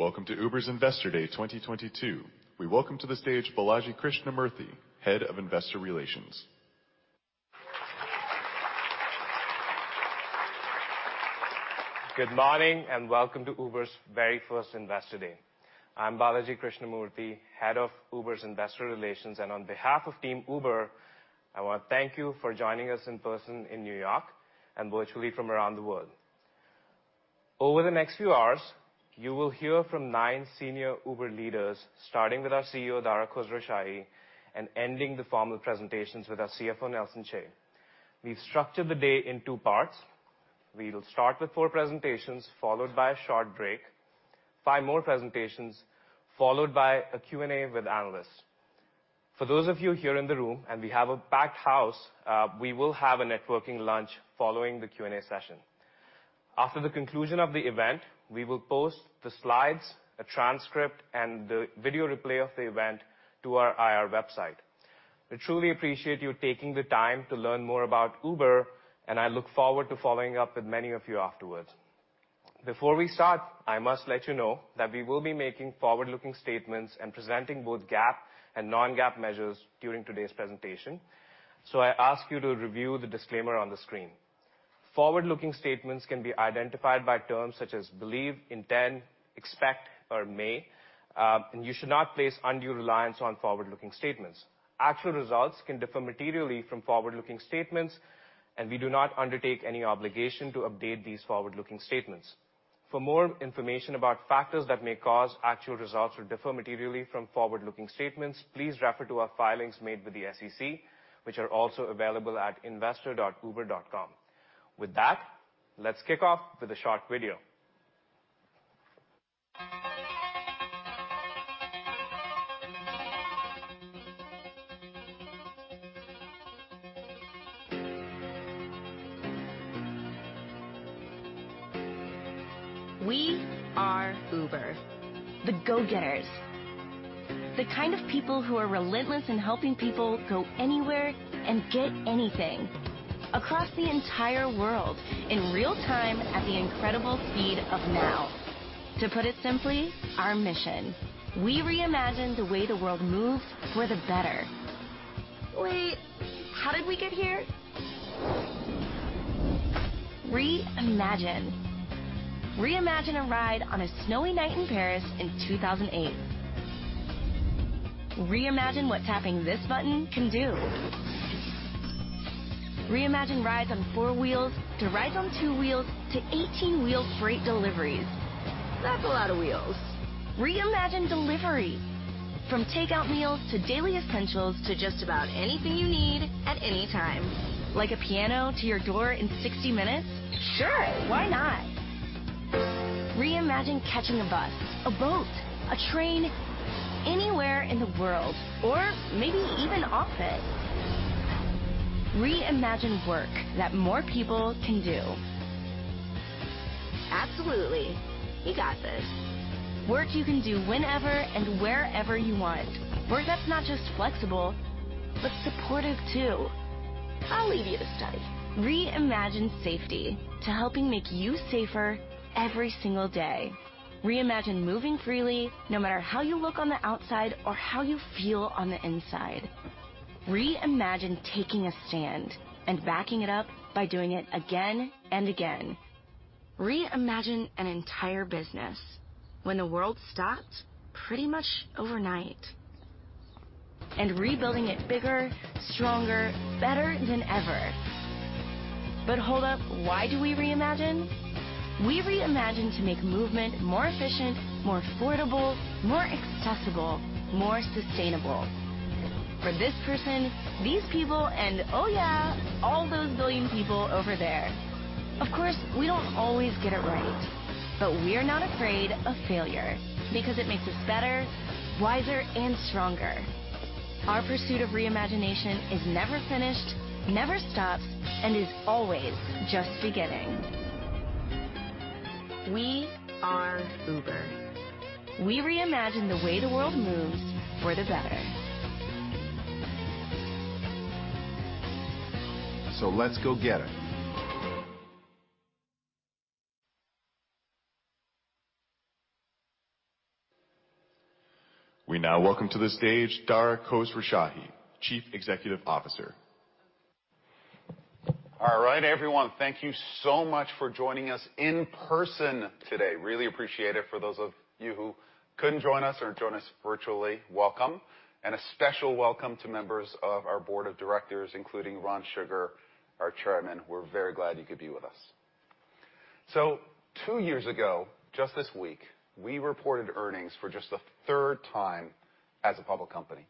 Welcome to Uber's Investor Day 2022. We welcome to the stage Balaji Krishnamurthy, Head of Investor Relations. Good morning, and welcome to Uber's very first Investor Day. I'm Balaji Krishnamurthy, Head of Uber's Investor Relations, and on behalf of team Uber, I wanna thank you for joining us in person in New York and virtually from around the world. Over the next few hours, you will hear from nine senior Uber leaders, starting with our CEO, Dara Khosrowshahi, and ending the formal presentations with our CFO, Nelson Chai. We've structured the day in two parts. We will start with four presentations, followed by a short break, five more presentations, followed by a Q&A with analysts. For those of you here in the room, and we have a packed house, we will have a networking lunch following the Q&A session. After the conclusion of the event, we will post the slides, a transcript, and the video replay of the event to our IR website. We truly appreciate you taking the time to learn more about Uber, and I look forward to following up with many of you afterwards. Before we start, I must let you know that we will be making forward-looking statements and presenting both GAAP and non-GAAP measures during today's presentation, so I ask you to review the disclaimer on the screen. Forward-looking statements can be identified by terms such as believe, intend, expect, or may, and you should not place undue reliance on forward-looking statements. Actual results can differ materially from forward-looking statements, and we do not undertake any obligation to update these forward-looking statements. For more information about factors that may cause actual results to differ materially from forward-looking statements, please refer to our filings made with the SEC, which are also available at investor.uber.com. With that, let's kick off with a short video. We are Uber, the go-getters, the kind of people who are relentless in helping people go anywhere and get anything across the entire world in real time at the incredible speed of now. To put it simply, our mission, we reimagine the way the world moves for the better. Wait, how did we get here? Reimagine. Reimagine a ride on a snowy night in Paris in 2008. Reimagine what tapping this button can do. Reimagine rides on four wheels to rides on two wheels to 18-wheel freight deliveries. That's a lot of wheels. Reimagine delivery from takeout meals to daily essentials to just about anything you need at any time. Like a piano to your door in 60 minutes? Sure, why not? Reimagine catching a bus, a boat, a train anywhere in the world or maybe even off it. Reimagine work that more people can do. Absolutely. You got this. Work you can do whenever and wherever you want. Work that's not just flexible, but supportive too. I'll leave you to study. Reimagine safety to helping make you safer every single day. Reimagine moving freely no matter how you look on the outside or how you feel on the inside. Reimagine taking a stand and backing it up by doing it again and again. Reimagine an entire business when the world stopped pretty much overnight and rebuilding it bigger, stronger, better than ever. Hold up. Why do we reimagine? We reimagine to make movement more efficient, more affordable, more accessible, more sustainable for this person, these people, and, oh, yeah, all those billion people over there. Of course, we don't always get it right, but we're not afraid of failure because it makes us better, wiser, and stronger. Our pursuit of reimagination is never finished, never stops, and is always just beginning. We are Uber. We reimagine the way the world moves for the better. Let's go get it. We now welcome to the stage Dara Khosrowshahi, Chief Executive Officer. All right, everyone. Thank you so much for joining us in person today. Really appreciate it. For those of you who couldn't join us or join us virtually, welcome. A special welcome to members of our board of directors, including Ron Sugar, our Chairman. We're very glad you could be with us. Two years ago, just this week, we reported earnings for just the third time as a public company.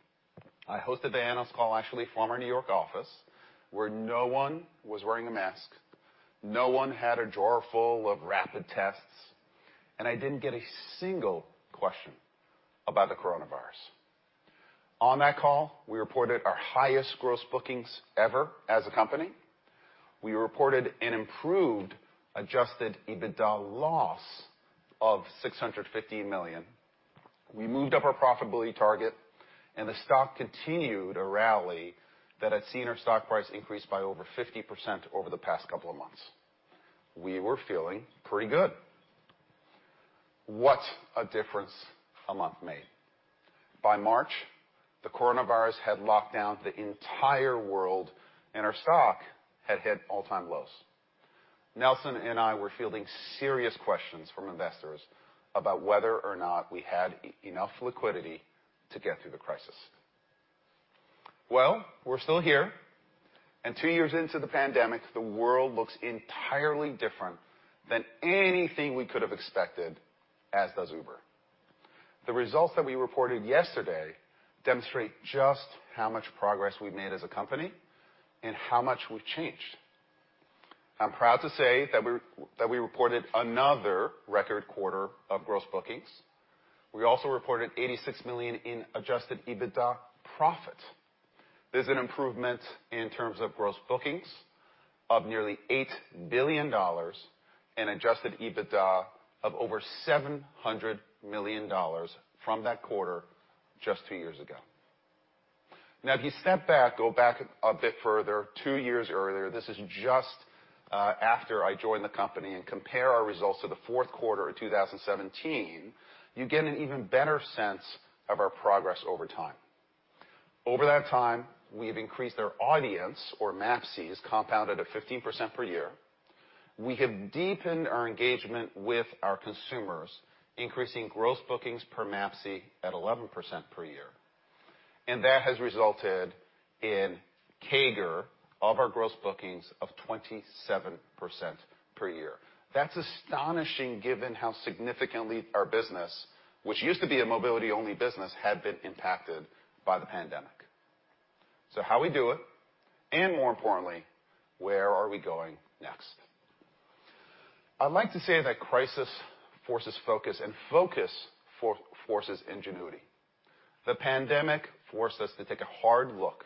I hosted the analyst call, actually in our former New York office, where no one was wearing a mask, no one had a drawer full of rapid tests, and I didn't get a single question about the coronavirus. On that call, we reported our highest gross bookings ever as a company. We reported an improved adjusted EBITDA loss of $650 million. We moved up our profitability target, and the stock continued a rally that had seen our stock price increase by over 50% over the past couple of months. We were feeling pretty good. What a difference a month made. By March, the coronavirus had locked down the entire world, and our stock had hit all-time lows. Nelson and I were fielding serious questions from investors about whether or not we had enough liquidity to get through the crisis. Well, we're still here, and two years into the pandemic, the world looks entirely different than anything we could have expected, as does Uber. The results that we reported yesterday demonstrate just how much progress we've made as a company and how much we've changed. I'm proud to say that we reported another record quarter of gross bookings. We also reported $86 million in adjusted EBITDA profit. There's an improvement in terms of gross bookings of nearly $8 billion and adjusted EBITDA of over $700 million from that quarter just two years ago. Now, if you step back, go back a bit further, two years earlier, this is just after I joined the company, and compare our results to the fourth quarter of 2017, you get an even better sense of our progress over time. Over that time, we have increased our audience or MAPCs compounded at 15% per year. We have deepened our engagement with our consumers, increasing gross bookings per MAPC at 11% per year, and that has resulted in CAGR of our gross bookings of 27% per year. That's astonishing, given how significantly our business, which used to be a mobility-only business, had been impacted by the pandemic. How'd we do it? More importantly, where are we going next? I'd like to say that crisis forces focus, and focus forces ingenuity. The pandemic forced us to take a hard look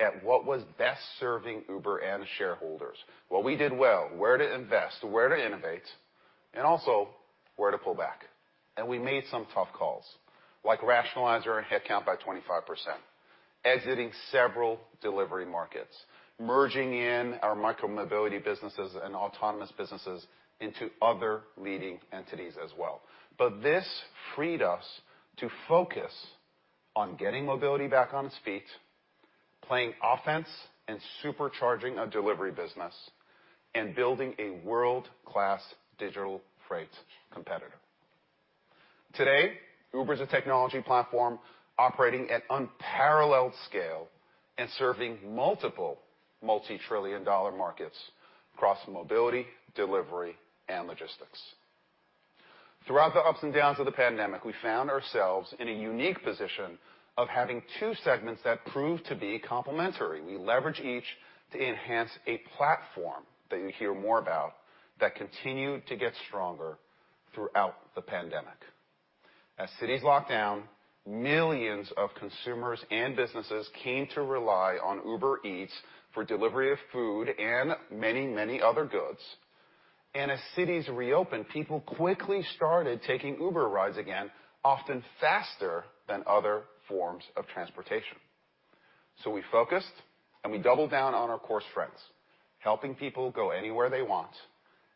at what was best serving Uber and shareholders, what we did well, where to invest, where to innovate, and also where to pull back. We made some tough calls, like rationalize our headcount by 25%, exiting several delivery markets, merging in our micromobility businesses and autonomous businesses into other leading entities as well. This freed us to focus on getting mobility back on its feet, playing offense, and supercharging our delivery business and building a world-class digital freight competitor. Today, Uber is a technology platform operating at unparalleled scale and serving multiple multi-trillion-dollar markets across mobility, delivery, and logistics. Throughout the ups and downs of the pandemic, we found ourselves in a unique position of having two segments that proved to be complementary. We leverage each to enhance a platform that you hear more about that continued to get stronger throughout the pandemic. As cities locked down, millions of consumers and businesses came to rely on Uber Eats for delivery of food and many, many other goods. As cities reopened, people quickly started taking Uber rides again, often faster than other forms of transportation. We focused, and we doubled down on our core strengths, helping people go anywhere they want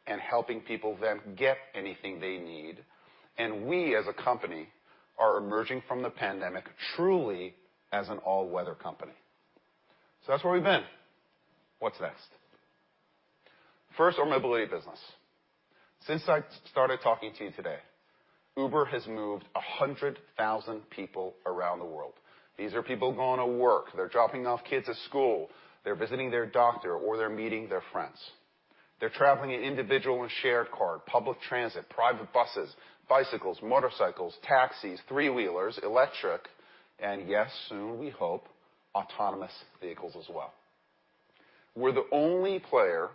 and helping people then get anything they need. We, as a company, are emerging from the pandemic truly as an all-weather company. That's where we've been. What's next? First, our mobility business. Since I started talking to you today, Uber has moved 100,000 people around the world. These are people going to work, they're dropping off kids at school, they're visiting their doctor, or they're meeting their friends. They're traveling in individual and shared car, public transit, private buses, bicycles, motorcycles, taxis, three-wheelers, electric, and yes, soon we hope, autonomous vehicles as well. We're the only player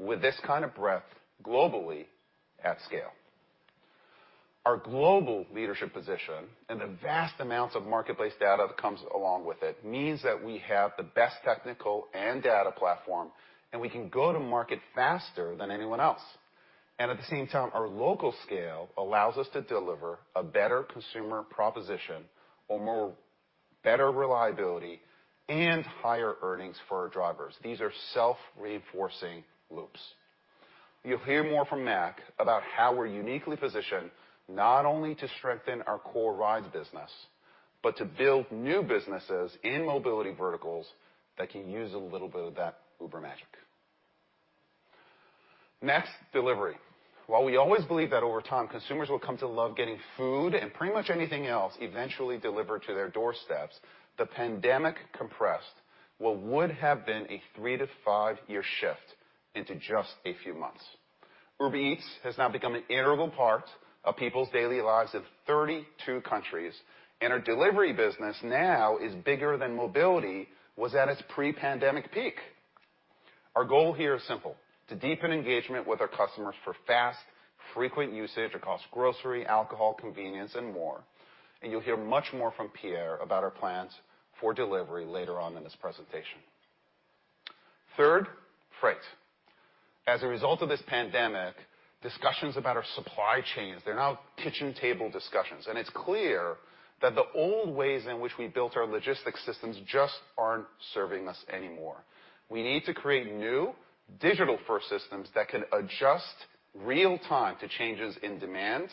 with this kind of breadth globally at scale. Our global leadership position and the vast amounts of marketplace data that comes along with it means that we have the best technical and data platform, and we can go to market faster than anyone else. At the same time, our local scale allows us to deliver a better consumer proposition or more better reliability and higher earnings for our drivers. These are self-reinforcing loops. You'll hear more from Mac about how we're uniquely positioned not only to strengthen our core rides business, but to build new businesses in mobility verticals that can use a little bit of that Uber magic. Next, delivery. While we always believe that over time, consumers will come to love getting food and pretty much anything else eventually delivered to their doorsteps, the pandemic compressed what would have been a three to five year shift into just a few months. Uber Eats has now become an integral part of people's daily lives in 32 countries, and our delivery business now is bigger than mobility was at its pre-pandemic peak. Our goal here is simple, to deepen engagement with our customers for fast, frequent usage across grocery, alcohol, convenience, and more. You'll hear much more from Pierre about our plans for delivery later on in this presentation. Third, Freight. As a result of this pandemic, discussions about our supply chains. They're now kitchen table discussions, and it's clear that the old ways in which we built our logistics systems just aren't serving us anymore. We need to create new digital-first systems that can adjust real-time to changes in demand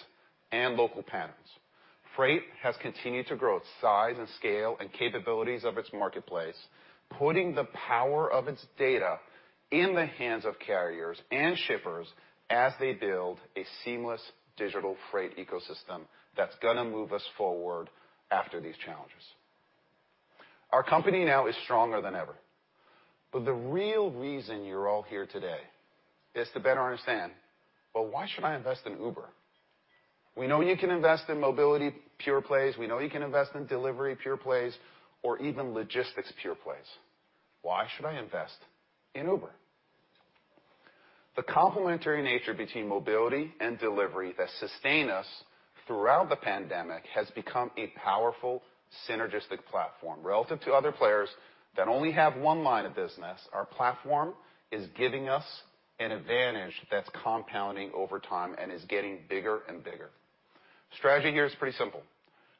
and local patterns. Freight has continued to grow its size and scale and capabilities of its marketplace, putting the power of its data in the hands of carriers and shippers as they build a seamless digital freight ecosystem that's gonna move us forward after these challenges. Our company now is stronger than ever, but the real reason you're all here today is to better understand, well, why should I invest in Uber? We know you can invest in mobility pure plays. We know you can invest in delivery pure plays or even logistics pure plays. Why should I invest in Uber? The complementary nature between mobility and delivery that sustained us throughout the pandemic has become a powerful, synergistic platform. Relative to other players that only have one line of business, our platform is giving us an advantage that's compounding over time and is getting bigger and bigger. Strategy here is pretty simple.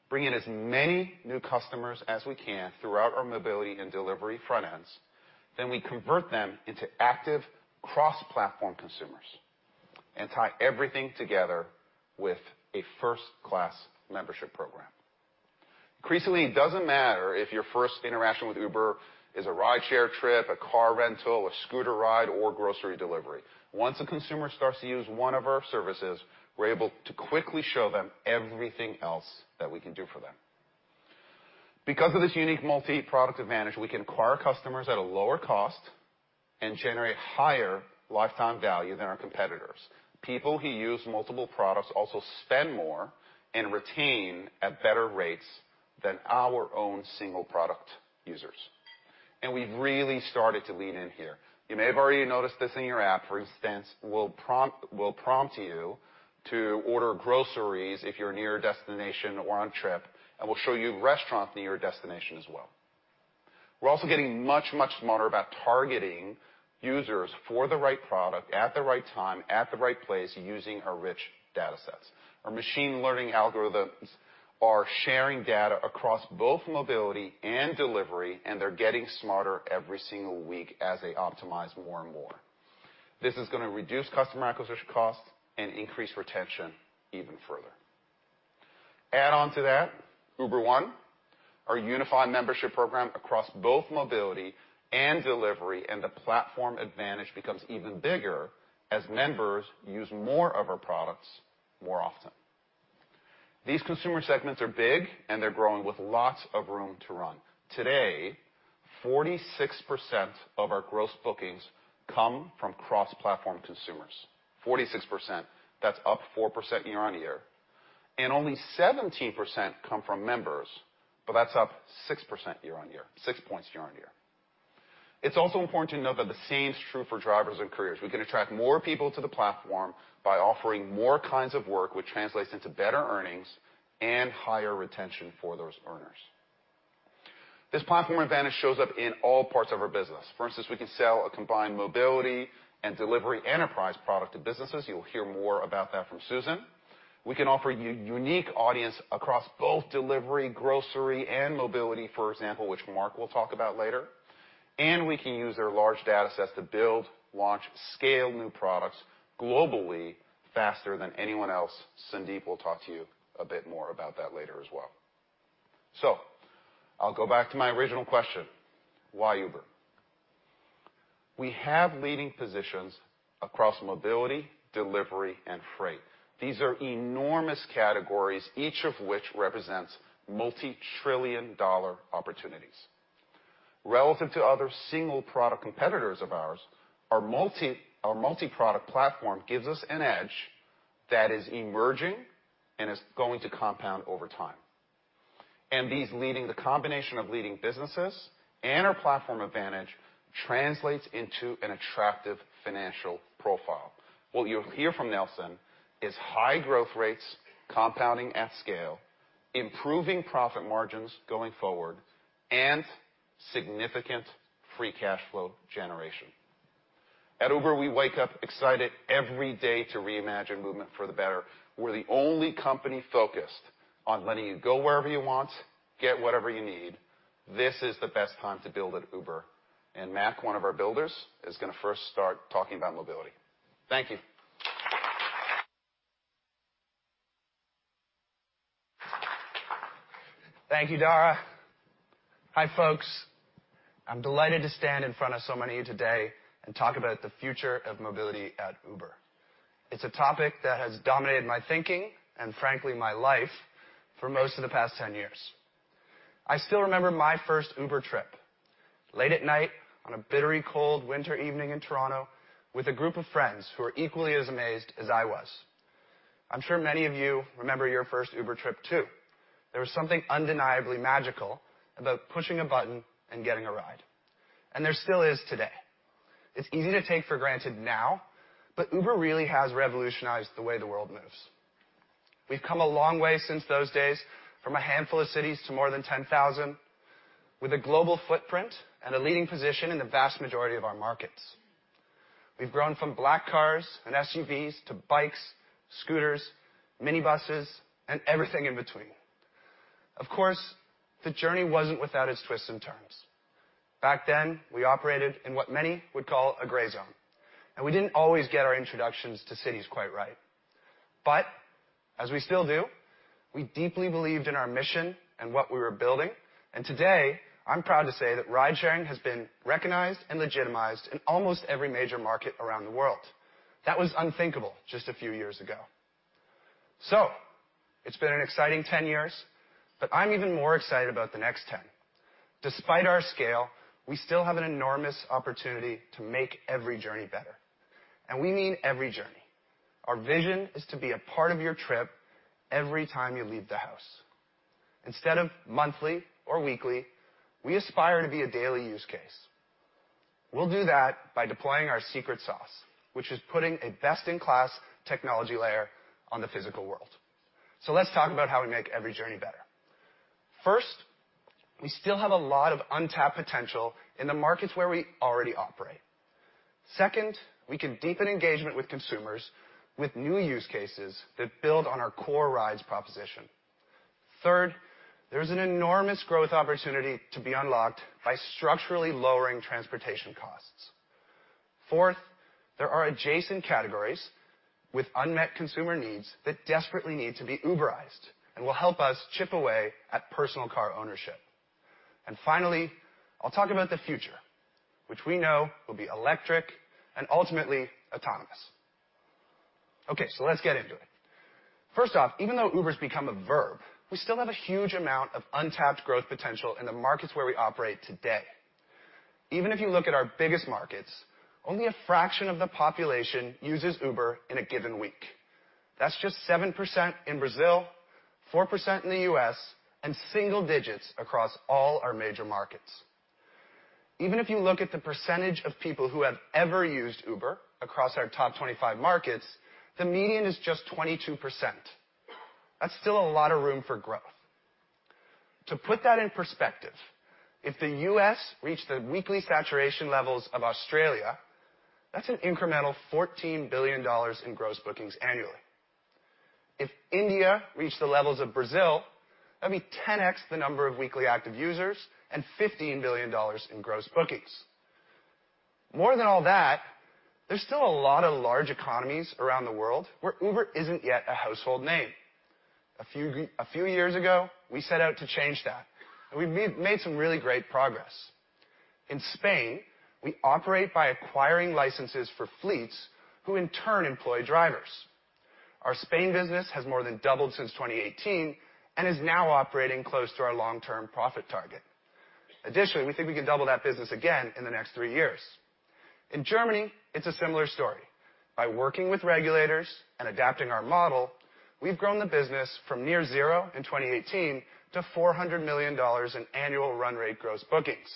Bring in as many new customers as we can throughout our mobility and delivery front ends, then we convert them into active cross-platform consumers and tie everything together with a first-class membership program. Increasingly, it doesn't matter if your first interaction with Uber is a rideshare trip, a car rental, a scooter ride, or grocery delivery. Once a consumer starts to use one of our services, we're able to quickly show them everything else that we can do for them. Because of this unique multi-product advantage, we can acquire customers at a lower cost and generate higher lifetime value than our competitors. People who use multiple products also spend more and retain at better rates than our own single product users, and we've really started to lean in here. You may have already noticed this in your app. For instance, we'll prompt you to order groceries if you're near a destination or on trip, and we'll show you restaurants near your destination as well. We're also getting much, much smarter about targeting users for the right product at the right time, at the right place using our rich data sets. Our machine learning algorithms are sharing data across both mobility and delivery, and they're getting smarter every single week as they optimize more and more. This is gonna reduce customer acquisition costs and increase retention even further. Add on to that Uber One, our unified membership program across both mobility and delivery, and the platform advantage becomes even bigger as members use more of our products more often. These consumer segments are big, and they're growing with lots of room to run. Today, 46% of our gross bookings come from cross-platform consumers. 46%, that's up 4% year-on-year. Only 17% come from members, but that's up 6% year-on-year, 6 points year-on-year. It's also important to note that the same is true for drivers and couriers. We can attract more people to the platform by offering more kinds of work which translates into better earnings and higher retention for those earners. This platform advantage shows up in all parts of our business. For instance, we can sell a combined mobility and delivery enterprise product to businesses. You'll hear more about that from Susan. We can offer you unique audience across both delivery, grocery, and mobility, for example, which Mark will talk about later. We can use their large data sets to build, launch, scale new products globally faster than anyone else. Sundeep will talk to you a bit more about that later as well. I'll go back to my original question: Why Uber? We have leading positions across Mobility, Delivery, and Freight. These are enormous categories, each of which represents multi-trillion-dollar opportunities. Relative to other single product competitors of ours, our multi-product platform gives us an edge that is emerging and is going to compound over time. The combination of leading businesses and our platform advantage translates into an attractive financial profile. What you'll hear from Nelson is high growth rates compounding at scale, improving profit margins going forward, and significant free cash flow generation. At Uber, we wake up excited every day to reimagine movement for the better. We're the only company focused on letting you go wherever you want, get whatever you need. This is the best time to build at Uber, and Mac, one of our builders, is gonna first start talking about mobility. Thank you. Thank you, Dara. Hi, folks. I'm delighted to stand in front of so many of you today and talk about the future of mobility at Uber. It's a topic that has dominated my thinking and frankly, my life for most of the past 10 years. I still remember my first Uber trip, late at night on a bitterly cold winter evening in Toronto with a group of friends who were equally as amazed as I was. I'm sure many of you remember your first Uber trip too. There was something undeniably magical about pushing a button and getting a ride, and there still is today. It's easy to take for granted now, but Uber really has revolutionized the way the world moves. We've come a long way since those days, from a handful of cities to more than 10,000, with a global footprint and a leading position in the vast majority of our markets. We've grown from black cars and SUVs to bikes, scooters, minibuses, and everything in between. Of course, the journey wasn't without its twists and turns. Back then, we operated in what many would call a gray zone, and we didn't always get our introductions to cities quite right. But as we still do, we deeply believed in our mission and what we were building. Today, I'm proud to say that ridesharing has been recognized and legitimized in almost every major market around the world. That was unthinkable just a few years ago. It's been an exciting 10 years, but I'm even more excited about the next 10. Despite our scale, we still have an enormous opportunity to make every journey better, and we mean every journey. Our vision is to be a part of your trip every time you leave the house. Instead of monthly or weekly, we aspire to be a daily use case. We'll do that by deploying our secret sauce, which is putting a best-in-class technology layer on the physical world. Let's talk about how we make every journey better. First, we still have a lot of untapped potential in the markets where we already operate. Second, we can deepen engagement with consumers with new use cases that build on our core rides proposition. Third, there's an enormous growth opportunity to be unlocked by structurally lowering transportation costs. Fourth, there are adjacent categories with unmet consumer needs that desperately need to be Uberized and will help us chip away at personal car ownership. Finally, I'll talk about the future, which we know will be electric and ultimately autonomous. Okay, let's get into it. First off, even though Uber's become a verb, we still have a huge amount of untapped growth potential in the markets where we operate today. Even if you look at our biggest markets, only a fraction of the population uses Uber in a given week. That's just 7% in Brazil, 4% in the U.S., and single digits across all our major markets. Even if you look at the percentage of people who have ever used Uber across our top 25 markets, the median is just 22%. That's still a lot of room for growth. To put that in perspective, if the U.S. reached the weekly saturation levels of Australia, that's an incremental $14 billion in gross bookings annually. If India reached the levels of Brazil, that'd be 10x the number of weekly active users and $15 billion in gross bookings. More than all that, there's still a lot of large economies around the world where Uber isn't yet a household name. A few years ago, we set out to change that and we've made some really great progress. In Spain, we operate by acquiring licenses for fleets who in turn employ drivers. Our Spain business has more than doubled since 2018 and is now operating close to our long-term profit target. Additionally, we think we can double that business again in the next three years. In Germany, it's a similar story. By working with regulators and adapting our model, we've grown the business from near zero in 2018 to $400 million in annual run rate gross bookings.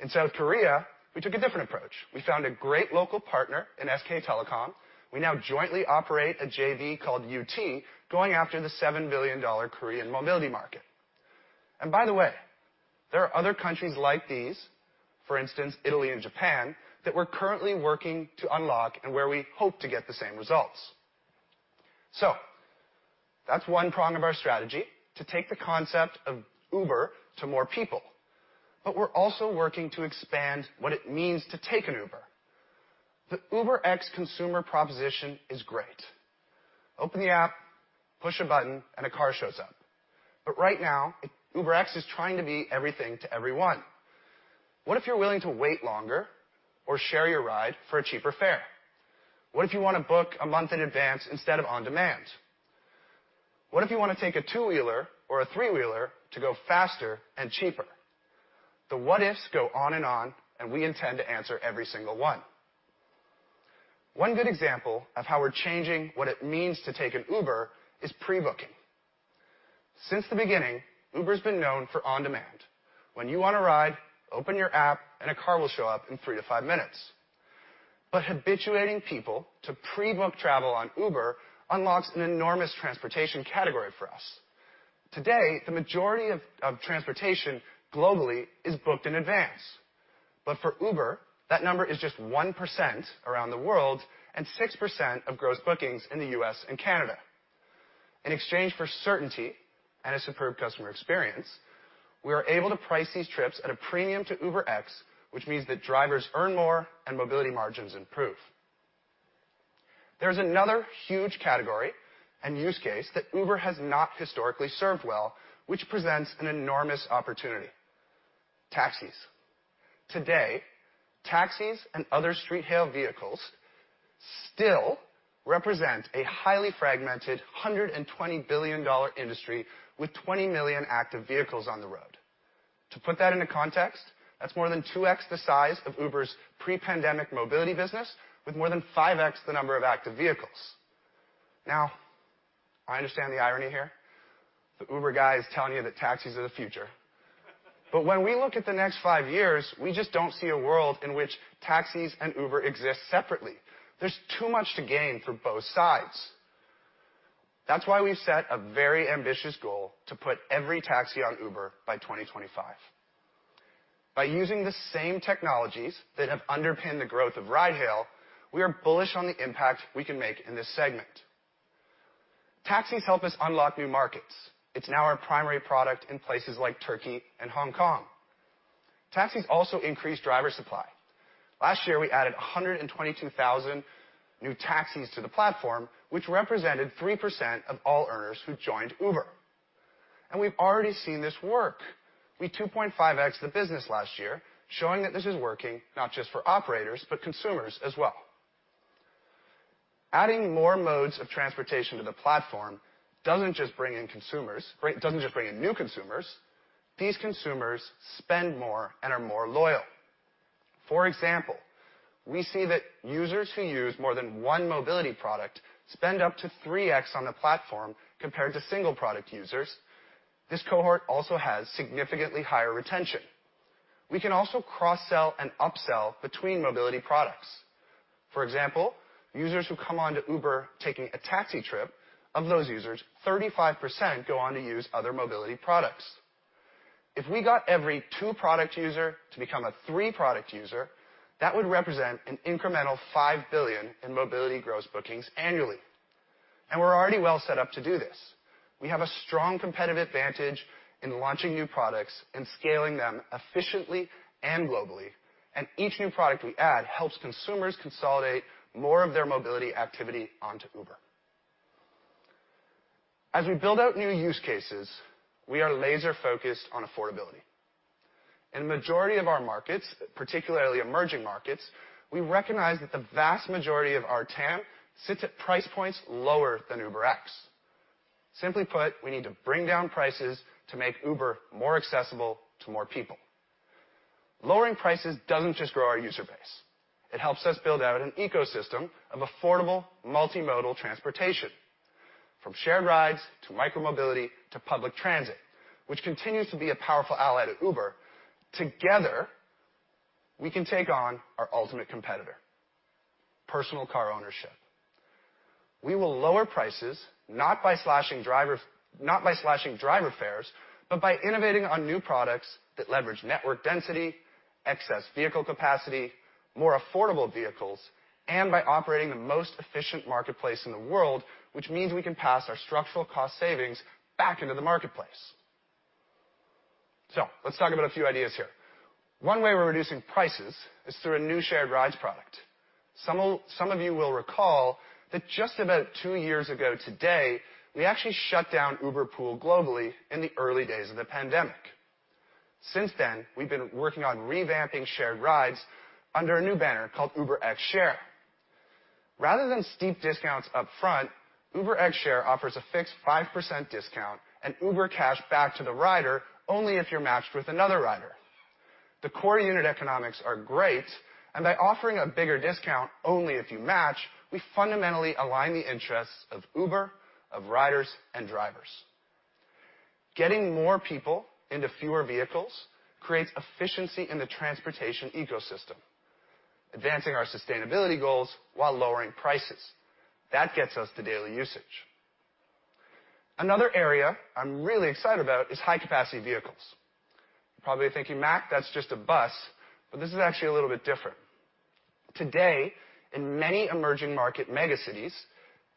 In South Korea, we took a different approach. We found a great local partner in SK Telecom. We now jointly operate a JV called UT, going after the $7 billion Korean mobility market. By the way, there are other countries like these, for instance, Italy and Japan, that we're currently working to unlock and where we hope to get the same results. That's one prong of our strategy to take the concept of Uber to more people. We're also working to expand what it means to take an Uber. The UberX consumer proposition is great. Open the app, push a button, and a car shows up. Right now, UberX is trying to be everything to everyone. What if you're willing to wait longer or share your ride for a cheaper fare? What if you wanna book a month in advance instead of on-demand? What if you wanna take a two-wheeler or a three-wheeler to go faster and cheaper? The what ifs go on and on, and we intend to answer every single one. One good example of how we're changing what it means to take an Uber is pre-booking. Since the beginning, Uber's been known for on-demand. When you want a ride, open your app and a car will show up in three to five minutes. But habituating people to pre-book travel on Uber unlocks an enormous transportation category for us. Today, the majority of transportation globally is booked in advance. For Uber, that number is just 1% around the world and 6% of gross bookings in the U.S. and Canada. In exchange for certainty and a superb customer experience, we are able to price these trips at a premium to UberX, which means that drivers earn more and mobility margins improve. There's another huge category and use case that Uber has not historically served well, which presents an enormous opportunity. Taxis. Today, taxis and other street hail vehicles still represent a highly fragmented $120 billion industry with 20 million active vehicles on the road. To put that into context, that's more than 2x the size of Uber's pre-pandemic mobility business with more than 5x the number of active vehicles. Now, I understand the irony here. The Uber guy is telling you that taxis are the future. When we look at the next 5 years, we just don't see a world in which taxis and Uber exist separately. There's too much to gain for both sides. That's why we've set a very ambitious goal to put every taxi on Uber by 2025. By using the same technologies that have underpinned the growth of ride-hail, we are bullish on the impact we can make in this segment. Taxis help us unlock new markets. It's now our primary product in places like Turkey and Hong Kong. Taxis also increase driver supply. Last year, we added 122,000 new taxis to the platform, which represented 3% of all earners who joined Uber. We've already seen this work. We 2.5x the business last year, showing that this is working not just for operators, but consumers as well. Adding more modes of transportation to the platform doesn't just bring in consumers. Right, it doesn't just bring in new consumers, these consumers spend more and are more loyal. For example, we see that users who use more than one mobility product spend up to 3x on the platform compared to single product users. This cohort also has significantly higher retention. We can also cross-sell and upsell between mobility products. For example, users who come onto Uber taking a taxi trip, of those users, 35% go on to use other mobility products. If we got every two-product user to become a three-product user, that would represent an incremental $5 billion in mobility gross bookings annually. We're already well set up to do this. We have a strong competitive advantage in launching new products and scaling them efficiently and globally, and each new product we add helps consumers consolidate more of their mobility activity onto Uber. As we build out new use cases, we are laser-focused on affordability. In the majority of our markets, particularly emerging markets, we recognize that the vast majority of our TAM sits at price points lower than UberX. Simply put, we need to bring down prices to make Uber more accessible to more people. Lowering prices doesn't just grow our user base. It helps us build out an ecosystem of affordable multimodal transportation, from shared rides to micromobility to public transit, which continues to be a powerful ally to Uber. Together, we can take on our ultimate competitor, personal car ownership. We will lower prices not by slashing driver fares, but by innovating on new products that leverage network density, excess vehicle capacity, more affordable vehicles, and by operating the most efficient marketplace in the world, which means we can pass our structural cost savings back into the marketplace. Let's talk about a few ideas here. One way we're reducing prices is through a new shared rides product. Some of you will recall that just about two years ago today, we actually shut down Uber Pool globally in the early days of the pandemic. Since then, we've been working on revamping shared rides under a new banner called UberX Share. Rather than steep discounts up front, UberX Share offers a fixed 5% discount and Uber Cash back to the rider only if you're matched with another rider. The core unit economics are great, and by offering a bigger discount only if you match, we fundamentally align the interests of Uber, of riders, and drivers. Getting more people into fewer vehicles creates efficiency in the transportation ecosystem, advancing our sustainability goals while lowering prices. That gets us to daily usage. Another area I'm really excited about is high-capacity vehicles. You're probably thinking, "Mac, that's just a bus," but this is actually a little bit different. Today, in many emerging market mega cities,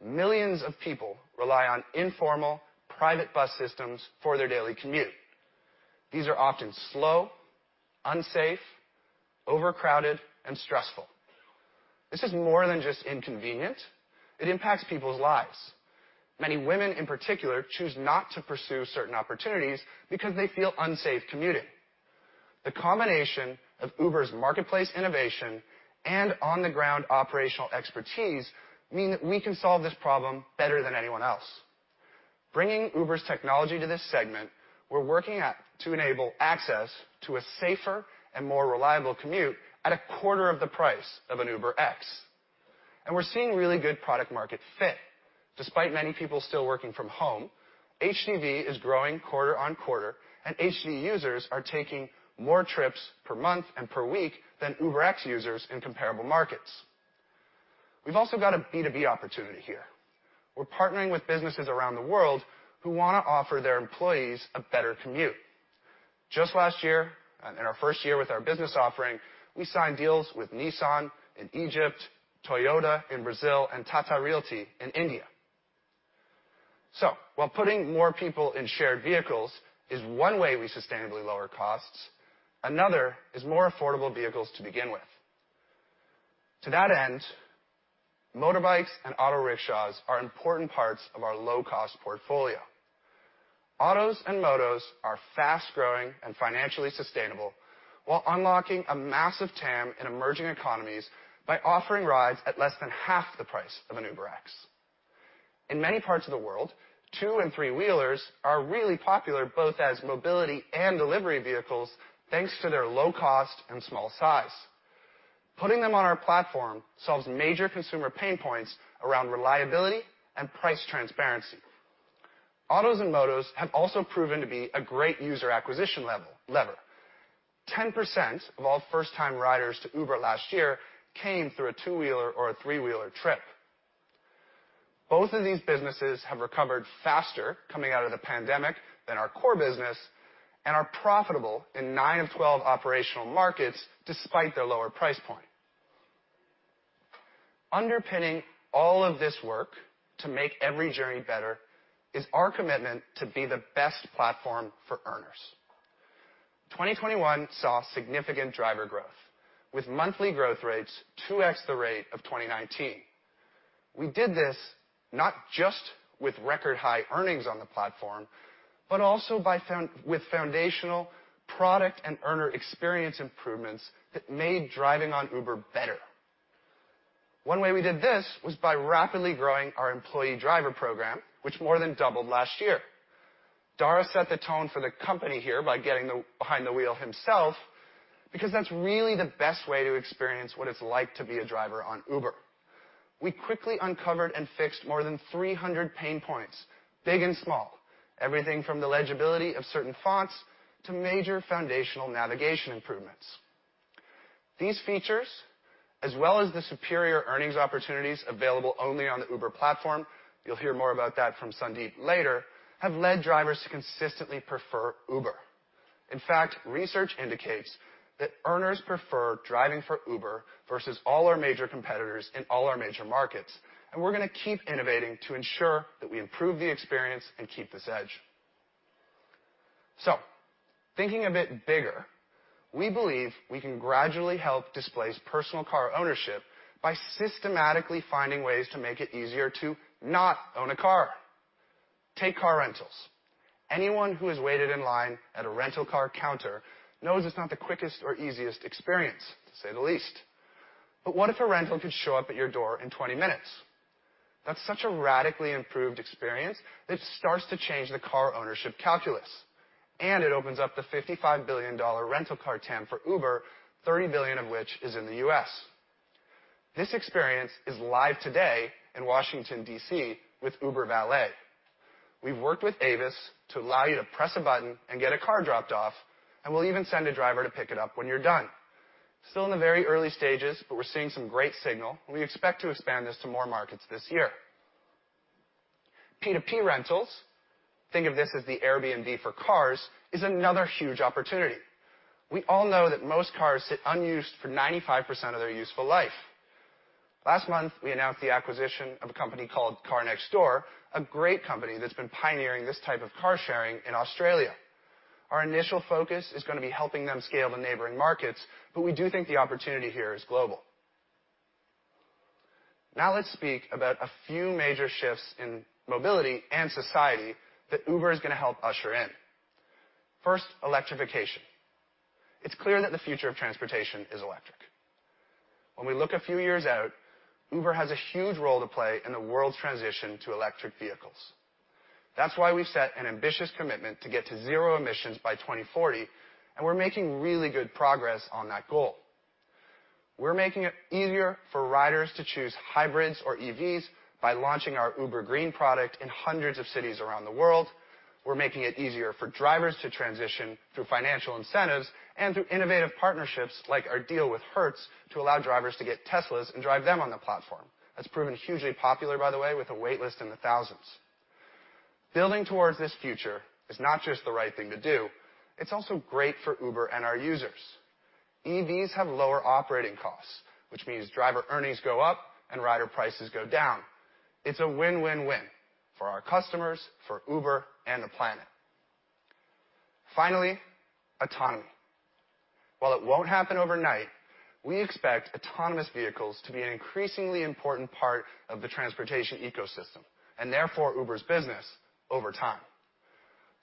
millions of people rely on informal private bus systems for their daily commute. These are often slow, unsafe, overcrowded, and stressful. This is more than just inconvenient. It impacts people's lives. Many women, in particular, choose not to pursue certain opportunities because they feel unsafe commuting. The combination of Uber's marketplace innovation and on-the-ground operational expertise mean that we can solve this problem better than anyone else. Bringing Uber's technology to this segment, we're working to enable access to a safer and more reliable commute at a quarter of the price of an UberX. We're seeing really good product market fit. Despite many people still working from home, HDV is growing quarter on quarter, and HDV users are taking more trips per month and per week than UberX users in comparable markets. We've also got a B2B opportunity here. We're partnering with businesses around the world who wanna offer their employees a better commute. Just last year, in our first year with our business offering, we signed deals with Nissan in Egypt, Toyota in Brazil, and Tata Realty in India. While putting more people in shared vehicles is one way we sustainably lower costs, another is more affordable vehicles to begin with. To that end, motorbikes and auto rickshaws are important parts of our low-cost portfolio. Autos and motos are fast-growing and financially sustainable while unlocking a massive TAM in emerging economies by offering rides at less than half the price of an UberX. In many parts of the world, two- and three-wheelers are really popular, both as mobility and delivery vehicles, thanks to their low cost and small size. Putting them on our platform solves major consumer pain points around reliability and price transparency. Autos and motos have also proven to be a great user acquisition lever. 10% of all first-time riders to Uber last year came through a two-wheeler or a three-wheeler trip. Both of these businesses have recovered faster coming out of the pandemic than our core business and are profitable in nine of 12 operational markets despite their lower price point. Underpinning all of this work to make every journey better is our commitment to be the best platform for earners. 2021 saw significant driver growth, with monthly growth rates 2x the rate of 2019. We did this not just with record high earnings on the platform, but also by foundational product and earner experience improvements that made driving on Uber better. One way we did this was by rapidly growing our employee driver program, which more than doubled last year. Dara set the tone for the company here by getting behind the wheel himself because that's really the best way to experience what it's like to be a driver on Uber. We quickly uncovered and fixed more than 300 pain points, big and small, everything from the legibility of certain fonts to major foundational navigation improvements. These features, as well as the superior earnings opportunities available only on the Uber platform, you'll hear more about that from Sundeep later, have led drivers to consistently prefer Uber. In fact, research indicates that earners prefer driving for Uber versus all our major competitors in all our major markets, and we're gonna keep innovating to ensure that we improve the experience and keep this edge. Thinking a bit bigger, we believe we can gradually help displace personal car ownership by systematically finding ways to make it easier to not own a car. Take car rentals. Anyone who has waited in line at a rental car counter knows it's not the quickest or easiest experience, to say the least. What if a rental could show up at your door in 20 minutes? That's such a radically improved experience that it starts to change the car ownership calculus, and it opens up the $55 billion rental car TAM for Uber, $30 billion of which is in the U.S. This experience is live today in Washington, D.C. with Uber Valet. We've worked with Avis to allow you to press a button and get a car dropped off, and we'll even send a driver to pick it up when you're done. Still in the very early stages, but we're seeing some great signal, and we expect to expand this to more markets this year. P2P rentals, think of this as the Airbnb for cars, is another huge opportunity. We all know that most cars sit unused for 95% of their useful life. Last month, we announced the acquisition of a company called Car Next Door, a great company that's been pioneering this type of car sharing in Australia. Our initial focus is gonna be helping them scale to neighboring markets, but we do think the opportunity here is global. Now let's speak about a few major shifts in mobility and society that Uber is gonna help usher in. First, electrification. It's clear that the future of transportation is electric. When we look a few years out, Uber has a huge role to play in the world's transition to electric vehicles. That's why we've set an ambitious commitment to get to zero emissions by 2040, and we're making really good progress on that goal. We're making it easier for riders to choose hybrids or EVs by launching our Uber Green product in hundreds of cities around the world. We're making it easier for drivers to transition through financial incentives and through innovative partnerships, like our deal with Hertz, to allow drivers to get Teslas and drive them on the platform. That's proven hugely popular, by the way, with a wait list in the thousands. Building towards this future is not just the right thing to do, it's also great for Uber and our users. EVs have lower operating costs, which means driver earnings go up and rider prices go down. It's a win-win-win for our customers, for Uber, and the planet. Finally, autonomy. While it won't happen overnight, we expect autonomous vehicles to be an increasingly important part of the transportation ecosystem, and therefore Uber's business over time.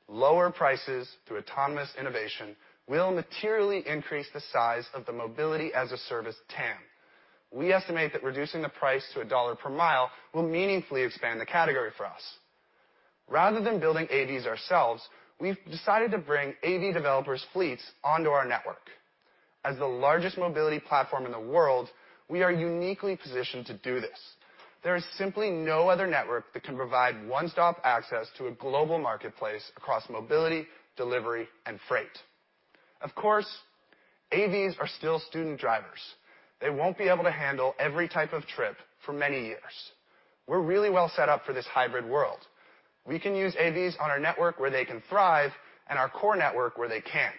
Lower prices through autonomous innovation will materially increase the size of the mobility as a service TAM. We estimate that reducing the price to a dollar per mile will meaningfully expand the category for us. Rather than building AVs ourselves, we've decided to bring AV developers' fleets onto our network. As the largest mobility platform in the world, we are uniquely positioned to do this. There is simply no other network that can provide one-stop access to a global marketplace across Mobility, Delivery, and Freight. Of course, AVs are still student drivers. They won't be able to handle every type of trip for many years. We're really well set up for this hybrid world. We can use AVs on our network where they can thrive and our core network where they can't.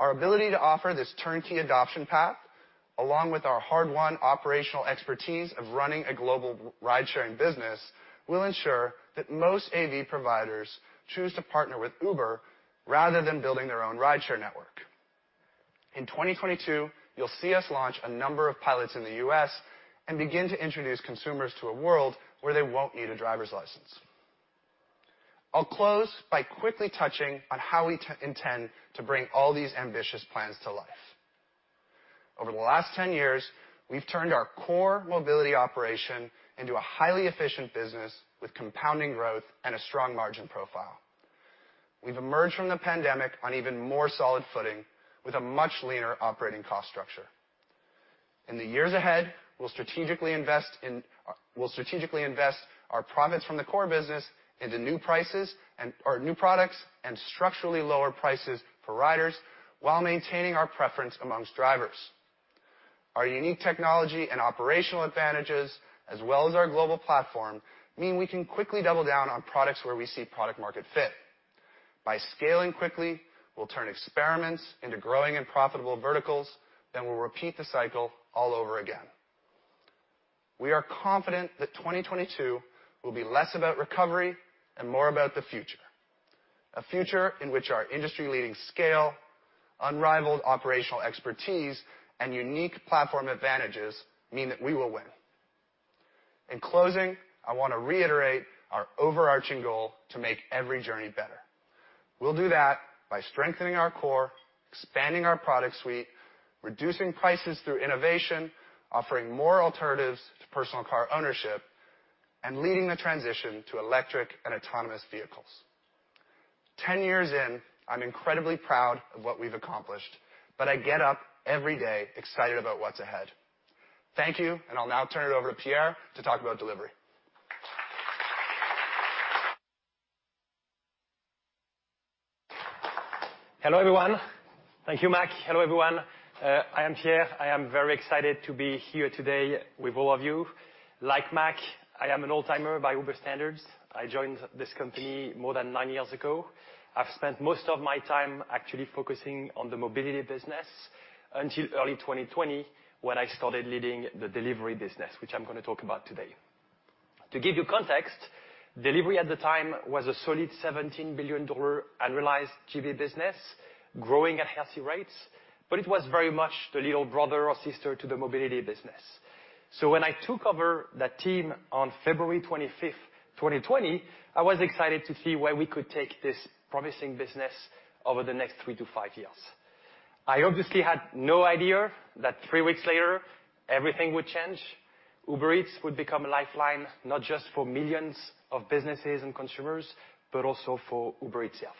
Our ability to offer this turnkey adoption path, along with our hard-won operational expertise of running a global ride-sharing business, will ensure that most AV providers choose to partner with Uber rather than building their own rideshare network. In 2022, you'll see us launch a number of pilots in the U.S. and begin to introduce consumers to a world where they won't need a driver's license. I'll close by quickly touching on how we intend to bring all these ambitious plans to life. Over the last 10 years, we've turned our core mobility operation into a highly efficient business with compounding growth and a strong margin profile. We've emerged from the pandemic on even more solid footing with a much leaner operating cost structure. In the years ahead, we'll strategically invest our profits from the core business into new products and structurally lower prices for riders while maintaining our preference amongst drivers. Our unique technology and operational advantages, as well as our global platform, mean we can quickly double down on products where we see product market fit. By scaling quickly, we'll turn experiments into growing and profitable verticals, then we'll repeat the cycle all over again. We are confident that 2022 will be less about recovery and more about the future, a future in which our industry-leading scale, unrivaled operational expertise, and unique platform advantages mean that we will win. In closing, I wanna reiterate our overarching goal to make every journey better. We'll do that by strengthening our core, expanding our product suite, reducing prices through innovation, offering more alternatives to personal car ownership, and leading the transition to electric and autonomous vehicles. 10 years in, I'm incredibly proud of what we've accomplished, but I get up every day excited about what's ahead. Thank you, and I'll now turn it over to Pierre to talk about delivery. Hello, everyone. Thank you, Mac. Hello, everyone. I am Pierre. I am very excited to be here today with all of you. Like Mac, I am an old-timer by Uber standards. I joined this company more than nine years ago. I've spent most of my time actually focusing on the mobility business until early 2020 when I started leading the delivery business, which I'm gonna talk about today. To give you context, delivery at the time was a solid $17 billion annualized GB business growing at healthy rates, but it was very much the little brother or sister to the mobility business. When I took over the team on February 25th, 2020, I was excited to see where we could take this promising business over the next three to five years. I obviously had no idea that three weeks later everything would change. Uber Eats would become a lifeline, not just for millions of businesses and consumers, but also for Uber itself.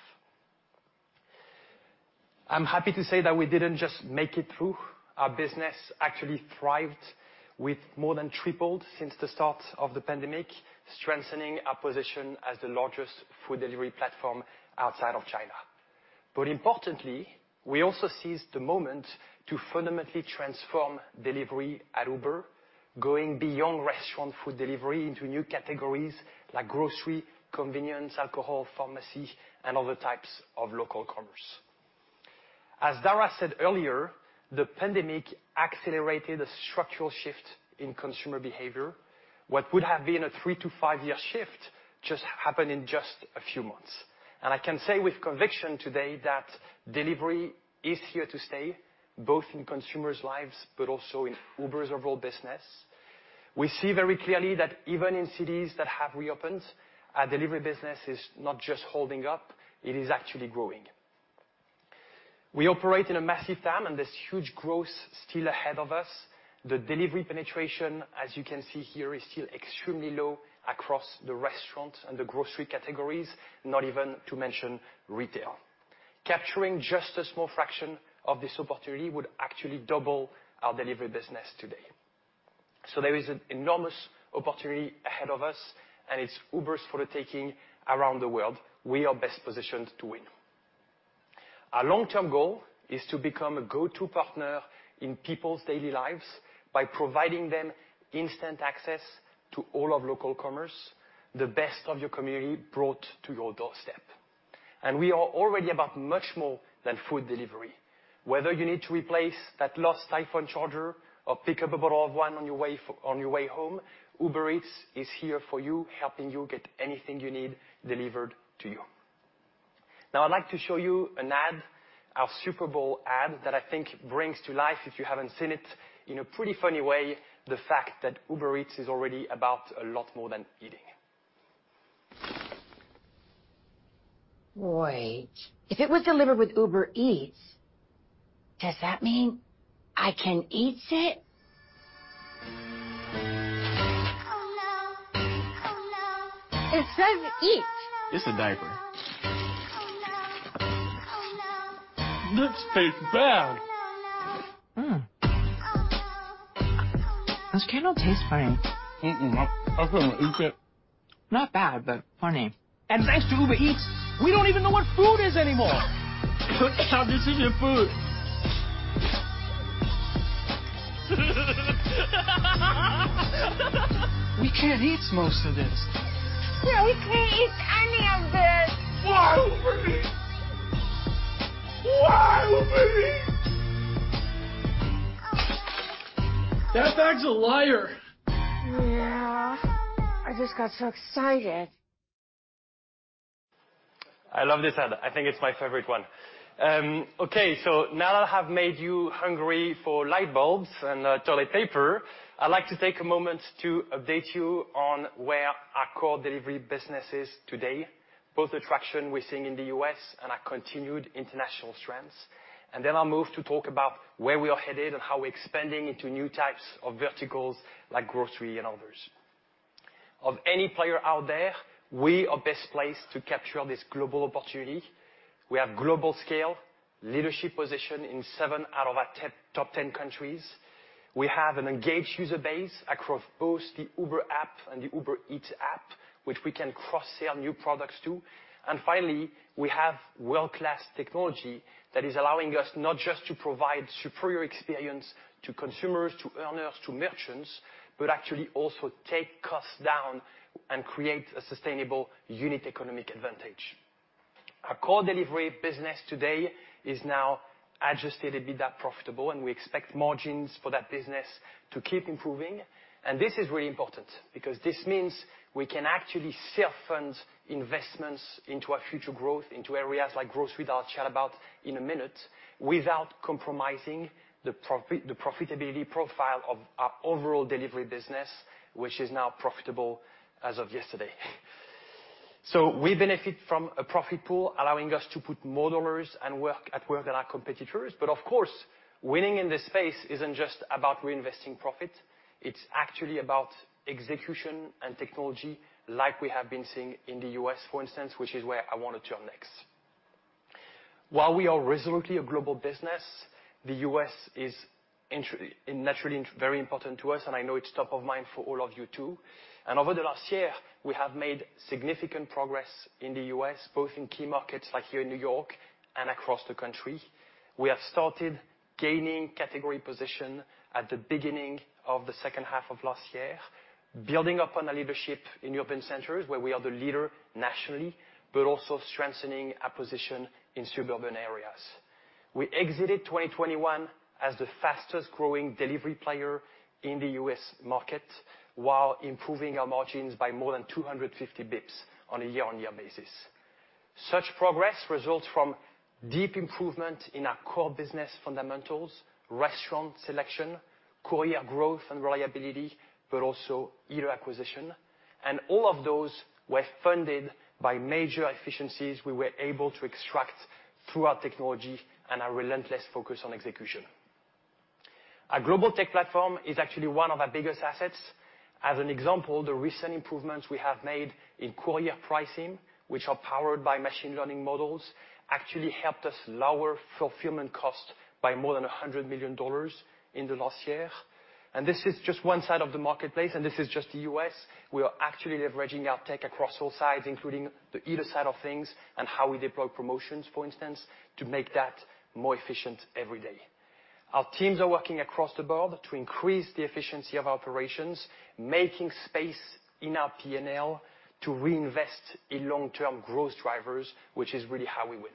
I'm happy to say that we didn't just make it through. Our business actually thrived with more than tripled since the start of the pandemic, strengthening our position as the largest food delivery platform outside of China. Importantly, we also seized the moment to fundamentally transform delivery at Uber, going beyond restaurant food delivery into new categories like grocery, convenience, alcohol, pharmacy, and other types of local commerce. As Dara said earlier, the pandemic accelerated a structural shift in consumer behavior. What would have been a three to five year shift just happened in just a few months. I can say with conviction today that delivery is here to stay, both in consumers' lives, but also in Uber's overall business. We see very clearly that even in cities that have reopened, our delivery business is not just holding up, it is actually growing. We operate in a massive TAM, and there's huge growth still ahead of us. The delivery penetration, as you can see here, is still extremely low across the restaurant and the grocery categories, not even to mention retail. Capturing just a small fraction of this opportunity would actually double our delivery business today. So there is an enormous opportunity ahead of us, and it's Uber's for the taking around the world. We are best positioned to win. Our long-term goal is to become a go-to partner in people's daily lives by providing them instant access to all of local commerce, the best of your community brought to your doorstep. We are already about much more than food delivery. Whether you need to replace that lost iPhone charger or pick up a bottle of wine on your way home, Uber Eats is here for you, helping you get anything you need delivered to you. Now I'd like to show you an ad, our Super Bowl ad, that I think brings to life, if you haven't seen it, in a pretty funny way, the fact that Uber Eats is already about a lot more than eating. Wait, if it was delivered with Uber Eats, does that mean I can eats it? Oh no. It says Eats. It's a diaper. Oh no. This tastes bad. Oh no. This kinda tastes funny. I couldn't eat it. Not bad, but funny. Thanks to Uber Eats, we don't even know what food is anymore. This isn't food. Oh no. Oh no. We can't eats most of this. No, we can't eats any of this. Why, Uber Eats? Why, Uber Eats? Oh no. Oh no. That bag's a liar. Yeah. I just got so excited. I love this ad. I think it's my favorite one. Now that I have made you hungry for light bulbs and toilet paper, I'd like to take a moment to update you on where our core delivery business is today, both the traction we're seeing in the U.S. and our continued international strengths. Then I'll move to talk about where we are headed and how we're expanding into new types of verticals like grocery and others. Of any player out there, we are best placed to capture this global opportunity. We have global scale, leadership position in seven out of our top ten countries. We have an engaged user base across both the Uber app and the Uber Eats app, which we can cross-sell new products to. Finally, we have world-class technology that is allowing us not just to provide superior experience to consumers, to earners, to merchants, but actually also take costs down and create a sustainable unit economics advantage. Our core delivery business today is now adjusted EBITDA profitable, and we expect margins for that business to keep improving. This is really important because this means we can actually self-fund investments into our future growth, into areas like grocery, which we'll chat about in a minute, without compromising the profitability profile of our overall delivery business, which is now profitable as of yesterday. We benefit from a profit pool, allowing us to put more dollars to work than our competitors. Of course, winning in this space isn't just about reinvesting profit, it's actually about execution and technology like we have been seeing in the U.S., for instance, which is where I wanna turn next. While we are resolutely a global business, the U.S. is intrinsically very important to us, and I know it's top of mind for all of you too. Over the last year, we have made significant progress in the U.S., both in key markets like here in New York and across the country. We have started gaining category position at the beginning of the second half of last year, building upon our leadership in urban centers where we are the leader nationally, but also strengthening our position in suburban areas. We exited 2021 as the fastest-growing delivery player in the U.S. market, while improving our margins by more than 250 basis points on a year-on-year basis. Such progress results from deep improvement in our core business fundamentals, restaurant selection, courier growth and reliability, but also eater acquisition. All of those were funded by major efficiencies we were able to extract through our technology and our relentless focus on execution. Our global tech platform is actually one of our biggest assets. As an example, the recent improvements we have made in courier pricing, which are powered by machine learning models, actually helped us lower fulfillment cost by more than $100 million in the last year. This is just one side of the marketplace, and this is just the U.S. We are actually leveraging our tech across all sides, including the Eats side of things and how we deploy promotions, for instance, to make that more efficient every day. Our teams are working across the board to increase the efficiency of our operations, making space in our P&L to reinvest in long-term growth drivers, which is really how we win.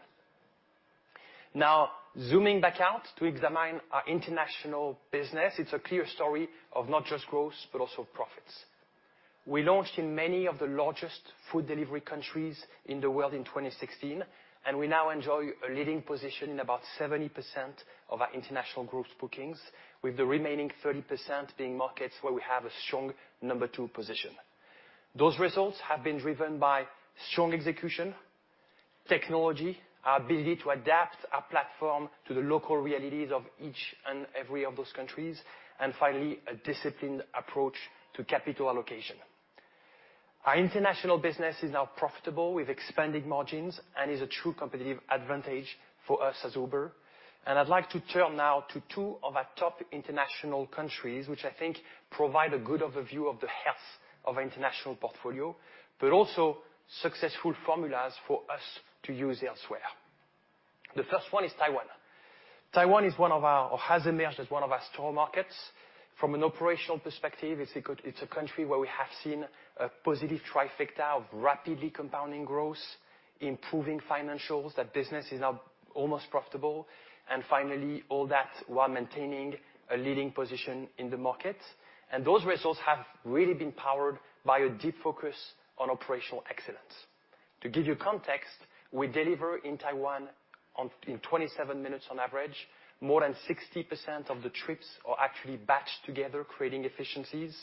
Now, zooming back out to examine our international business, it's a clear story of not just growth, but also profits. We launched in many of the largest food delivery countries in the world in 2016, and we now enjoy a leading position in about 70% of our international gross bookings, with the remaining 30% being markets where we have a strong number two position. Those results have been driven by strong execution, technology, our ability to adapt our platform to the local realities of each and every of those countries, and finally, a disciplined approach to capital allocation. Our international business is now profitable with expanded margins and is a true competitive advantage for us as Uber. I'd like to turn now to two of our top international countries, which I think provide a good overview of the health of our international portfolio, but also successful formulas for us to use elsewhere. The first one is Taiwan. Taiwan is one of our, or has emerged as one of our star markets. From an operational perspective, it's a country where we have seen a positive trifecta of rapidly compounding growth, improving financials. That business is now almost profitable. Finally, all that while maintaining a leading position in the market. Those results have really been powered by a deep focus on operational excellence. To give you context, we deliver in Taiwan in 27 minutes on average. More than 60% of the trips are actually batched together, creating efficiencies.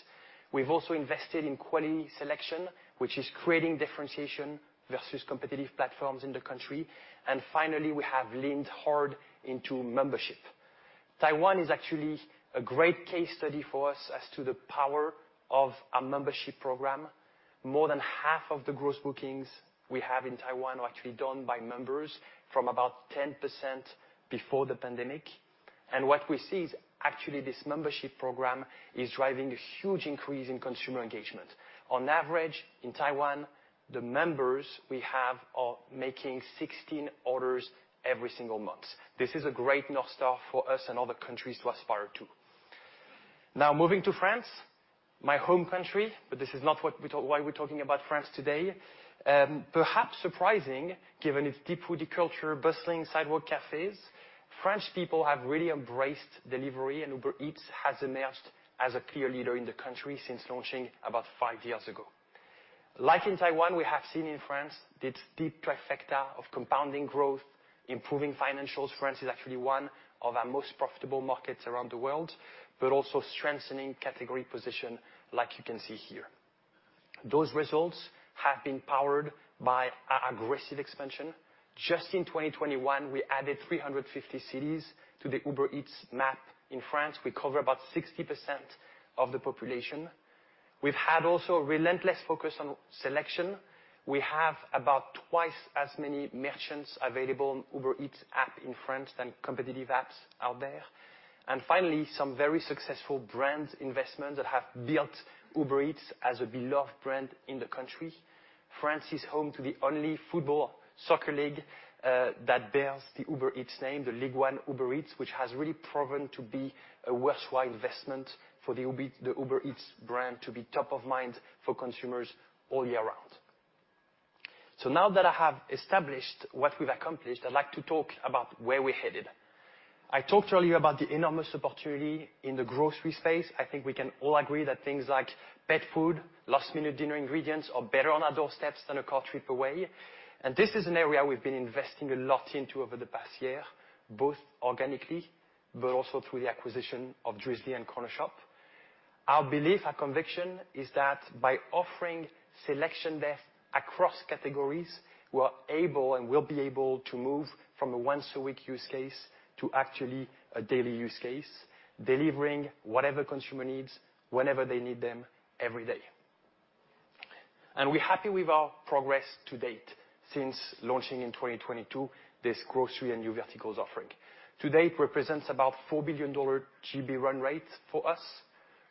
We've also invested in quality selection, which is creating differentiation versus competitive platforms in the country. Finally, we have leaned hard into membership. Taiwan is actually a great case study for us as to the power of our membership program. More than half of the gross bookings we have in Taiwan are actually done by members from about 10% before the pandemic. What we see is actually this membership program is driving a huge increase in consumer engagement. On average, in Taiwan, the members we have are making 16 orders every single month. This is a great north star for us and other countries to aspire to. Now, moving to France, my home country, but this is not why we're talking about France today. Perhaps surprising, given its deep foodie culture, bustling sidewalk cafes, French people have really embraced delivery, and Uber Eats has emerged as a clear leader in the country since launching about five years ago. Like in Taiwan, we have seen in France this deep trifecta of compounding growth, improving financials. France is actually one of our most profitable markets around the world. Also strengthening category position like you can see here. Those results have been powered by our aggressive expansion. Just in 2021, we added 350 cities to the Uber Eats map in France. We cover about 60% of the population. We have also had relentless focus on selection. We have about twice as many merchants available on Uber Eats app in France than competitive apps out there. Finally, some very successful brand investments that have built Uber Eats as a beloved brand in the country. France is home to the only football soccer league that bears the Uber Eats name, the Ligue 1 Uber Eats, which has really proven to be a worthwhile investment for the Uber Eats brand to be top of mind for consumers all year round. Now that I have established what we've accomplished, I'd like to talk about where we're headed. I talked earlier about the enormous opportunity in the grocery space. I think we can all agree that things like pet food, last-minute dinner ingredients are better on our doorsteps than a car trip away. This is an area we've been investing a lot into over the past year, both organically, but also through the acquisition of Drizly and Cornershop. Our belief, our conviction is that by offering selection depth across categories, we're able and will be able to move from a once-a-week use case to actually a daily use case. Delivering whatever consumer needs, whenever they need them, every day. We're happy with our progress to date since launching in 2022, this grocery and new verticals offering. To date represents about $4 billion GB run rate for us.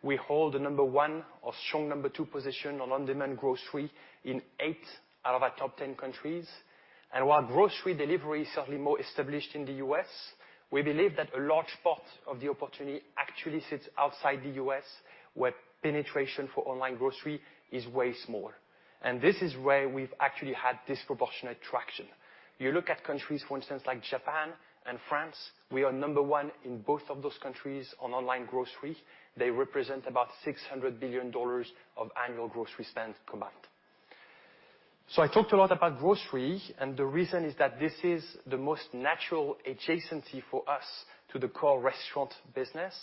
We hold the number one or strong number two position in on-demand grocery in eight out of our top 10 countries. While grocery delivery is certainly more established in the U.S., we believe that a large part of the opportunity actually sits outside the U.S., where penetration for online grocery is way smaller. This is where we've actually had disproportionate traction. You look at countries, for instance, like Japan and France, we are number one in both of those countries on online grocery. They represent about $600 billion of annual grocery spend combined. I talked a lot about grocery, and the reason is that this is the most natural adjacency for us to the core restaurant business.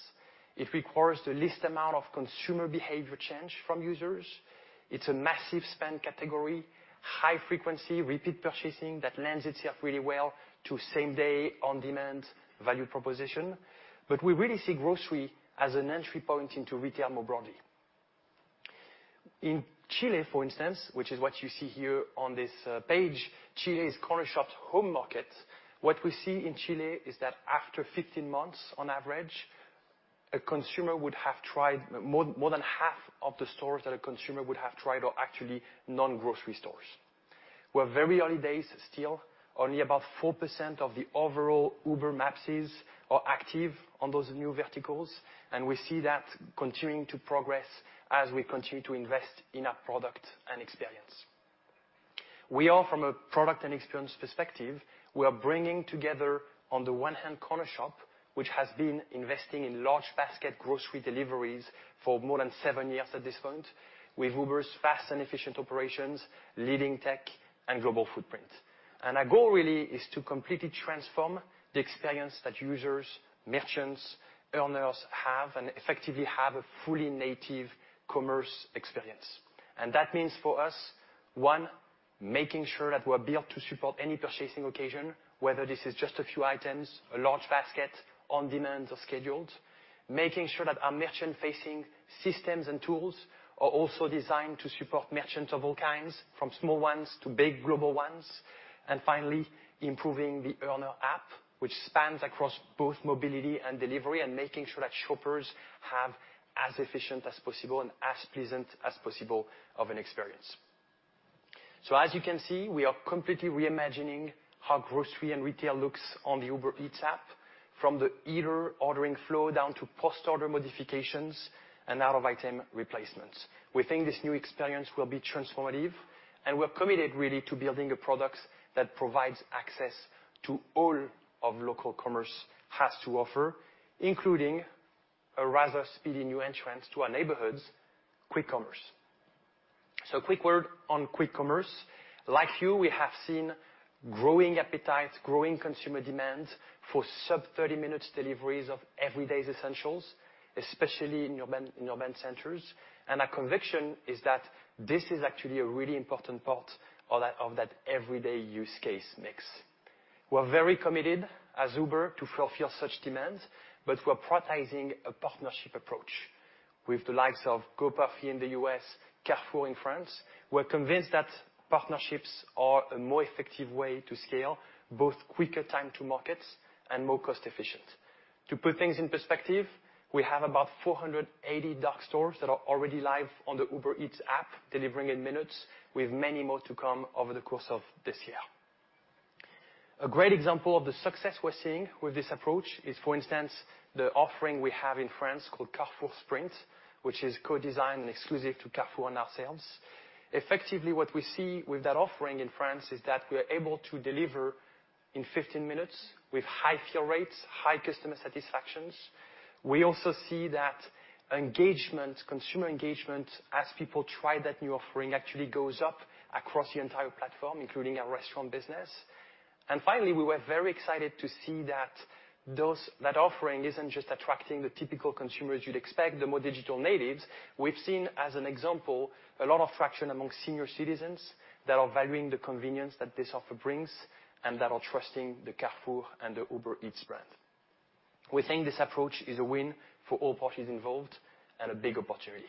It requires the least amount of consumer behavior change from users. It's a massive spend category, high frequency, repeat purchasing that lends itself really well to same-day, on-demand value proposition. We really see grocery as an entry point into retail more broadly. In Chile, for instance, which is what you see here on this page, Chile is Cornershop's home market. What we see in Chile is that after 15 months on average, a consumer would have tried more than half of the stores that a consumer would have tried are actually non-grocery stores. We're very early days still. Only about 4% of the overall Uber MAPCs are active on those new verticals, and we see that continuing to progress as we continue to invest in our product and experience. We are from a product and experience perspective, we are bringing together on the one hand Cornershop, which has been investing in large basket grocery deliveries for more than seven years at this point, with Uber's fast and efficient operations, leading tech and global footprint. Our goal really is to completely transform the experience that users, merchants, earners have and effectively have a fully native commerce experience. That means for us, one, making sure that we're built to support any purchasing occasion, whether this is just a few items, a large basket, on-demand or scheduled. Making sure that our merchant-facing systems and tools are also designed to support merchants of all kinds, from small ones to big global ones. Finally, improving the earner app, which spans across both mobility and delivery, and making sure that shoppers have as efficient as possible and as pleasant as possible of an experience. As you can see, we are completely reimagining how grocery and retail looks on the Uber Eats app, from the eater ordering flow down to post-order modifications and out of item replacements. We think this new experience will be transformative, and we're committed really to building a product that provides access to all of local commerce has to offer, including a rather speedy new entrance to our neighborhoods, quick commerce. A quick word on quick commerce. Like you, we have seen growing appetite, growing consumer demand for sub-30 minutes deliveries of everyday essentials, especially in urban centers. Our conviction is that this is actually a really important part of that everyday use case mix. We're very committed as Uber to fulfill such demands, but we're prioritizing a partnership approach with the likes of Gopuff in the U.S., Carrefour in France. We're convinced that partnerships are a more effective way to scale, both quicker time to markets and more cost efficient. To put things in perspective, we have about 480 dark stores that are already live on the Uber Eats app, delivering in minutes, with many more to come over the course of this year. A great example of the success we're seeing with this approach is, for instance, the offering we have in France called Carrefour Sprint, which is co-designed and exclusive to Carrefour and ourselves. Effectively, what we see with that offering in France is that we are able to deliver in 15 minutes with high fill rates, high customer satisfactions. We also see that engagement, consumer engagement, as people try that new offering, actually goes up across the entire platform, including our restaurant business. Finally, we were very excited to see that those, that offering isn't just attracting the typical consumers you'd expect, the more digital natives. We've seen, as an example, a lot of traction among senior citizens that are valuing the convenience that this offer brings and that are trusting the Carrefour and the Uber Eats brand. We think this approach is a win for all parties involved and a big opportunity.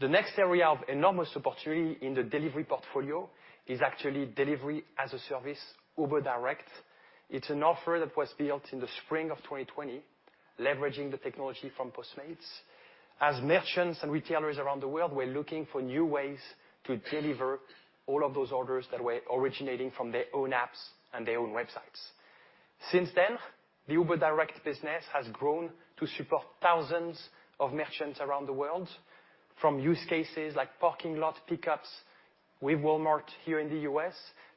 The next area of enormous opportunity in the delivery portfolio is actually delivery as a service, Uber Direct. It's an offer that was built in the spring of 2020, leveraging the technology from Postmates. As merchants and retailers around the world were looking for new ways to deliver all of those orders that were originating from their own apps and their own websites. Since then, the Uber Direct business has grown to support thousands of merchants around the world, from use cases like parking lot pickups with Walmart here in the U.S.,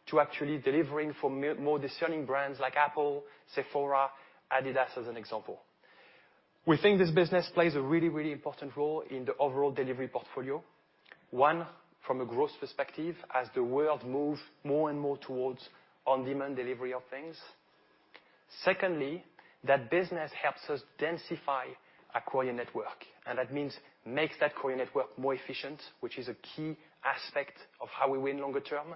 to actually delivering for more discerning brands like Apple, Sephora, Adidas, as an example. We think this business plays a really, really important role in the overall delivery portfolio. One, from a growth perspective, as the world moves more and more towards on-demand delivery of things. Secondly, that business helps us densify our courier network, and that means makes that courier network more efficient, which is a key aspect of how we win longer term.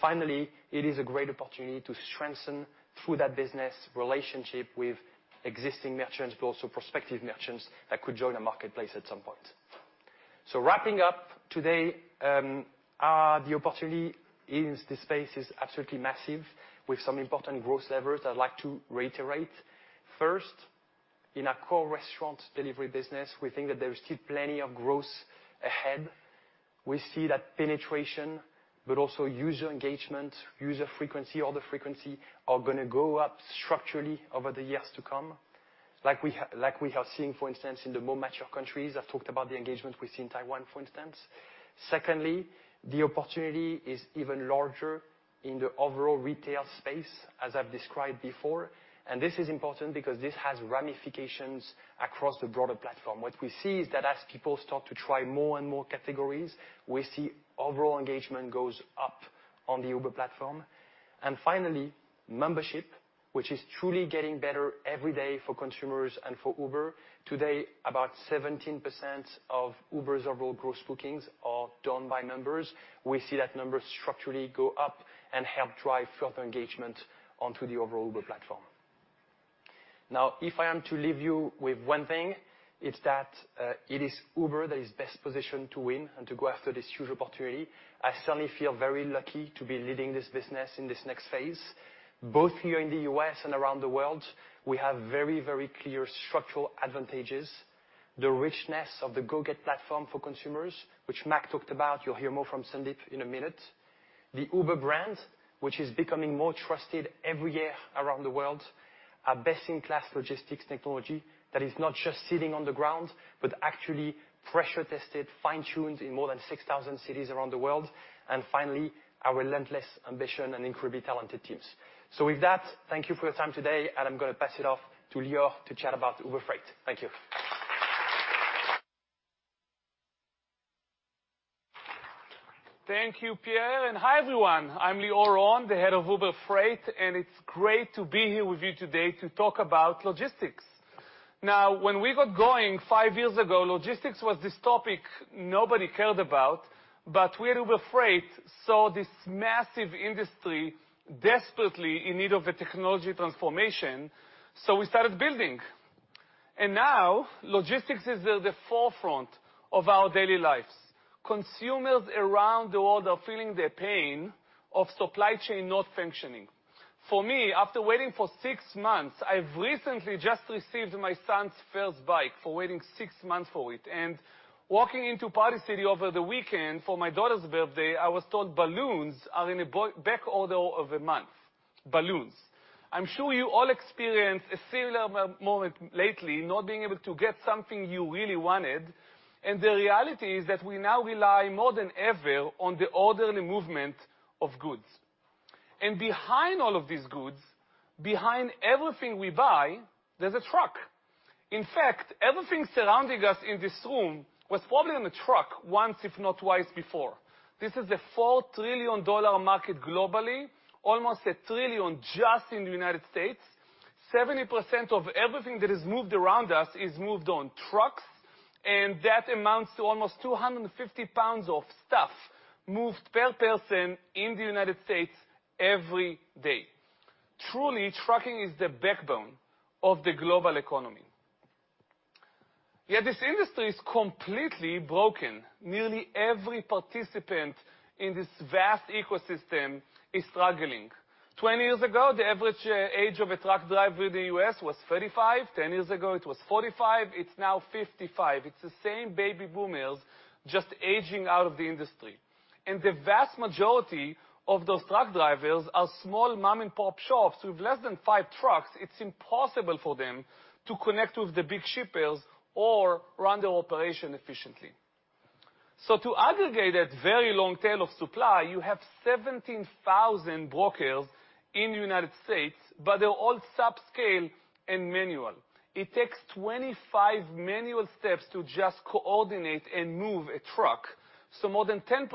Finally, it is a great opportunity to strengthen through that business relationship with existing merchants, but also prospective merchants that could join the marketplace at some point. Wrapping up today, the opportunity in this space is absolutely massive with some important growth levers I'd like to reiterate. First, in our core restaurant delivery business, we think that there is still plenty of growth ahead. We see that penetration, but also user engagement, user frequency, order frequency are gonna go up structurally over the years to come, like we are seeing, for instance, in the more mature countries. I've talked about the engagement we see in Taiwan, for instance. Secondly, the opportunity is even larger in the overall retail space, as I've described before. This is important because this has ramifications across the broader platform. What we see is that as people start to try more and more categories, we see overall engagement goes up on the Uber platform. Finally, membership, which is truly getting better every day for consumers and for Uber. Today, about 17% of Uber's overall gross bookings are done by members. We see that number structurally go up and help drive further engagement onto the overall Uber platform. Now, if I am to leave you with one thing, it's that it is Uber that is best positioned to win and to go after this huge opportunity. I certainly feel very lucky to be leading this business in this next phase. Both here in the U.S. and around the world, we have very, very clear structural advantages. The richness of the GO-GET platform for consumers, which Mac talked about. You'll hear more from Sundeep in a minute. The Uber brand, which is becoming more trusted every year around the world. Our best-in-class logistics technology that is not just sitting on the ground, but actually pressure tested, fine-tuned in more than 6,000 cities around the world. And finally, our relentless ambition and incredibly talented teams. With that, thank you for your time today, and I'm gonna pass it off to Lior to chat about Uber Freight. Thank you. Thank you, Pierre, and hi, everyone. I'm Lior Ron, Head of Uber Freight, and it's great to be here with you today to talk about logistics. Now, when we got going five years ago, logistics was this topic nobody cared about. We at Uber Freight saw this massive industry desperately in need of a technology transformation, so we started building. Now, logistics is at the forefront of our daily lives. Consumers around the world are feeling the pain of supply chain not functioning. For me, after waiting for six months, I've recently just received my son's first bike for waiting six months for it. Walking into Party City over the weekend for my daughter's birthday, I was told balloons are in a back order of a month. Balloons. I'm sure you all experienced a similar moment lately, not being able to get something you really wanted. The reality is that we now rely more than ever on the order and movement of goods. Behind all of these goods, behind everything we buy, there's a truck. In fact, everything surrounding us in this room was probably in a truck once, if not twice before. This is a $4 trillion market globally, almost $1 trillion just in the United States. 70% of everything that is moved around us is moved on trucks, and that amounts to almost 250 pounds of stuff moved per person in the United States every day. Truly, trucking is the backbone of the global economy. Yet this industry is completely broken. Nearly every participant in this vast ecosystem is struggling. 20 years ago, the average age of a truck driver in the U.S. was 35. 10 years ago, it was 45. It's now 55. It's the same baby boomers just aging out of the industry. The vast majority of those truck drivers are small mom-and-pop shops with less than five trucks. It's impossible for them to connect with the big shippers or run their operation efficiently. To aggregate that very long tail of supply, you have 17,000 brokers in the United States, but they're all subscale and manual. It takes 25 manual steps to just coordinate and move a truck, so more than 10%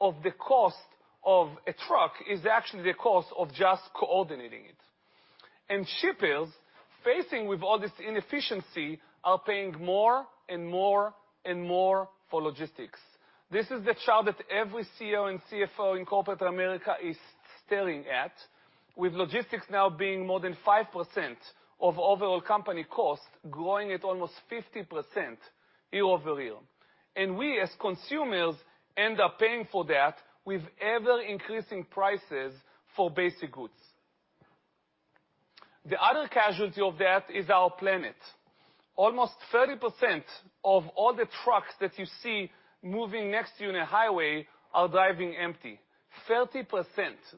of the cost of a truck is actually the cost of just coordinating it. Shippers, facing with all this inefficiency, are paying more and more and more for logistics. This is the chart that every CEO and CFO in corporate America is staring at, with logistics now being more than 5% of overall company costs, growing at almost 50% year-over-year. We as consumers end up paying for that with ever-increasing prices for basic goods. The other casualty of that is our planet. Almost 30% of all the trucks that you see moving next to you on a highway are driving empty. 30%.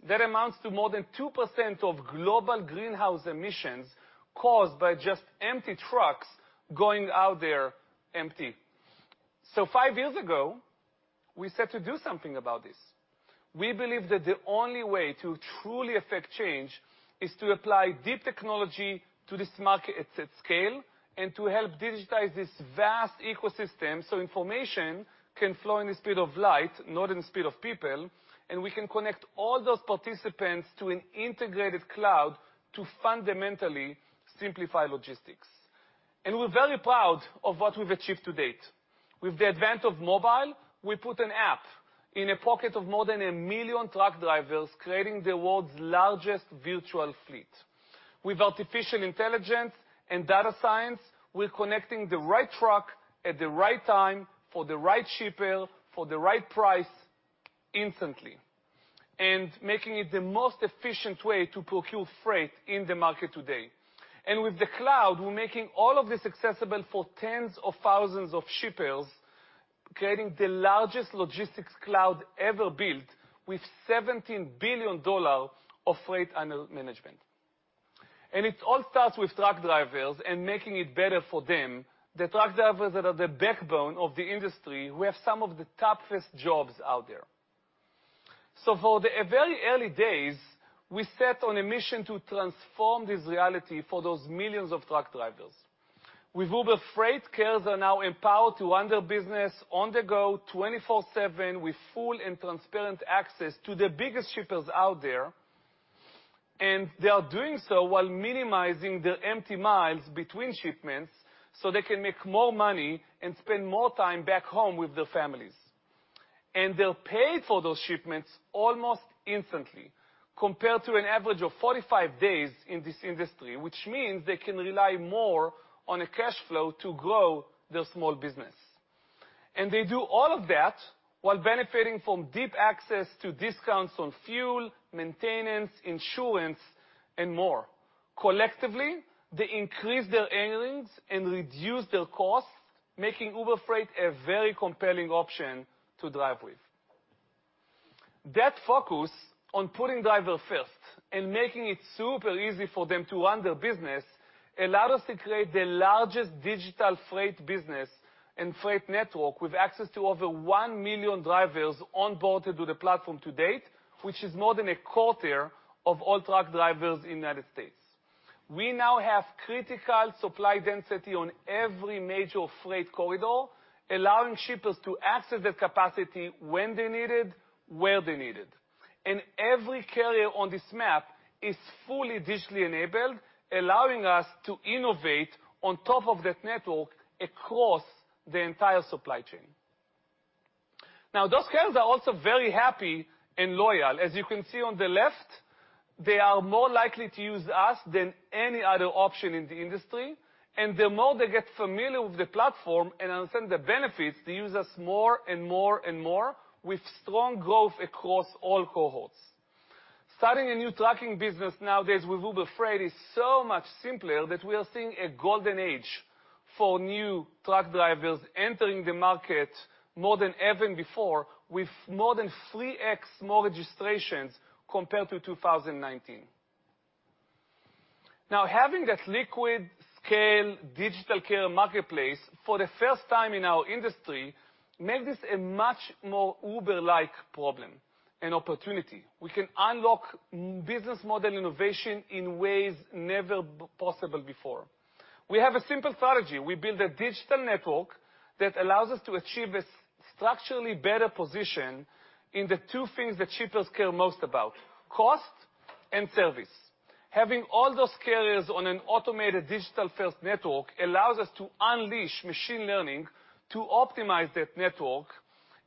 That amounts to more than 2% of global greenhouse emissions caused by just empty trucks going out there empty. Five years ago, we set to do something about this. We believe that the only way to truly affect change is to apply deep technology to this market at scale, and to help digitize this vast ecosystem so information can flow in the speed of light, not in the speed of people. We can connect all those participants to an integrated cloud to fundamentally simplify logistics. We're very proud of what we've achieved to date. With the advent of mobile, we put an app in a pocket of more than 1 million truck drivers, creating the world's largest virtual fleet. With artificial intelligence and data science, we're connecting the right truck at the right time for the right shipper for the right price instantly and making it the most efficient way to procure freight in the market today. With the cloud, we're making all of this accessible for tens of thousands of shippers, creating the largest logistics cloud ever built with $17 billion of freight under management. It all starts with truck drivers and making it better for them, the truck drivers that are the backbone of the industry who have some of the toughest jobs out there. From the very early days, we set out on a mission to transform this reality for those millions of truck drivers. With Uber Freight, carriers are now empowered to run their business on the go 24/7 with full and transparent access to the biggest shippers out there. They are doing so while minimizing their empty miles between shipments so they can make more money and spend more time back home with their families. They're paid for those shipments almost instantly compared to an average of 45 days in this industry, which means they can rely more on a cash flow to grow their small business. They do all of that while benefiting from deep access to discounts on fuel, maintenance, insurance, and more. Collectively, they increase their earnings and reduce their costs, making Uber Freight a very compelling option to drive with. That focus on putting driver first and making it super easy for them to run their business allowed us to create the largest digital freight business and freight network with access to over 1 million drivers onboarded to the platform to date, which is more than a quarter of all truck drivers in United States. We now have critical supply density on every major freight corridor, allowing shippers to access that capacity when they need it, where they need it. Every carrier on this map is fully digitally enabled, allowing us to innovate on top of that network across the entire supply chain. Now, those carriers are also very happy and loyal. As you can see on the left, they are more likely to use us than any other option in the industry. The more they get familiar with the platform and understand the benefits, they use us more and more and more with strong growth across all cohorts. Starting a new trucking business nowadays with Uber Freight is so much simpler that we are seeing a golden age for new truck drivers entering the market more than ever before with more than 3x more registrations compared to 2019. Now, having that liquid scale digital carrier marketplace for the first time in our industry made this a much more Uber-like problem and opportunity. We can unlock our business model innovation in ways never before possible. We have a simple strategy. We build a digital network that allows us to achieve a structurally better position in the two things that shippers care most about, cost and service. Having all those carriers on an automated digital-first network allows us to unleash machine learning to optimize that network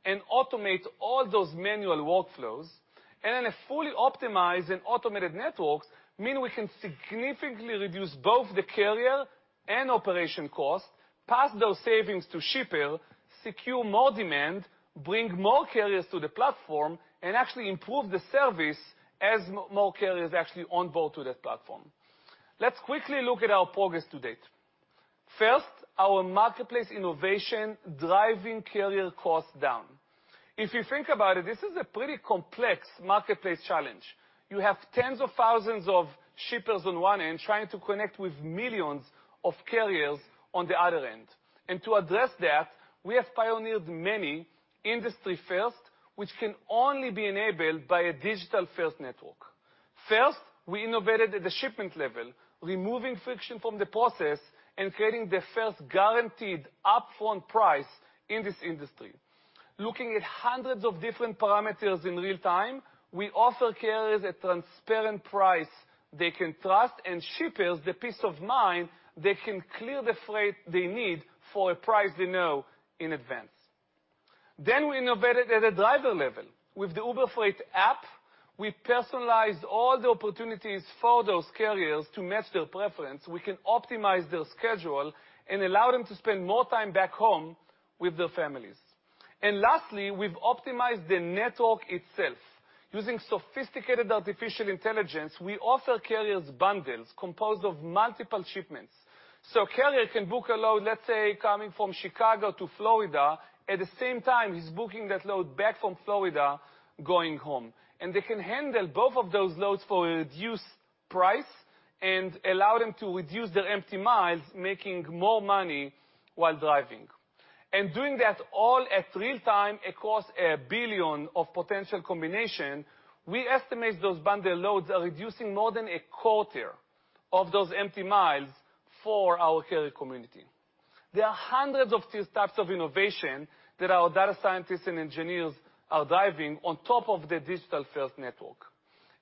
and automate all those manual workflows. A fully optimized and automated network means we can significantly reduce both the carrier and operational costs, pass those savings to shippers, secure more demand, bring more carriers to the platform, and actually improve the service as more carriers actually onboard to that platform. Let's quickly look at our progress to date. First, our marketplace innovation driving carrier costs down. If you think about it, this is a pretty complex marketplace challenge. You have tens of thousands of shippers on one end trying to connect with millions of carriers on the other end. To address that, we have pioneered many industry firsts which can only be enabled by a digital-first network. First, we innovated at the shipment level, removing friction from the process and creating the first guaranteed upfront price in this industry. Looking at hundreds of different parameters in real time, we offer carriers a transparent price they can trust and shippers the peace of mind they can clear the freight they need for a price they know in advance. We innovated at a driver level. With the Uber Freight app, we personalized all the opportunities for those carriers to match their preference. We can optimize their schedule and allow them to spend more time back home with their families. Lastly, we've optimized the network itself. Using sophisticated artificial intelligence, we offer carriers bundles composed of multiple shipments. A carrier can book a load, let's say, coming from Chicago to Florida. At the same time, he's booking that load back from Florida going home. They can handle both of those loads for a reduced price and allow them to reduce their empty miles, making more money while driving. Doing that all at real-time across 1 billion potential combinations, we estimate those bundle loads are reducing more than a quarter of those empty miles for our carrier community. There are hundreds of these types of innovation that our data scientists and engineers are driving on top of the digital-first network,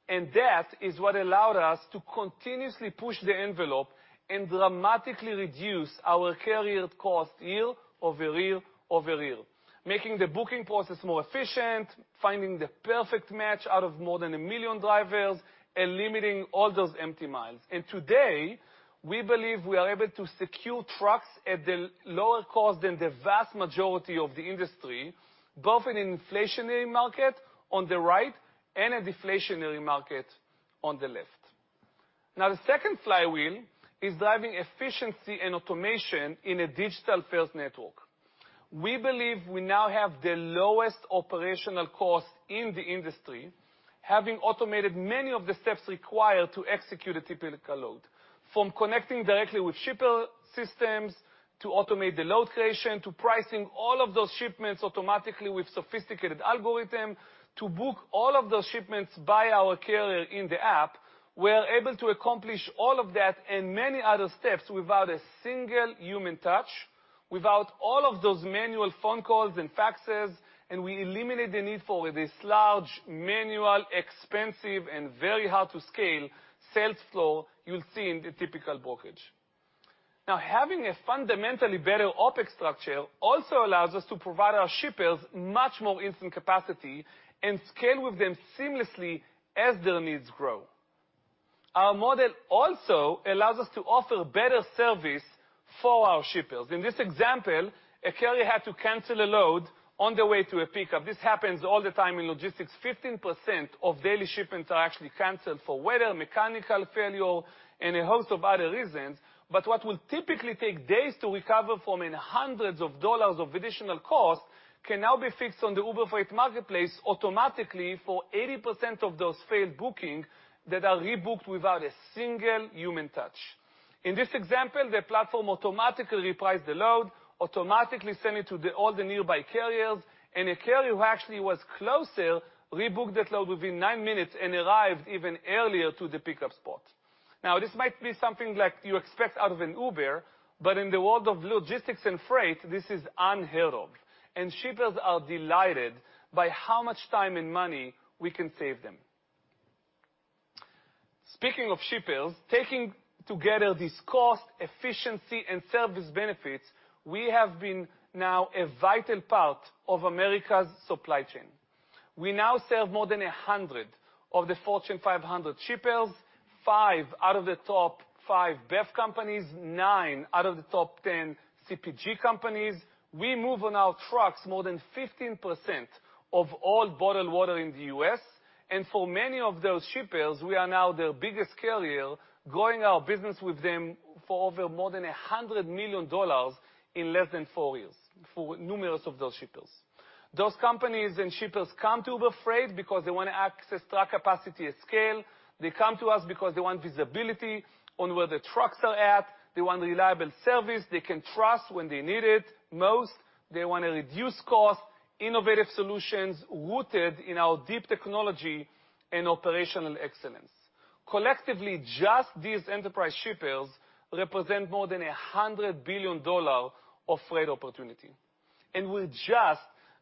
and that is what allowed us to continuously push the envelope and dramatically reduce our carrier costs year over year over year, making the booking process more efficient, finding the perfect match out of more than 1 million drivers, and limiting all those empty miles. Today, we believe we are able to secure trucks at the lower cost than the vast majority of the industry, both in an inflationary market on the right and a deflationary market on the left. Now, the second flywheel is driving efficiency and automation in a digital-first network. We believe we now have the lowest operational cost in the industry, having automated many of the steps required to execute a typical load. From connecting directly with shipper systems, to automate the load creation, to pricing all of those shipments automatically with sophisticated algorithm, to book all of those shipments by our carrier in the app. We are able to accomplish all of that and many other steps without a single human touch, without all of those manual phone calls and faxes, and we eliminate the need for this large, manual, expensive, and very hard to scale sales floor you'll see in the typical brokerage. Having a fundamentally better OpEx structure also allows us to provide our shippers much more instant capacity and scale with them seamlessly as their needs grow. Our model also allows us to offer better service for our shippers. In this example, a carrier had to cancel a load on the way to a pickup. This happens all the time in logistics. 15% of daily shipments are actually canceled for weather, mechanical failure, and a host of other reasons. What will typically take days to recover from in hundreds of dollars of additional cost can now be fixed on the Uber Freight marketplace automatically for 80% of those failed bookings that are rebooked without a single human touch. In this example, the platform automatically repriced the load, automatically sent it to all the nearby carriers, and a carrier who actually was closer rebooked that load within nine minutes and arrived even earlier to the pickup spot. This might be something like you expect out of an Uber, but in the world of logistics and freight, this is unheard of, and shippers are delighted by how much time and money we can save them. Speaking of shippers, taken together this cost, efficiency, and service benefits, we have now been a vital part of America's supply chain. We now serve more than 100 of the Fortune 500 shippers, five out of the top five bev companies, nine out of the top 10 CPG companies. We move on our trucks more than 15% of all bottled water in the U.S., and for many of those shippers, we are now their biggest carrier, growing our business with them to more than $100 million in less than four years for numerous of those shippers. Those companies and shippers come to Uber Freight because they wanna access truck capacity at scale. They come to us because they want visibility on where the trucks are at. They want reliable service they can trust when they need it most. They wanna reduce cost, innovative solutions rooted in our deep technology and operational excellence. Collectively, just these enterprise shippers represent more than $100 billion of freight opportunity, and we're just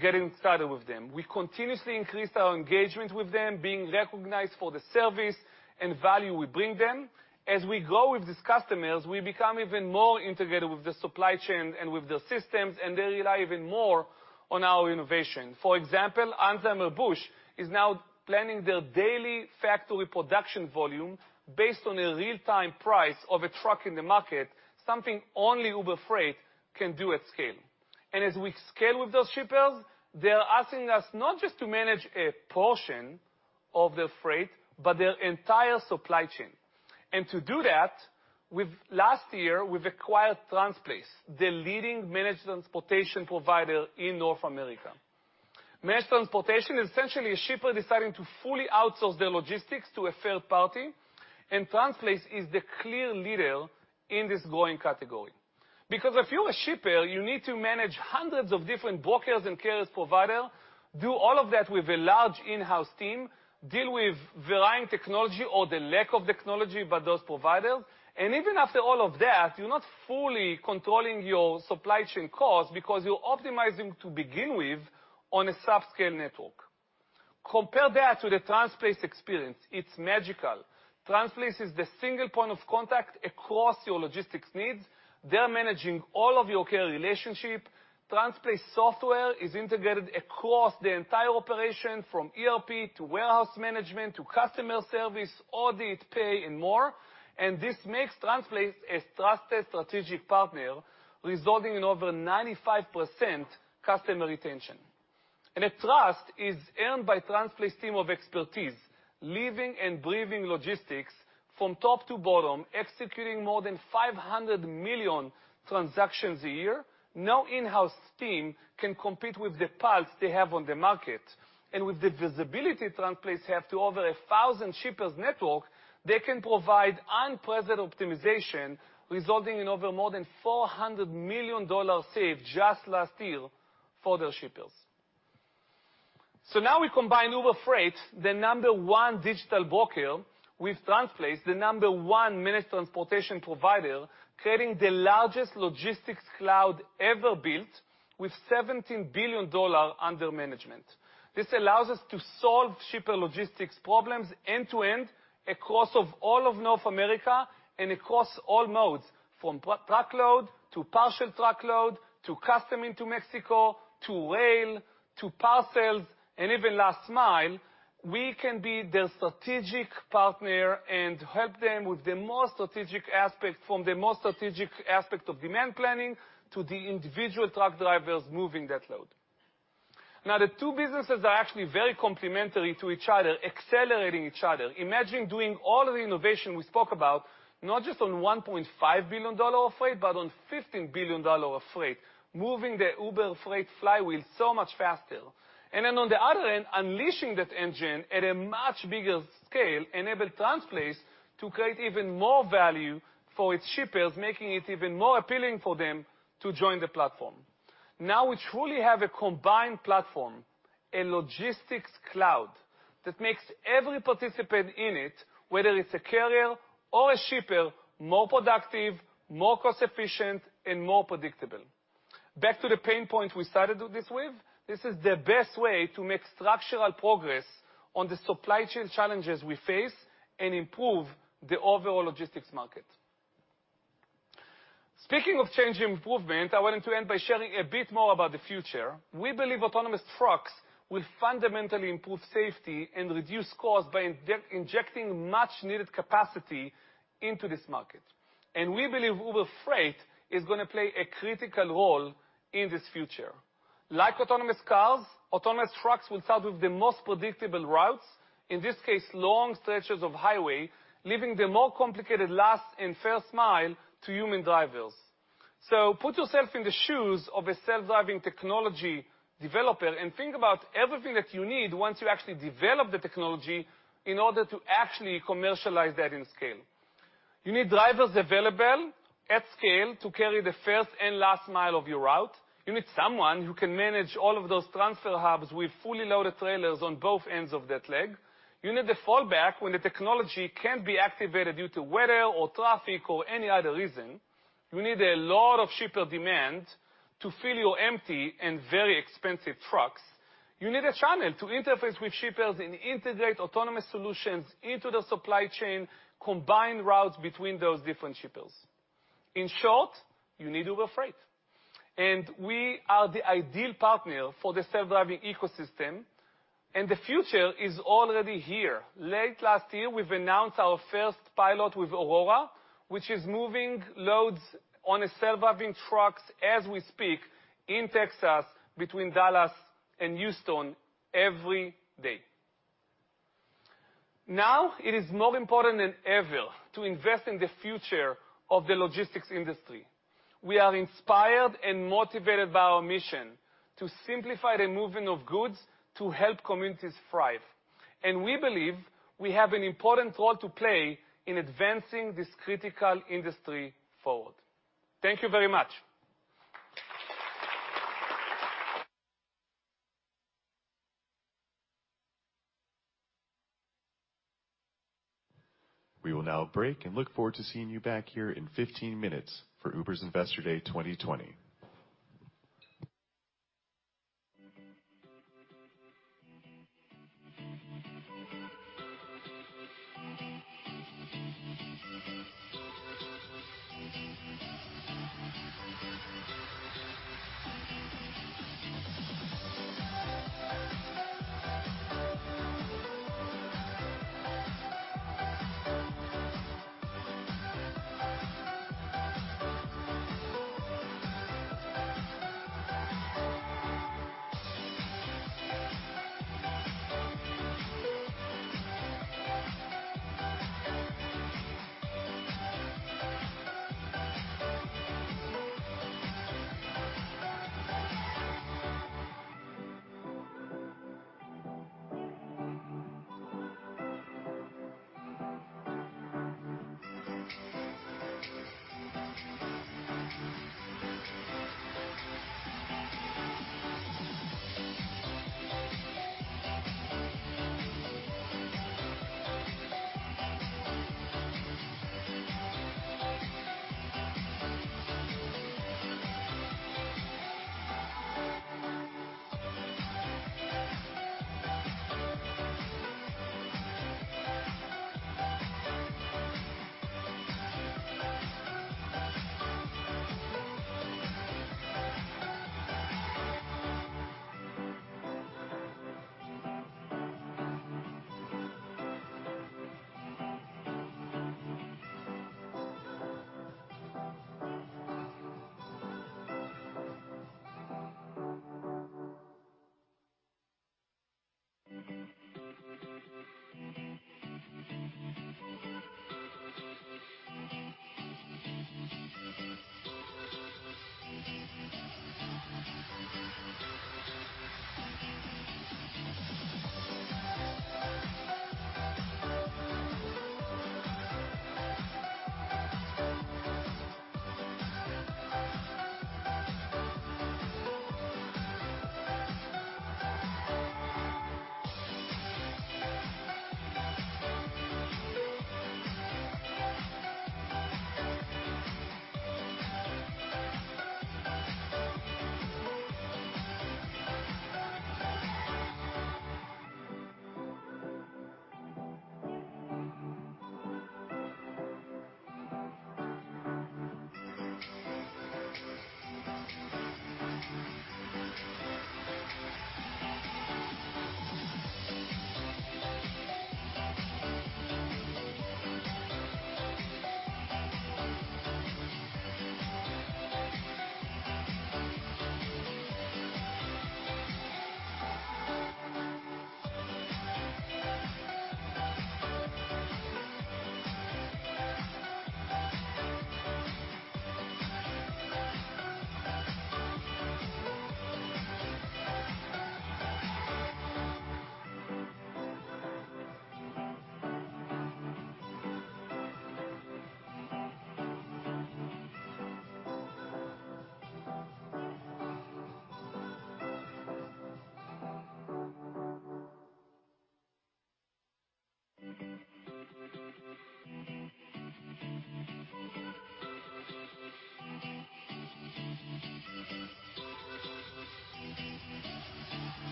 getting started with them. We continuously increase our engagement with them, being recognized for the service and value we bring them. As we grow with these customers, we become even more integrated with the supply chain and with their systems, and they rely even more on our innovation. For example, Anheuser-Busch is now planning their daily factory production volume based on a real-time price of a truck in the market, something only Uber Freight can do at scale. As we scale with those shippers, they're asking us not just to manage a portion of their freight, but their entire supply chain. To do that, we've. Last year, we've acquired Transplace, the leading managed transportation provider in North America. Managed transportation is essentially a shipper deciding to fully outsource their logistics to a third party, and Transplace is the clear leader in this growing category. Because if you're a shipper, you need to manage hundreds of different brokers and carriers provider, do all of that with a large in-house team, deal with varying technology or the lack of technology by those providers. Even after all of that, you're not fully controlling your supply chain costs because you're optimizing to begin with on a sub-scale network. Compare that to the Transplace experience. It's magical. Transplace is the single point of contact across your logistics needs. They're managing all of your carrier relationship. Transplace software is integrated across the entire operation, from ERP to warehouse management to customer service, audit, pay, and more. This makes Transplace a trusted strategic partner, resulting in over 95% customer retention. The trust is earned by Transplace's team of experts, living and breathing logistics from top to bottom, executing more than 500 million transactions a year. No in-house team can compete with the pulse they have on the market. With the visibility Transplace have to over 1,000 shippers' network, they can provide unprecedented optimization, resulting in over more than $400 million saved just last year for their shippers. Now we combine Uber Freight, the number one digital broker, with Transplace, the number one managed transportation provider, creating the largest logistics cloud ever built with $17 billion under management. This allows us to solve shipper logistics problems end to end across all of North America and across all modes, from truckload to partial truckload, to custom into Mexico, to rail, to parcels, and even last mile. We can be their strategic partner and help them with the most strategic aspect of demand planning to the individual truck drivers moving that load. The two businesses are actually very complementary to each other, accelerating each other. Imagine doing all of the innovation we spoke about, not just on $1.5 billion of freight, but on $15 billion of freight, moving the Uber Freight flywheel so much faster. Then on the other end, unleashing that engine at a much bigger scale enabled Transplace to create even more value for its shippers, making it even more appealing for them to join the platform. Now we truly have a combined platform, a logistics cloud that makes every participant in it, whether it's a carrier or a shipper, more productive, more cost efficient, and more predictable. Back to the pain point we started this with. This is the best way to make structural progress on the supply chain challenges we face and improve the overall logistics market. Speaking of change and improvement, I wanted to end by sharing a bit more about the future. We believe autonomous trucks will fundamentally improve safety and reduce costs by injecting much needed capacity into this market. We believe Uber Freight is gonna play a critical role in this future. Like autonomous cars, autonomous trucks will start with the most predictable routes, in this case, long stretches of highway, leaving the more complicated last and first mile to human drivers. Put yourself in the shoes of a self-driving technology developer and think about everything that you need once you actually develop the technology in order to actually commercialize that in scale. You need drivers available at scale to carry the first and last mile of your route. You need someone who can manage all of those transfer hubs with fully loaded trailers on both ends of that leg. You need the fallback when the technology can't be activated due to weather or traffic or any other reason. You need a lot of shipper demand to fill your empty and very expensive trucks. You need a channel to interface with shippers and integrate autonomous solutions into the supply chain, combine routes between those different shippers. In short, you need Uber Freight. We are the ideal partner for the self-driving ecosystem, and the future is already here. Late last year, we've announced our first pilot with Aurora, which is moving loads on self-driving trucks as we speak in Texas between Dallas and Houston every day. Now it is more important than ever to invest in the future of the logistics industry. We are inspired and motivated by our mission to simplify the movement of goods to help communities thrive. We believe we have an important role to play in advancing this critical industry forward. Thank you very much. We will now break and look forward to seeing you back here in 15 minutes for Uber's Investor Day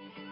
2022.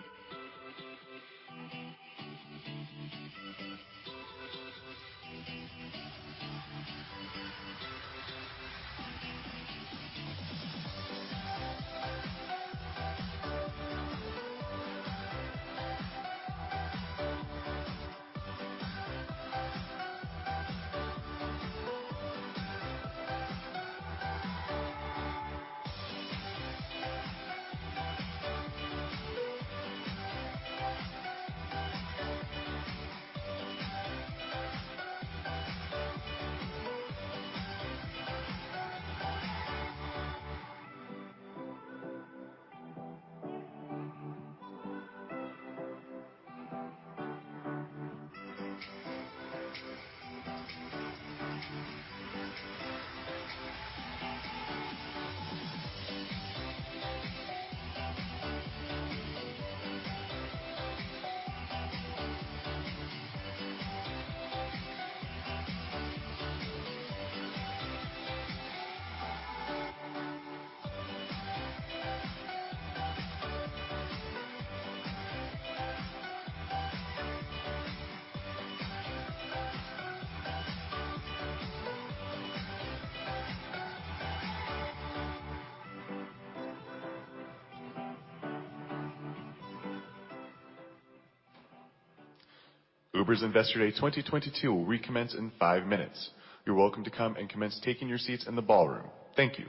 Uber's Investor Day 2022 will recommence in five minutes. You're welcome to come and commence taking your seats in the ballroom. Thank you.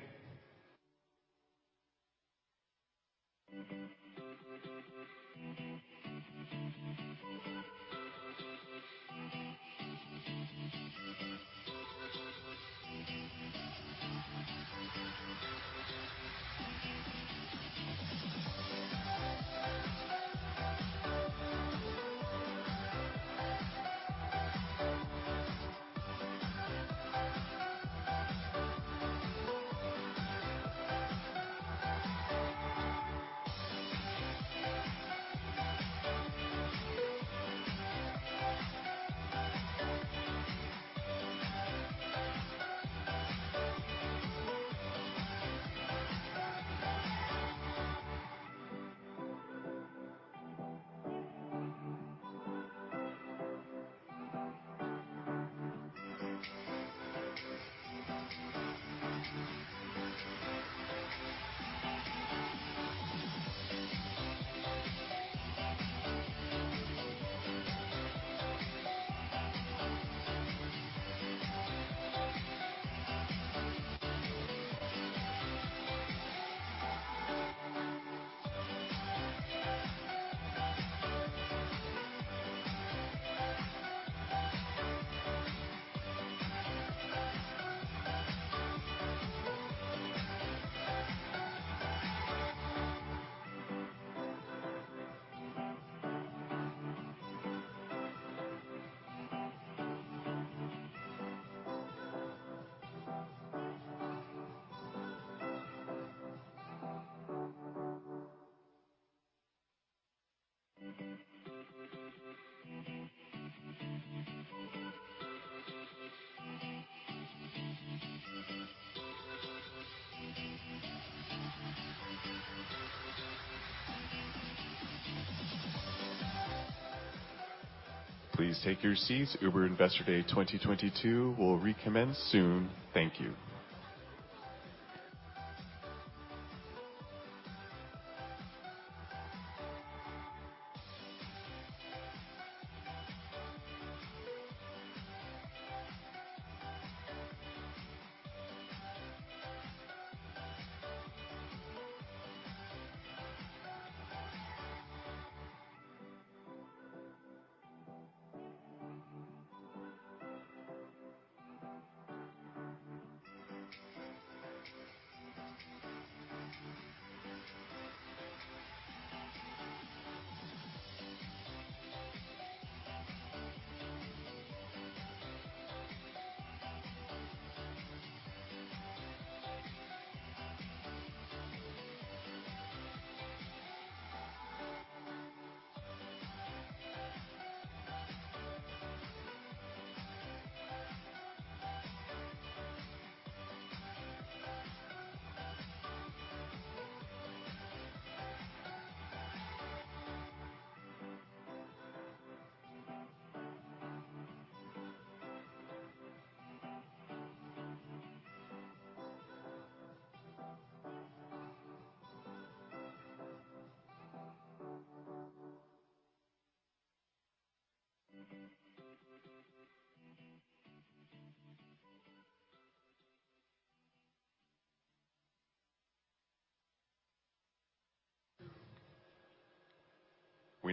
Please take your seats. Uber Investor Day 2022 will recommence soon. Thank you.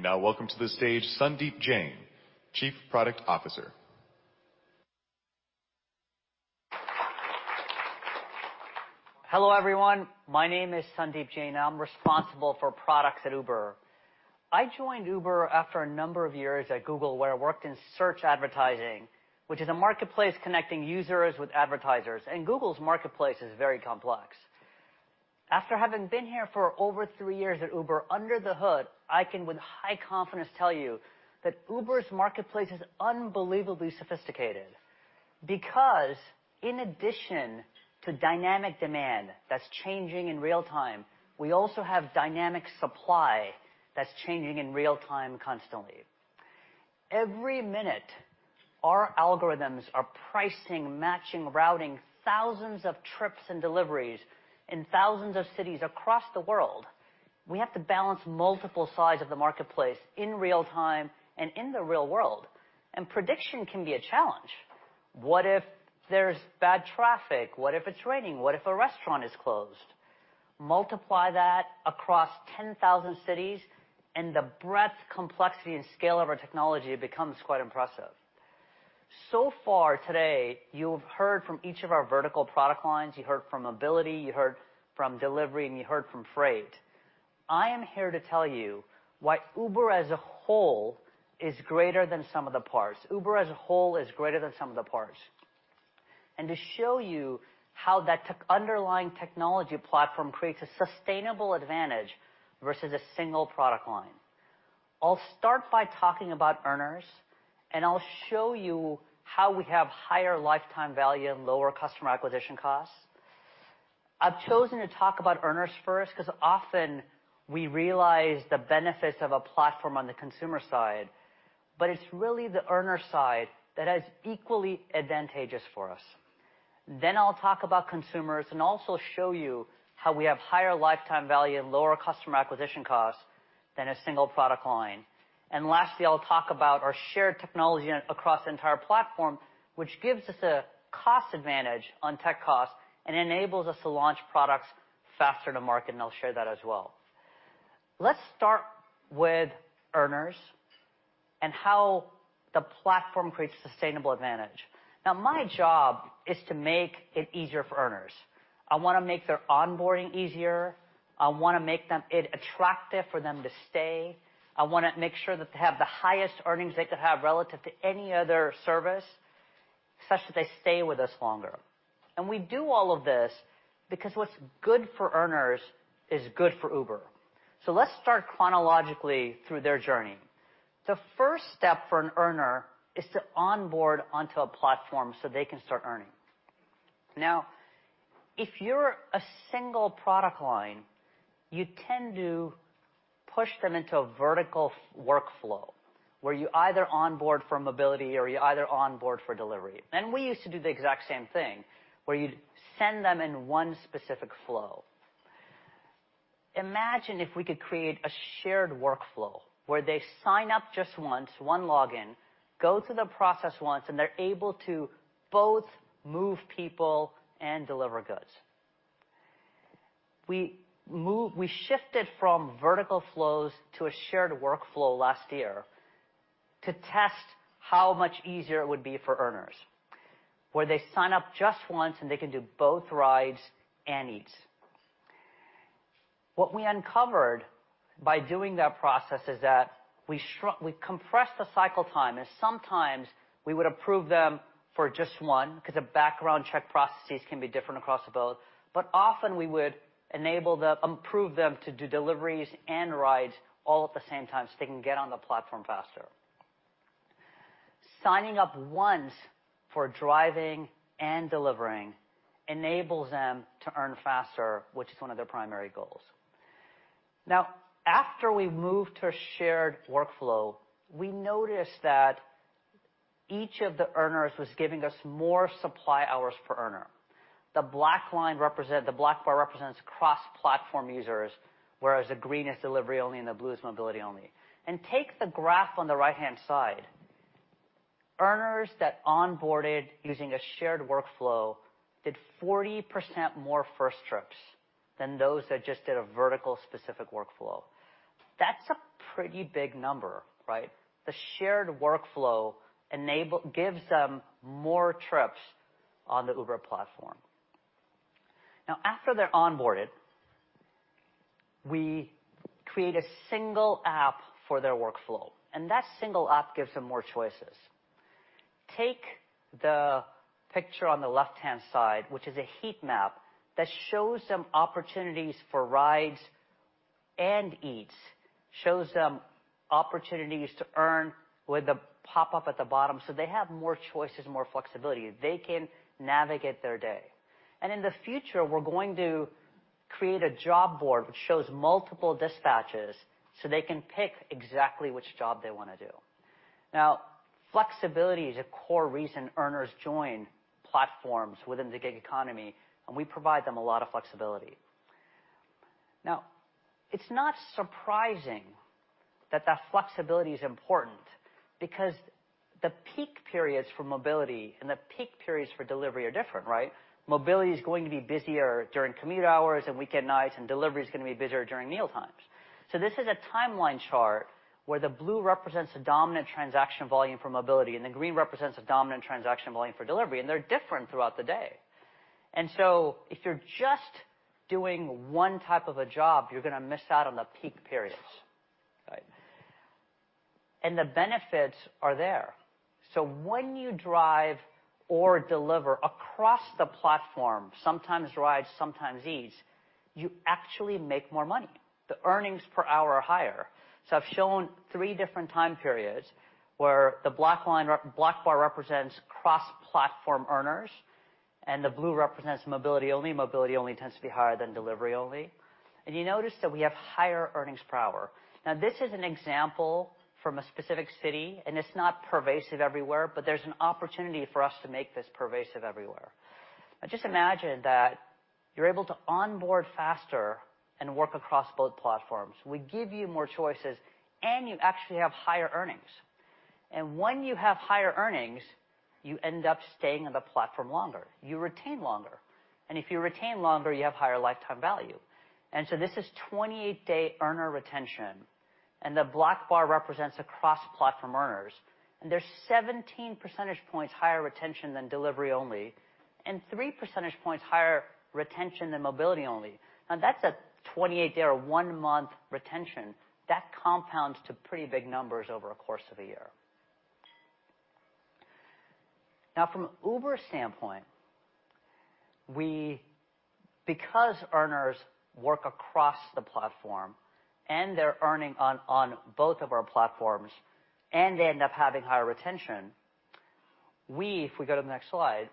We now welcome to the stage Sundeep Jain, Chief Product Officer. Hello, everyone. My name is Sundeep Jain. I'm responsible for products at Uber. I joined Uber after a number of years at Google, where I worked in search advertising, which is a marketplace connecting users with advertisers. Google's marketplace is very complex. After having been here for over three years at Uber, under the hood, I can with high confidence tell you that Uber's marketplace is unbelievably sophisticated because in addition to dynamic demand that's changing in real time, we also have dynamic supply that's changing in real time constantly. Every minute, our algorithms are pricing, matching, routing thousands of trips and deliveries in thousands of cities across the world. We have to balance multiple sides of the marketplace in real time and in the real world, and prediction can be a challenge. What if there's bad traffic? What if it's raining? What if a restaurant is closed? Multiply that across 10,000 cities, and the breadth, complexity, and scale of our technology becomes quite impressive. So far today, you've heard from each of our vertical product lines, you heard from Mobility, you heard from Delivery, and you heard from Freight. I am here to tell you why Uber as a whole is greater than sum of the parts. To show you how that tech underlying technology platform creates a sustainable advantage versus a single product line. I'll start by talking about earners, and I'll show you how we have higher lifetime value and lower customer acquisition costs. I've chosen to talk about earners first 'cause often we realize the benefits of a platform on the consumer side, but it's really the earner side that is equally advantageous for us. I'll talk about consumers and also show you how we have higher lifetime value and lower customer acquisition costs than a single product line. Lastly, I'll talk about our shared technology across the entire platform, which gives us a cost advantage on tech costs and enables us to launch products faster to market, and I'll share that as well. Let's start with earners and how the platform creates sustainable advantage. Now, my job is to make it easier for earners. I wanna make their onboarding easier. I wanna make it attractive for them to stay. I wanna make sure that they have the highest earnings they could have relative to any other service, such that they stay with us longer. We do all of this because what's good for earners is good for Uber. Let's start chronologically through their journey. The first step for an earner is to onboard onto a platform so they can start earning. Now, if you're a single product line, you tend to push them into a vertical workflow where you either onboard for mobility or onboard for delivery. We used to do the exact same thing, where you'd send them in one specific flow. Imagine if we could create a shared workflow where they sign up just once, one login, go through the process once, and they're able to both move people and deliver goods. We shifted from vertical flows to a shared workflow last year to test how much easier it would be for earners where they sign up just once, and they can do both rides and Eats. What we uncovered by doing that process is that we compressed the cycle time, and sometimes we would approve them for just one, 'cause the background check processes can be different across both, but often we would enable them to do deliveries and rides all at the same time so they can get on the platform faster. Signing up once for driving and delivering enables them to earn faster, which is one of their primary goals. Now, after we moved to a shared workflow, we noticed that each of the earners was giving us more supply hours per earner. The black bar represents cross-platform users, whereas the green is delivery only and the blue is mobility only. Take the graph on the right-hand side. Earners that onboarded using a shared workflow did 40% more first trips than those that just did a vertical specific workflow. That's a pretty big number, right? The shared workflow gives them more trips on the Uber platform. Now, after they're onboarded, we create a single app for their workflow, and that single app gives them more choices. Take the picture on the left-hand side, which is a heat map that shows them opportunities for rides and Eats, shows them opportunities to earn with the pop-up at the bottom, so they have more choices, more flexibility. They can navigate their day. In the future, we're going to create a job board which shows multiple dispatches, so they can pick exactly which job they wanna do. Now, flexibility is a core reason earners join platforms within the gig economy, and we provide them a lot of flexibility. Now, it's not surprising that that flexibility is important because the peak periods for mobility and the peak periods for delivery are different, right? Mobility is going to be busier during commute hours and weekend nights, and delivery is gonna be busier during meal times. This is a timeline chart where the blue represents the dominant transaction volume for mobility, and the green represents the dominant transaction volume for delivery, and they're different throughout the day. If you're just doing one type of a job, you're gonna miss out on the peak periods, right? The benefits are there. When you drive or deliver across the platform, sometimes rides, sometimes Eats, you actually make more money. The earnings per hour are higher. I've shown three different time periods where the black bar represents cross-platform earners, and the blue represents mobility only. Mobility only tends to be higher than delivery only. You notice that we have higher earnings per hour. Now this is an example from a specific city, and it's not pervasive everywhere, but there's an opportunity for us to make this pervasive everywhere. Just imagine that you're able to onboard faster and work across both platforms. We give you more choices, and you actually have higher earnings. When you have higher earnings, you end up staying on the platform longer. You retain longer. If you retain longer, you have higher lifetime value. This is 28-day earner retention, and the black bar represents the cross-platform earners. There's 17 percentage points higher retention than delivery only and 3 percentage points higher retention than mobility only. Now that's a 28-day or one-month retention. That compounds to pretty big numbers over a course of a year. Now, from Uber's standpoint, we because earners work across the platform and they're earning on both of our platforms and they end up having higher retention, if we go to the next slide,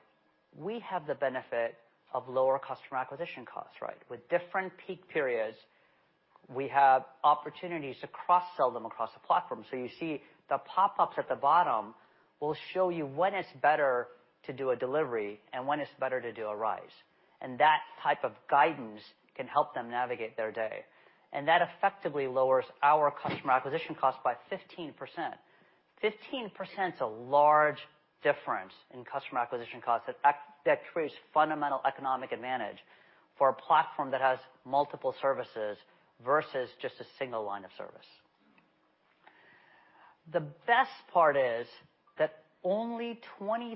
we have the benefit of lower customer acquisition costs, right? With different peak periods, we have opportunities to cross-sell them across the platform. You see the pop-ups at the bottom will show you when it's better to do a delivery and when it's better to do a ride. That type of guidance can help them navigate their day. That effectively lowers our customer acquisition cost by 15%. 15%'s a large difference in customer acquisition costs that creates fundamental economic advantage for a platform that has multiple services versus just a single line of service. The best part is that only 23%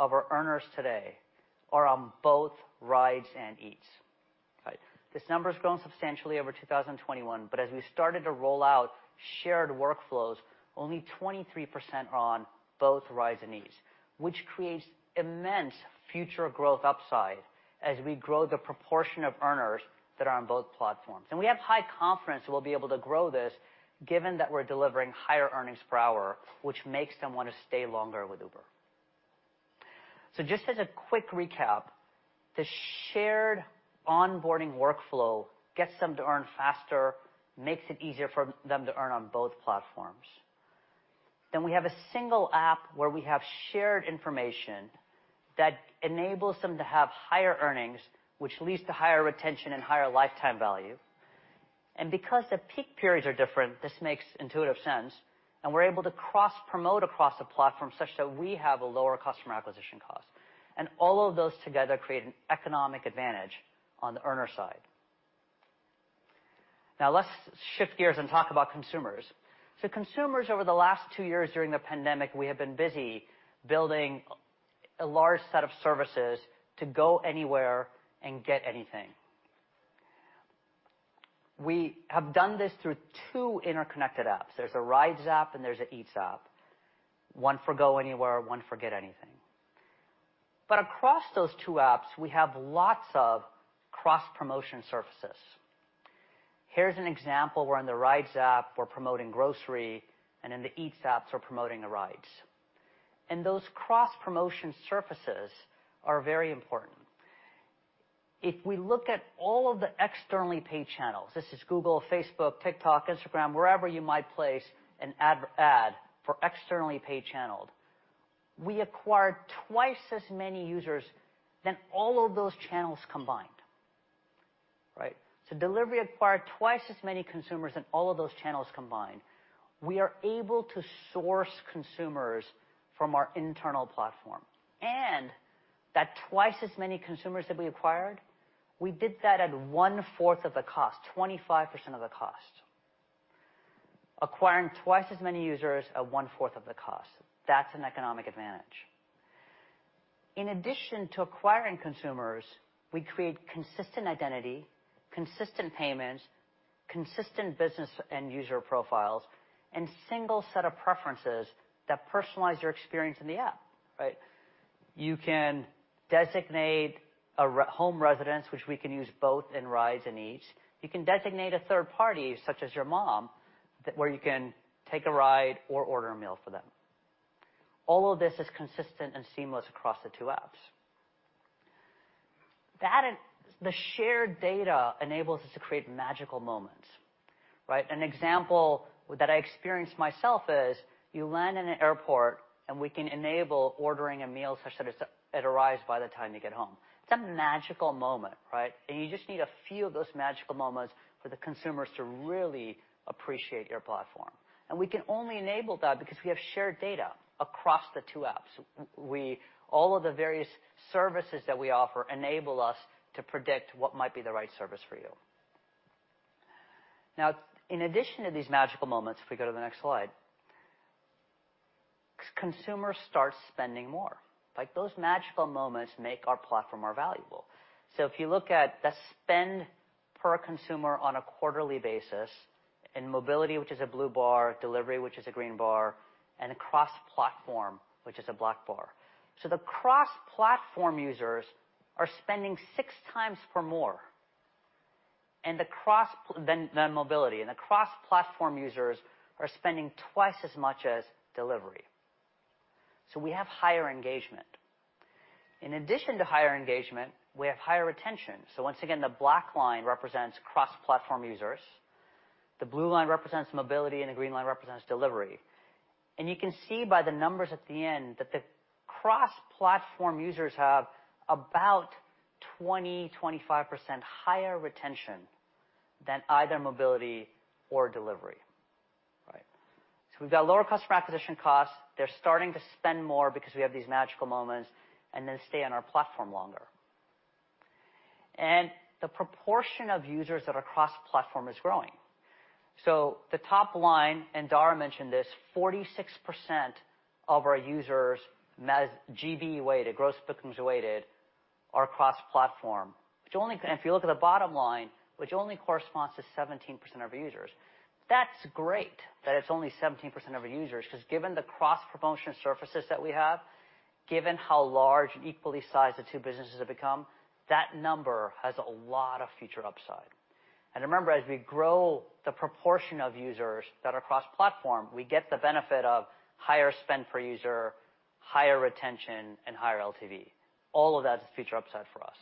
of our earners today are on both rides and Eats. Right? This number's grown substantially over 2021, but as we started to roll out shared workflows, only 23% are on both rides and Eats, which creates immense future growth upside as we grow the proportion of earners that are on both platforms. We have high confidence that we'll be able to grow this given that we're delivering higher earnings per hour, which makes them wanna stay longer with Uber. Just as a quick recap, the shared onboarding workflow gets them to earn faster, makes it easier for them to earn on both platforms. We have a single app where we have shared information that enables them to have higher earnings, which leads to higher retention and higher lifetime value. Because the peak periods are different, this makes intuitive sense, and we're able to cross-promote across the platform such that we have a lower customer acquisition cost, and all of those together create an economic advantage on the earner side. Now let's shift gears and talk about consumers. Consumers over the last two years during the pandemic, we have been busy building a large set of services to go anywhere and get anything. We have done this through two interconnected apps. There's a Rides app and there's an Eats app. One for Go Anywhere, one for Get Anything. Across those two apps, we have lots of cross-promotion surfaces. Here's an example, where on the Rides app, we're promoting grocery, and in the Eats apps, we're promoting the rides. Those cross-promotion surfaces are very important. If we look at all of the externally paid channels, this is Google, Facebook, TikTok, Instagram, wherever you might place an ad for externally paid channels, we acquired twice as many users than all of those channels combined. Right? Delivery acquired twice as many consumers than all of those channels combined. We are able to source consumers from our internal platform. That twice as many consumers that we acquired, we did that at one-fourth of the cost, 25% of the cost. Acquiring twice as many users at one-fourth of the cost. That's an economic advantage. In addition to acquiring consumers, we create consistent identity, consistent payments, consistent business and user profiles, and single set of preferences that personalize your experience in the app, right? You can designate a home residence, which we can use both in Rides and Eats. You can designate a third party, such as your mom, so that you can take a ride or order a meal for them. All of this is consistent and seamless across the two apps. That and the shared data enables us to create magical moments, right? An example that I experienced myself is you land in an airport, and we can enable ordering a meal such that it arrives by the time you get home. It's a magical moment, right? You just need a few of those magical moments for the consumers to really appreciate your platform. We can only enable that because we have shared data across the two apps. All of the various services that we offer enable us to predict what might be the right service for you. Now, in addition to these magical moments, if we go to the next slide, consumers start spending more. Like those magical moments make our platform more valuable. If you look at the spend per consumer on a quarterly basis, and Mobility, which is a blue bar, Delivery, which is a green bar, and a cross-platform, which is a black bar. The cross-platform users are spending 6x more than Mobility, and the cross-platform users are spending twice as much as Delivery. We have higher engagement. In addition to higher engagement, we have higher retention. Once again, the black line represents cross-platform users, the blue line represents Mobility, and the green line represents Delivery. You can see by the numbers at the end that the cross-platform users have about 20%-25% higher retention than either Mobility or Delivery. Right? We've got lower customer acquisition costs. They're starting to spend more because we have these magical moments and they stay on our platform longer. The proportion of users that are cross-platform is growing. The top line, and Dara mentioned this, 46% of our users GB-weighted, gross bookings weighted are cross-platform, which only corresponds to 17% of users. If you look at the bottom line, that's great that it's only 17% of users, 'cause given the cross-promotion surfaces that we have, given how large and equally sized the two businesses have become, that number has a lot of future upside. Remember, as we grow the proportion of users that are cross-platform, we get the benefit of higher spend per user, higher retention, and higher LTV. All of that is future upside for us.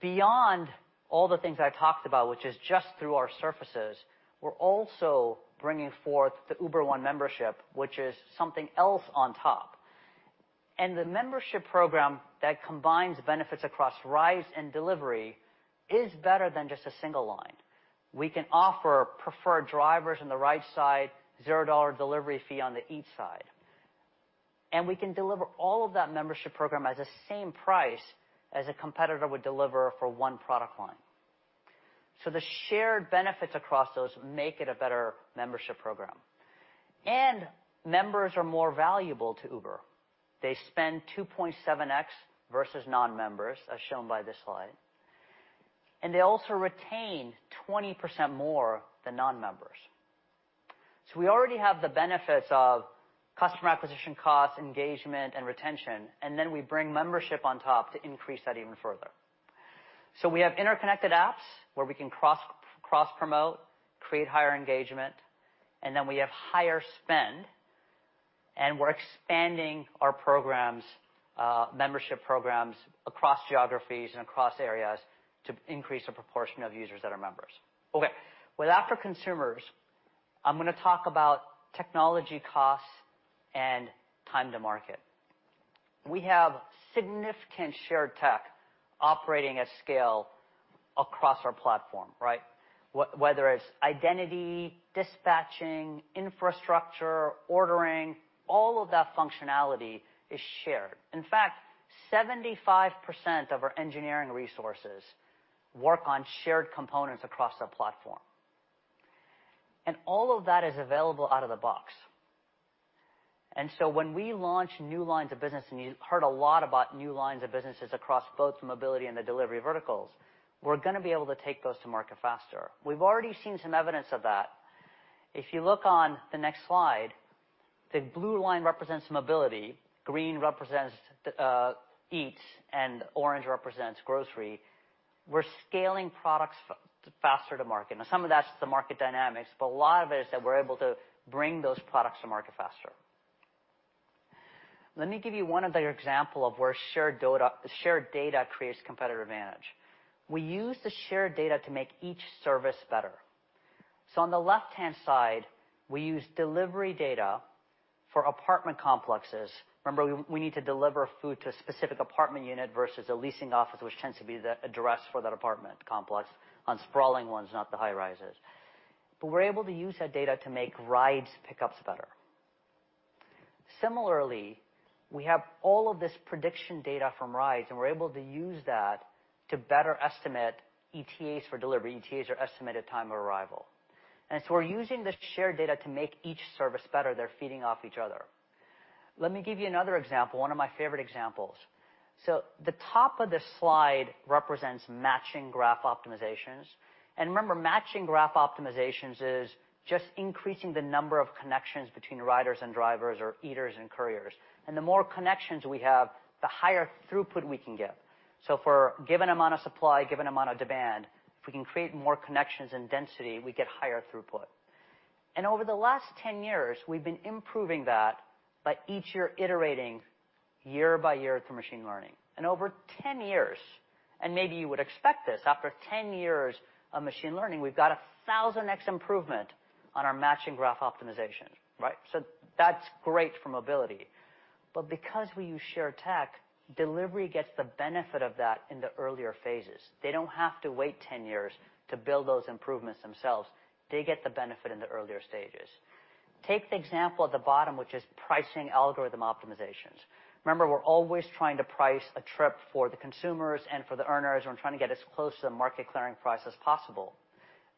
Beyond all the things I talked about, which is just through our surfaces, we're also bringing forth the Uber One membership, which is something else on top. The membership program that combines benefits across Rides and Delivery is better than just a single line. We can offer preferred drivers on the right side, zero dollar delivery fee on the Eats side. We can deliver all of that membership program at the same price as a competitor would deliver for one product line. The shared benefits across those make it a better membership program. Members are more valuable to Uber. They spend 2.7x versus non-members, as shown by this slide, and they also retain 20% more than non-members. We already have the benefits of customer acquisition costs, engagement, and retention, and then we bring membership on top to increase that even further. We have interconnected apps where we can cross-promote, create higher engagement, and then we have higher spend. We're expanding our programs, membership programs across geographies and across areas to increase the proportion of users that are members. Okay. Now, after consumers, I'm gonna talk about technology costs and time to market. We have significant shared tech operating at scale across our platform, right? Whether it's identity, dispatching, infrastructure, ordering, all of that functionality is shared. In fact, 75% of our engineering resources work on shared components across our platform. All of that is available out of the box. When we launch new lines of business, and you heard a lot about new lines of businesses across both mobility and the delivery verticals, we're gonna be able to take those to market faster. We've already seen some evidence of that. If you look on the next slide, the blue line represents mobility, green represents Eats, and orange represents grocery. We're scaling products faster to market. Now some of that's the market dynamics, but a lot of it is that we're able to bring those products to market faster. Let me give you one other example of where shared data creates competitive advantage. We use the shared data to make each service better. On the left-hand side, we use delivery data for apartment complexes. Remember, we need to deliver food to a specific apartment unit versus a leasing office, which tends to be the address for that apartment complex on sprawling ones, not the high-rises. We're able to use that data to make rides pickups better. Similarly, we have all of this prediction data from Rides, and we're able to use that to better estimate ETAs for delivery. ETAs are estimated time of arrival. We're using the shared data to make each service better. They're feeding off each other. Let me give you another example, one of my favorite examples. The top of this slide represents matching graph optimizations. Remember, matching graph optimizations is just increasing the number of connections between riders and drivers or eaters and couriers. The more connections we have, the higher throughput we can get. For a given amount of supply, given amount of demand, if we can create more connections and density, we get higher throughput. Over the last 10 years, we've been improving that by each year iterating year by year through machine learning. Over 10 years, and maybe you would expect this, after 10 years of machine learning, we've got a 1000x improvement on our matching graph optimization, right? That's great for mobility. Because we use shared tech, delivery gets the benefit of that in the earlier phases. They don't have to wait 10 years to build those improvements themselves. They get the benefit in the earlier stages. Take the example at the bottom, which is pricing algorithm optimizations. Remember, we're always trying to price a trip for the consumers and for the earners, and we're trying to get as close to the market clearing price as possible,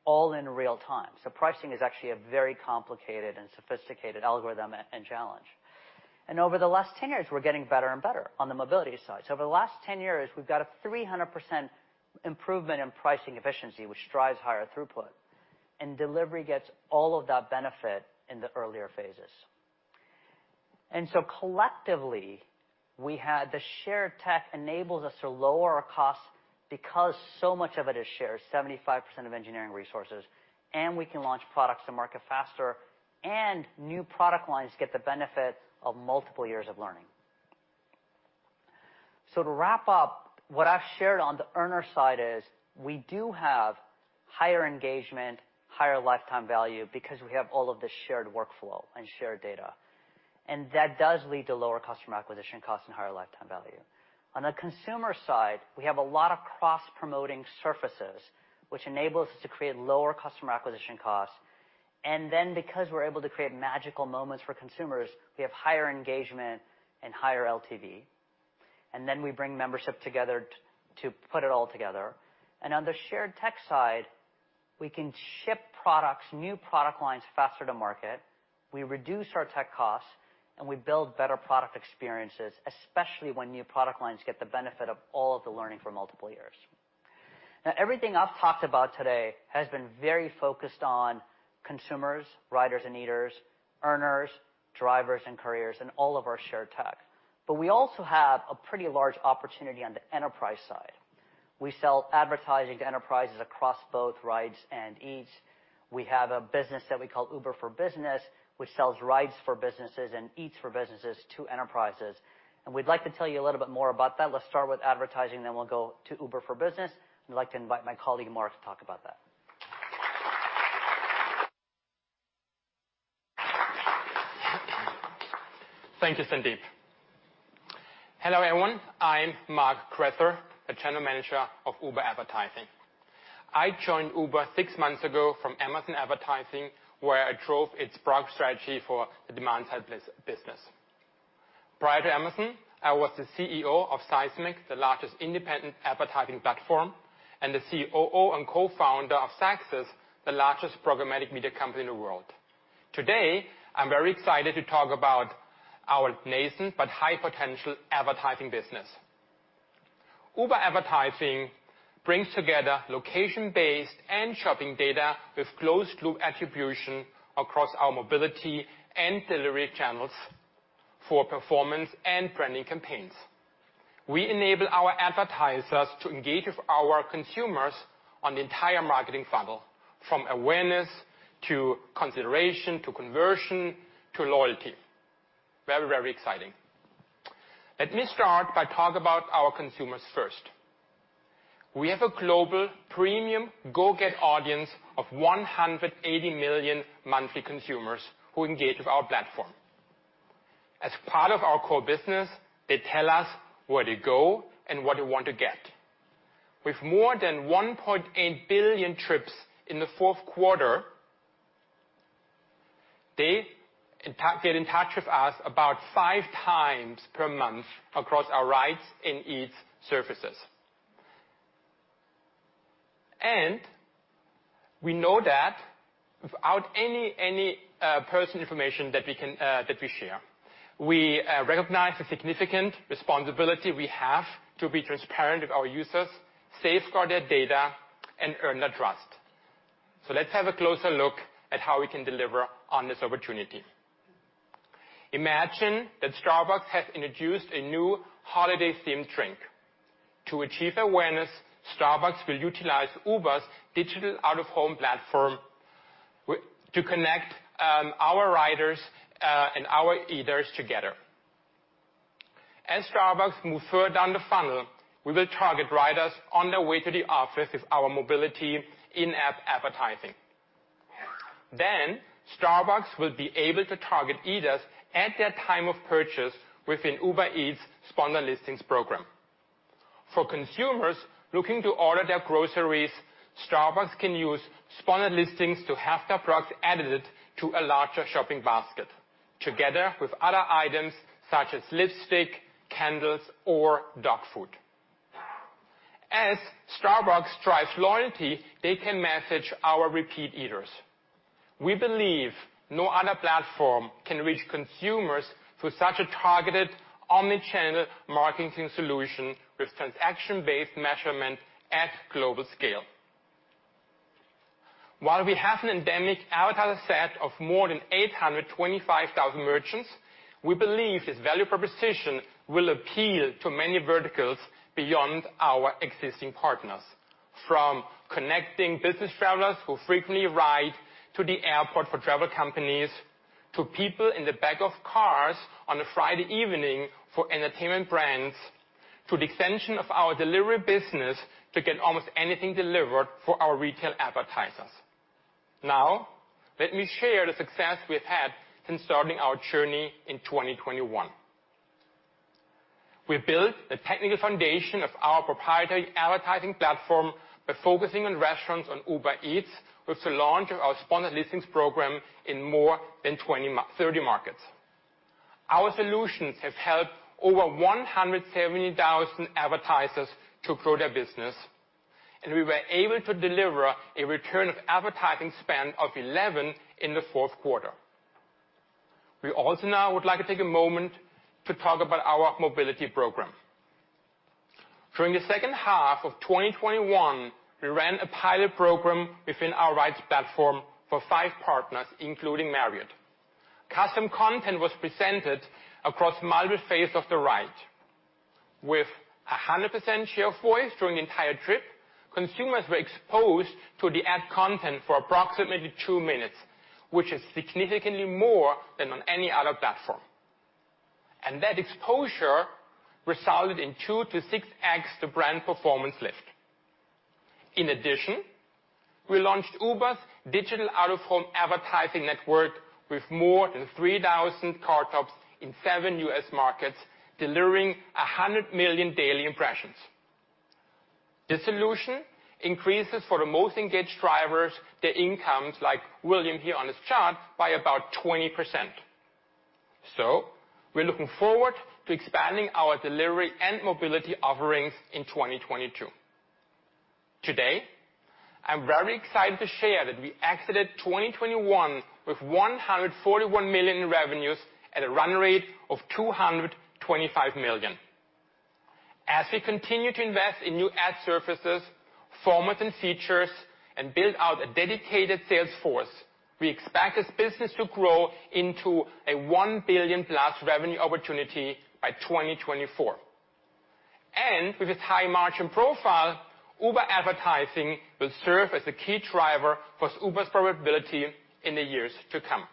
all in real time. Pricing is actually a very complicated and sophisticated algorithm and challenge. Over the last 10 years, we're getting better and better on the mobility side. Over the last 10 years, we've got a 300% improvement in pricing efficiency, which drives higher throughput. Delivery gets all of that benefit in the earlier phases. Collectively, we had the shared tech enables us to lower our costs because so much of it is shared, 75% of engineering resources, and we can launch products to market faster, and new product lines get the benefit of multiple years of learning. To wrap up, what I've shared on the earner side is we do have higher engagement, higher lifetime value because we have all of the shared workflow and shared data. That does lead to lower customer acquisition costs and higher lifetime value. On the consumer side, we have a lot of cross-promoting surfaces, which enables us to create lower customer acquisition costs. Because we're able to create magical moments for consumers, we have higher engagement and higher LTV. We bring membership together to put it all together. On the shared tech side, we can ship products, new product lines faster to market. We reduce our tech costs, and we build better product experiences, especially when new product lines get the benefit of all of the learning for multiple years. Now, everything I've talked about today has been very focused on consumers, riders and eaters, earners, drivers and couriers, and all of our shared tech. We also have a pretty large opportunity on the enterprise side. We sell advertising to enterprises across both Rides and Eats. We have a business that we call Uber for Business, which sells Rides for businesses and Eats for businesses to enterprises. We'd like to tell you a little bit more about that. Let's start with advertising, then we'll go to Uber for Business. I'd like to invite my colleague, Mark, to talk about that. Thank you, Sundeep. Hello, everyone. I'm Mark Grether, the General Manager of Uber Advertising. I joined Uber six months ago from Amazon Advertising, where I drove its product strategy for the demand side business. Prior to Amazon, I was the CEO of Sizmek, the largest independent advertising platform, and the COO and Co-Founder of Xaxis, the largest programmatic media company in the world. Today, I'm very excited to talk about our nascent but high-potential advertising business. Uber Advertising brings together location-based and shopping data with closed-loop attribution across our mobility and delivery channels for performance and branding campaigns. We enable our advertisers to engage with our consumers on the entire marketing funnel, from awareness to consideration, to conversion, to loyalty. Very, very exciting. Let me start by talking about our consumers first. We have a global premium go get audience of 180 million monthly consumers who engage with our platform. As part of our core business, they tell us where to go and what they want to get. With more than 1.8 billion trips in the fourth quarter, they in fact get in touch with us about 5x per month across our rides and Eats services. We know that without any personal information that we share. We recognize the significant responsibility we have to be transparent with our users, safeguard their data, and earn their trust. Let's have a closer look at how we can deliver on this opportunity. Imagine that Starbucks has introduced a new holiday-themed drink. To achieve awareness, Starbucks will utilize Uber's digital out-of-home platform to connect our riders and our eaters together. As Starbucks move further down the funnel, we will target riders on their way to the office with our mobility in-app advertising. Starbucks will be able to target eaters at their time of purchase within Uber Eats sponsored listings program. For consumers looking to order their groceries, Starbucks can use sponsored listings to have their products added to a larger shopping basket, together with other items such as lipstick, candles, or dog food. As Starbucks drives loyalty, they can message our repeat eaters. We believe no other platform can reach consumers through such a targeted omni-channel marketing solution with transaction-based measurement at global scale. While we have an endemic advertiser set of more than 825,000 merchants, we believe this value proposition will appeal to many verticals beyond our existing partners. From connecting business travelers who frequently ride to the airport for travel companies, to people in the back of cars on a Friday evening for entertainment brands, to the extension of our delivery business to get almost anything delivered for our retail advertisers. Now, let me share the success we've had since starting our journey in 2021. We built the technical foundation of our proprietary advertising platform by focusing on restaurants on Uber Eats with the launch of our sponsored listings program in more than 30 markets. Our solutions have helped over 170,000 advertisers to grow their business, and we were able to deliver a return on ad spend of 11 in the fourth quarter. We also now would like to take a moment to talk about our mobility program. During the second half of 2021, we ran a pilot program within our rides platform for five partners, including Marriott. Custom content was presented across multiple phases of the ride. With 100% share of voice during the entire trip, consumers were exposed to the ad content for approximately two minutes, which is significantly more than on any other platform. That exposure resulted in 2x-6x brand performance lift. In addition, we launched Uber's digital out-of-home advertising network with more than 3,000 car tops in seven U.S. markets, delivering 100 million daily impressions. The solution increases for the most engaged drivers, their incomes, like William here on this chart, by about 20%. We're looking forward to expanding our delivery and mobility offerings in 2022. Today, I'm very excited to share that we exited 2021 with $141 million in revenues at a run rate of $225 million. As we continue to invest in new ad services, formats, and features, and build out a dedicated sales force, we expect this business to grow into a $1+ billion revenue opportunity by 2024. With its high margin profile, Uber Advertising will serve as the key driver for Uber's profitability in the years to come.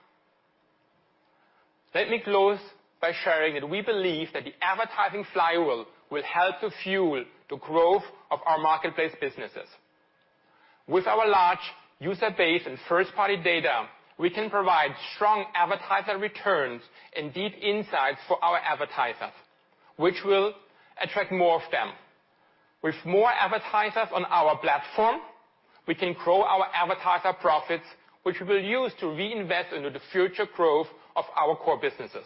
Let me close by sharing that we believe that the advertising flywheel will help to fuel the growth of our marketplace businesses. With our large user base and first-party data, we can provide strong advertiser returns and deep insights for our advertisers, which will attract more of them. With more advertisers on our platform, we can grow our advertiser profits, which we'll use to reinvest into the future growth of our core businesses,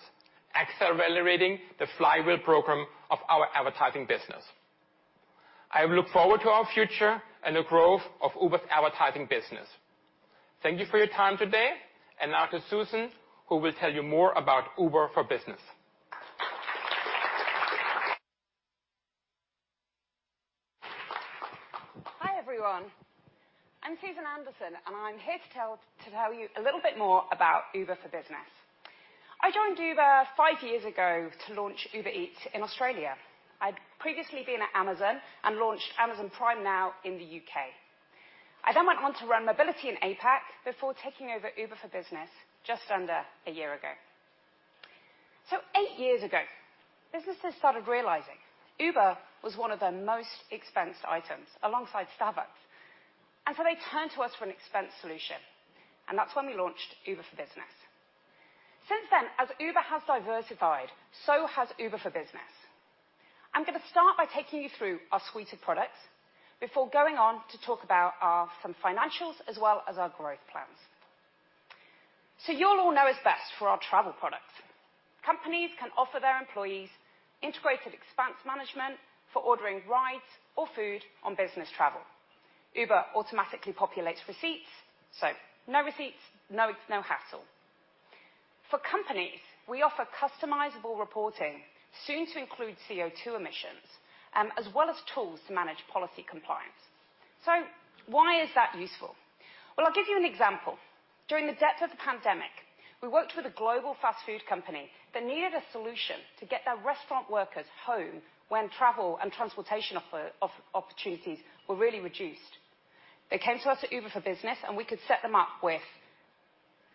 accelerating the flywheel program of our advertising business. I look forward to our future and the growth of Uber's Advertising business. Thank you for your time today. Now to Susan, who will tell you more about Uber for Business. Everyone. I'm Susan Anderson, and I'm here to tell you a little bit more about Uber for Business. I joined Uber five years ago to launch Uber Eats in Australia. I'd previously been at Amazon and launched Amazon Prime Now in the U.K. I then went on to run Mobility in APAC before taking over Uber for Business just under a year ago. Eight years ago, businesses started realizing Uber was one of their most expensed items alongside Starbucks. They turned to us for an expense solution, and that's when we launched Uber for Business. Since then, as Uber has diversified, so has Uber for Business. I'm gonna start by taking you through our suite of products before going on to talk about our, some financials as well as our growth plans. You'll all know us best for our travel products. Companies can offer their employees integrated expense management for ordering rides or food on business travel. Uber automatically populates receipts, so no receipts, no hassle. For companies, we offer customizable reporting, soon to include CO2 emissions, as well as tools to manage policy compliance. Why is that useful? Well, I'll give you an example. During the depth of the pandemic, we worked with a global fast food company that needed a solution to get their restaurant workers home when travel and transportation opportunities were really reduced. They came to us at Uber for Business, and we could set them up with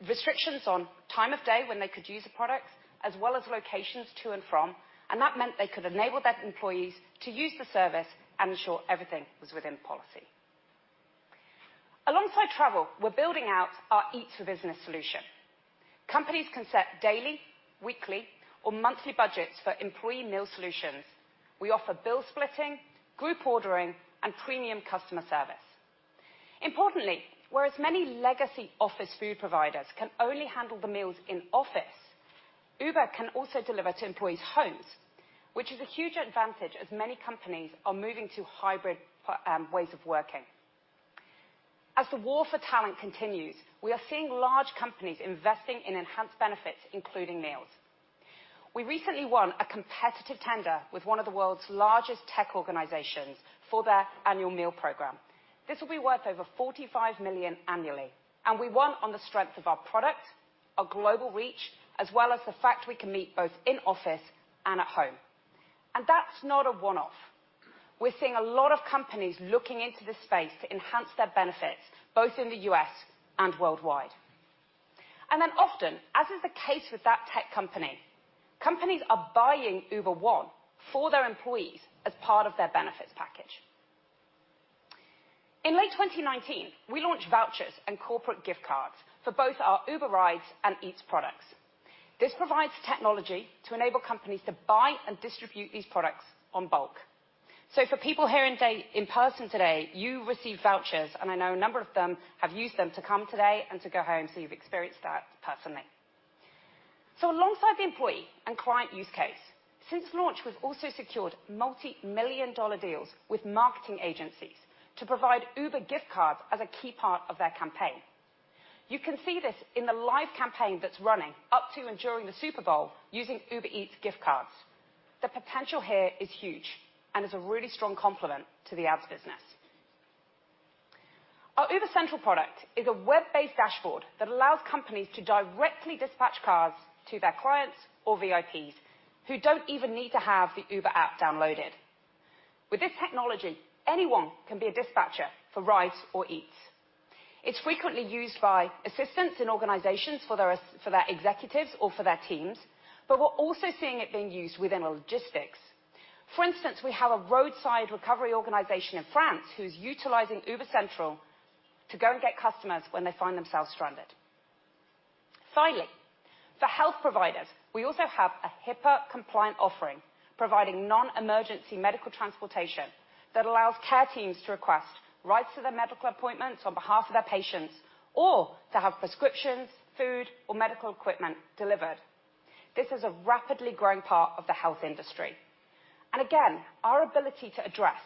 restrictions on time of day when they could use the product as well as locations to and from, and that meant they could enable their employees to use the service and ensure everything was within policy. Alongside travel, we're building out our Eats for Business solution. Companies can set daily, weekly or monthly budgets for employee meal solutions. We offer bill splitting, group ordering, and premium customer service. Importantly, whereas many legacy office food providers can only handle the meals in office, Uber can also deliver to employees' homes, which is a huge advantage as many companies are moving to hybrid ways of working. As the war for talent continues, we are seeing large companies investing in enhanced benefits, including meals. We recently won a competitive tender with one of the world's largest tech organizations for their annual meal program. This will be worth over $45 million annually, and we won on the strength of our product, our global reach, as well as the fact we can meet both in office and at home. That's not a one-off. We're seeing a lot of companies looking into this space to enhance their benefits, both in the U.S. and worldwide. Often, as is the case with that tech company, companies are buying Uber One for their employees as part of their benefits package. In late 2019, we launched vouchers and corporate gift cards for both our Uber Rides and Eats products. This provides technology to enable companies to buy and distribute these products in bulk. For people here in person today, you received vouchers, and I know a number of them have used them to come today and to go home, so you've experienced that personally. Alongside the employee and client use case, since launch, we've also secured multi-million-dollar deals with marketing agencies to provide Uber gift cards as a key part of their campaign. You can see this in the live campaign that's running up to and during the Super Bowl using Uber Eats gift cards. The potential here is huge and is a really strong complement to the ads business. Our Uber Central product is a web-based dashboard that allows companies to directly dispatch cars to their clients or VIPs who don't even need to have the Uber app downloaded. With this technology, anyone can be a dispatcher for Rides or Eats. It's frequently used by assistants in organizations for their executives or for their teams, but we're also seeing it being used within logistics. For instance, we have a roadside recovery organization in France who's utilizing Uber Central to go and get customers when they find themselves stranded. Finally, for health providers, we also have a HIPAA-compliant offering, providing non-emergency medical transportation that allows care teams to request rides to their medical appointments on behalf of their patients or to have prescriptions, food, or medical equipment delivered. This is a rapidly growing part of the health industry. Again, our ability to address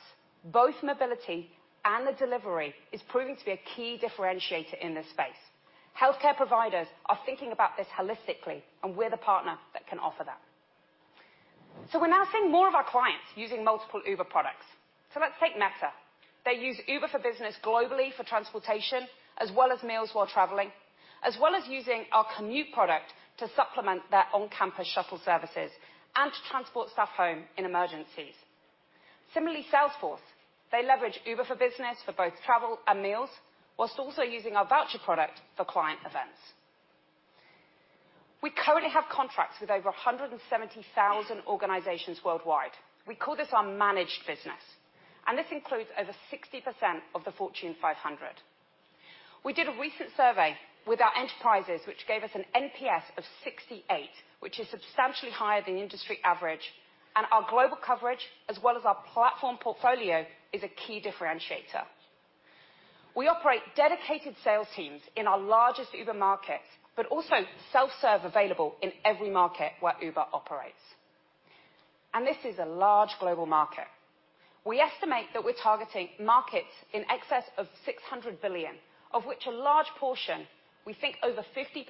both mobility and the delivery is proving to be a key differentiator in this space. Healthcare providers are thinking about this holistically, and we're the partner that can offer that. We're now seeing more of our clients using multiple Uber products. Let's take Meta. They use Uber for Business globally for transportation, as well as meals while traveling, as well as using our Commute product to supplement their on-campus shuttle services and to transport staff home in emergencies. Similarly, Salesforce, they leverage Uber for Business for both travel and meals, while also using our voucher product for client events. We currently have contracts with over 170,000 organizations worldwide. We call this our Managed Business, and this includes over 60% of the Fortune 500. We did a recent survey with our enterprises, which gave us an NPS of 68, which is substantially higher than industry average. Our global coverage, as well as our platform portfolio, is a key differentiator. We operate dedicated sales teams in our largest Uber markets, but also self-serve available in every market where Uber operates. This is a large global market. We estimate that we're targeting markets in excess of $600 billion, of which a large portion, we think over 50%,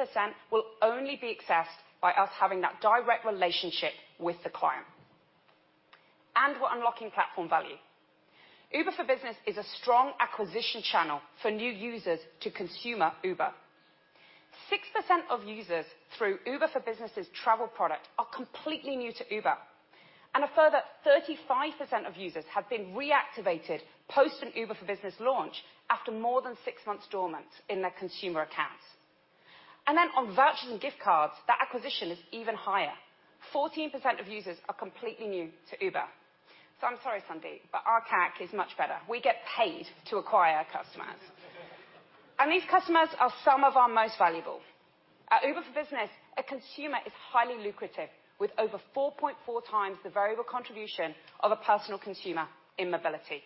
will only be accessed by us having that direct relationship with the client. We're unlocking platform value. Uber for Business is a strong acquisition channel for new users to consumer Uber. 6% of users through Uber for Business's travel product are completely new to Uber, and a further 35% of users have been reactivated post an Uber for Business launch after more than six months dormant in their consumer accounts. On vouchers and gift cards, that acquisition is even higher. 14% of users are completely new to Uber. I'm sorry, Sundeep, but our take is much better. We get paid to acquire customers. These customers are some of our most valuable. At Uber for Business, a consumer is highly lucrative with over 4.4x the variable contribution of a personal consumer in mobility.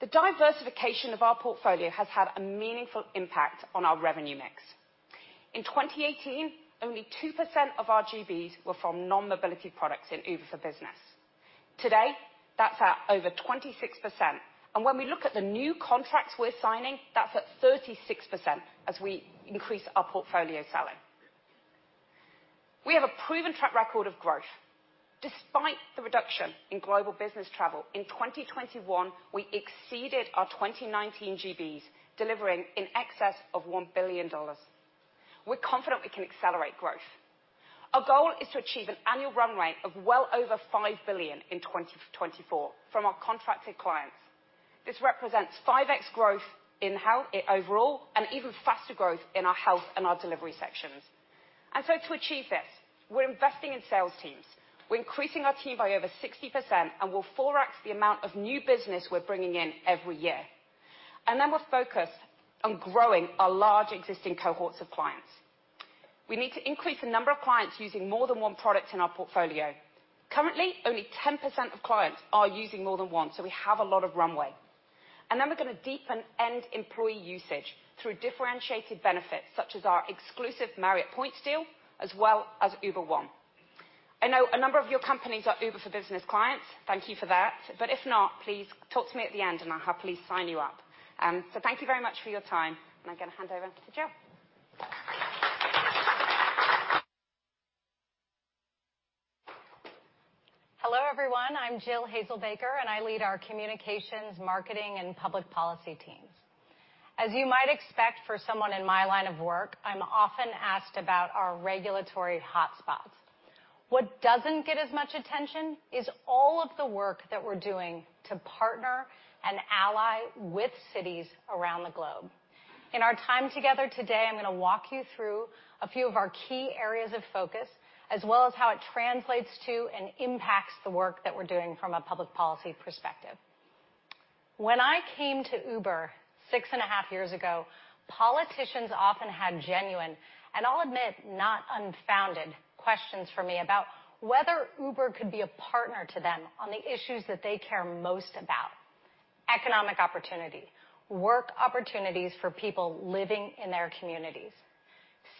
The diversification of our portfolio has had a meaningful impact on our revenue mix. In 2018, only 2% of our GBs were from non-mobility products in Uber for Business. Today, that's at over 26%. When we look at the new contracts we're signing, that's at 36% as we increase our portfolio selling. We have a proven track record of growth. Despite the reduction in global business travel, in 2021, we exceeded our 2019 GBs, delivering in excess of $1 billion. We're confident we can accelerate growth. Our goal is to achieve an annual run rate of well over $5 billion in 2024 from our contracted clients. This represents 5x growth in health overall and even faster growth in our health and our delivery sections. To achieve this, we're investing in sales teams. We're increasing our team by over 60%, and we'll 4x the amount of new business we're bringing in every year. We're focused on growing our large existing cohorts of clients. We need to increase the number of clients using more than one product in our portfolio. Currently, only 10% of clients are using more than one, so we have a lot of runway. We're gonna deepen and employee usage through differentiated benefits, such as our exclusive Marriott points deal as well as Uber One. I know a number of your companies are Uber for Business clients. Thank you for that. If not, please talk to me at the end, and I'll happily sign you up. Thank you very much for your time, and I'm gonna hand over to Jill. Hello, everyone. I'm Jill Hazelbaker, and I lead our communications, marketing, and public policy teams. As you might expect for someone in my line of work, I'm often asked about our regulatory hotspots. What doesn't get as much attention is all of the work that we're doing to partner and ally with cities around the globe. In our time together today, I'm gonna walk you through a few of our key areas of focus, as well as how it translates to and impacts the work that we're doing from a public policy perspective. When I came to Uber six and a half years ago, politicians often had genuine, and I'll admit, not unfounded questions for me about whether Uber could be a partner to them on the issues that they care most about. Economic opportunity, work opportunities for people living in their communities,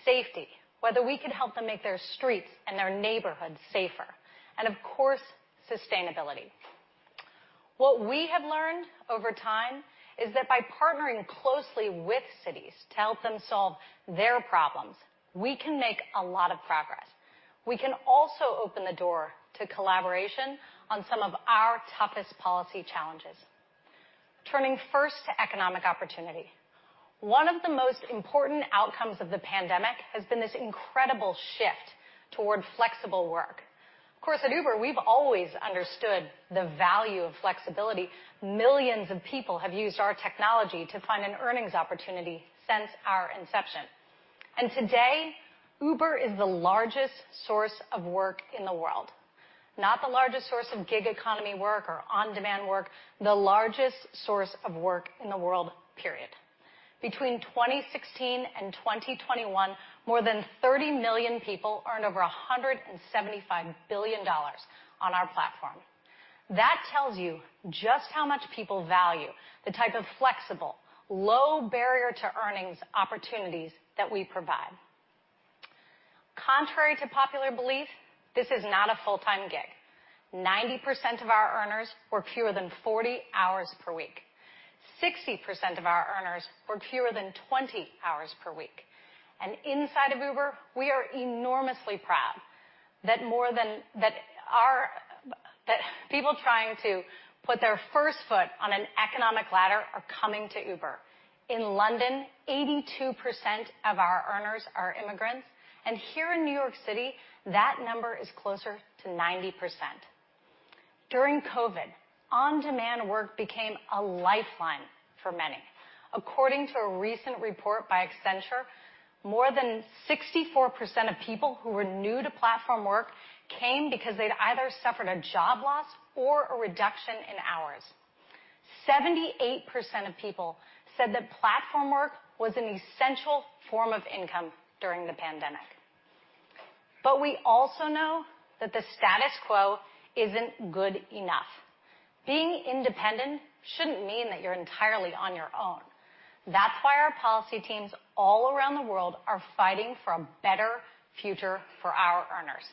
safety, whether we could help them make their streets and their neighborhoods safer, and of course, sustainability. What we have learned over time is that by partnering closely with cities to help them solve their problems, we can make a lot of progress. We can also open the door to collaboration on some of our toughest policy challenges. Turning first to economic opportunity. One of the most important outcomes of the pandemic has been this incredible shift toward flexible work. Of course, at Uber, we've always understood the value of flexibility. Millions of people have used our technology to find an earnings opportunity since our inception. Today, Uber is the largest source of work in the world. Not the largest source of gig economy work or on-demand work, the largest source of work in the world, period. Between 2016 and 2021, more than 30 million people earned over $175 billion on our platform. That tells you just how much people value the type of flexible, low barrier to earnings opportunities that we provide. Contrary to popular belief, this is not a full-time gig. 90% of our earners work fewer than 40 hours per week. 60% of our earners work fewer than 20 hours per week. Inside of Uber, we are enormously proud that people trying to put their first foot on an economic ladder are coming to Uber. In London, 82% of our earners are immigrants, and here in New York City, that number is closer to 90%. During COVID, on-demand work became a lifeline for many. According to a recent report by Accenture, more than 64% of people who were new to platform work came because they'd either suffered a job loss or a reduction in hours. 78% of people said that platform work was an essential form of income during the pandemic. We also know that the status quo isn't good enough. Being independent shouldn't mean that you're entirely on your own. That's why our policy teams all around the world are fighting for a better future for our earners.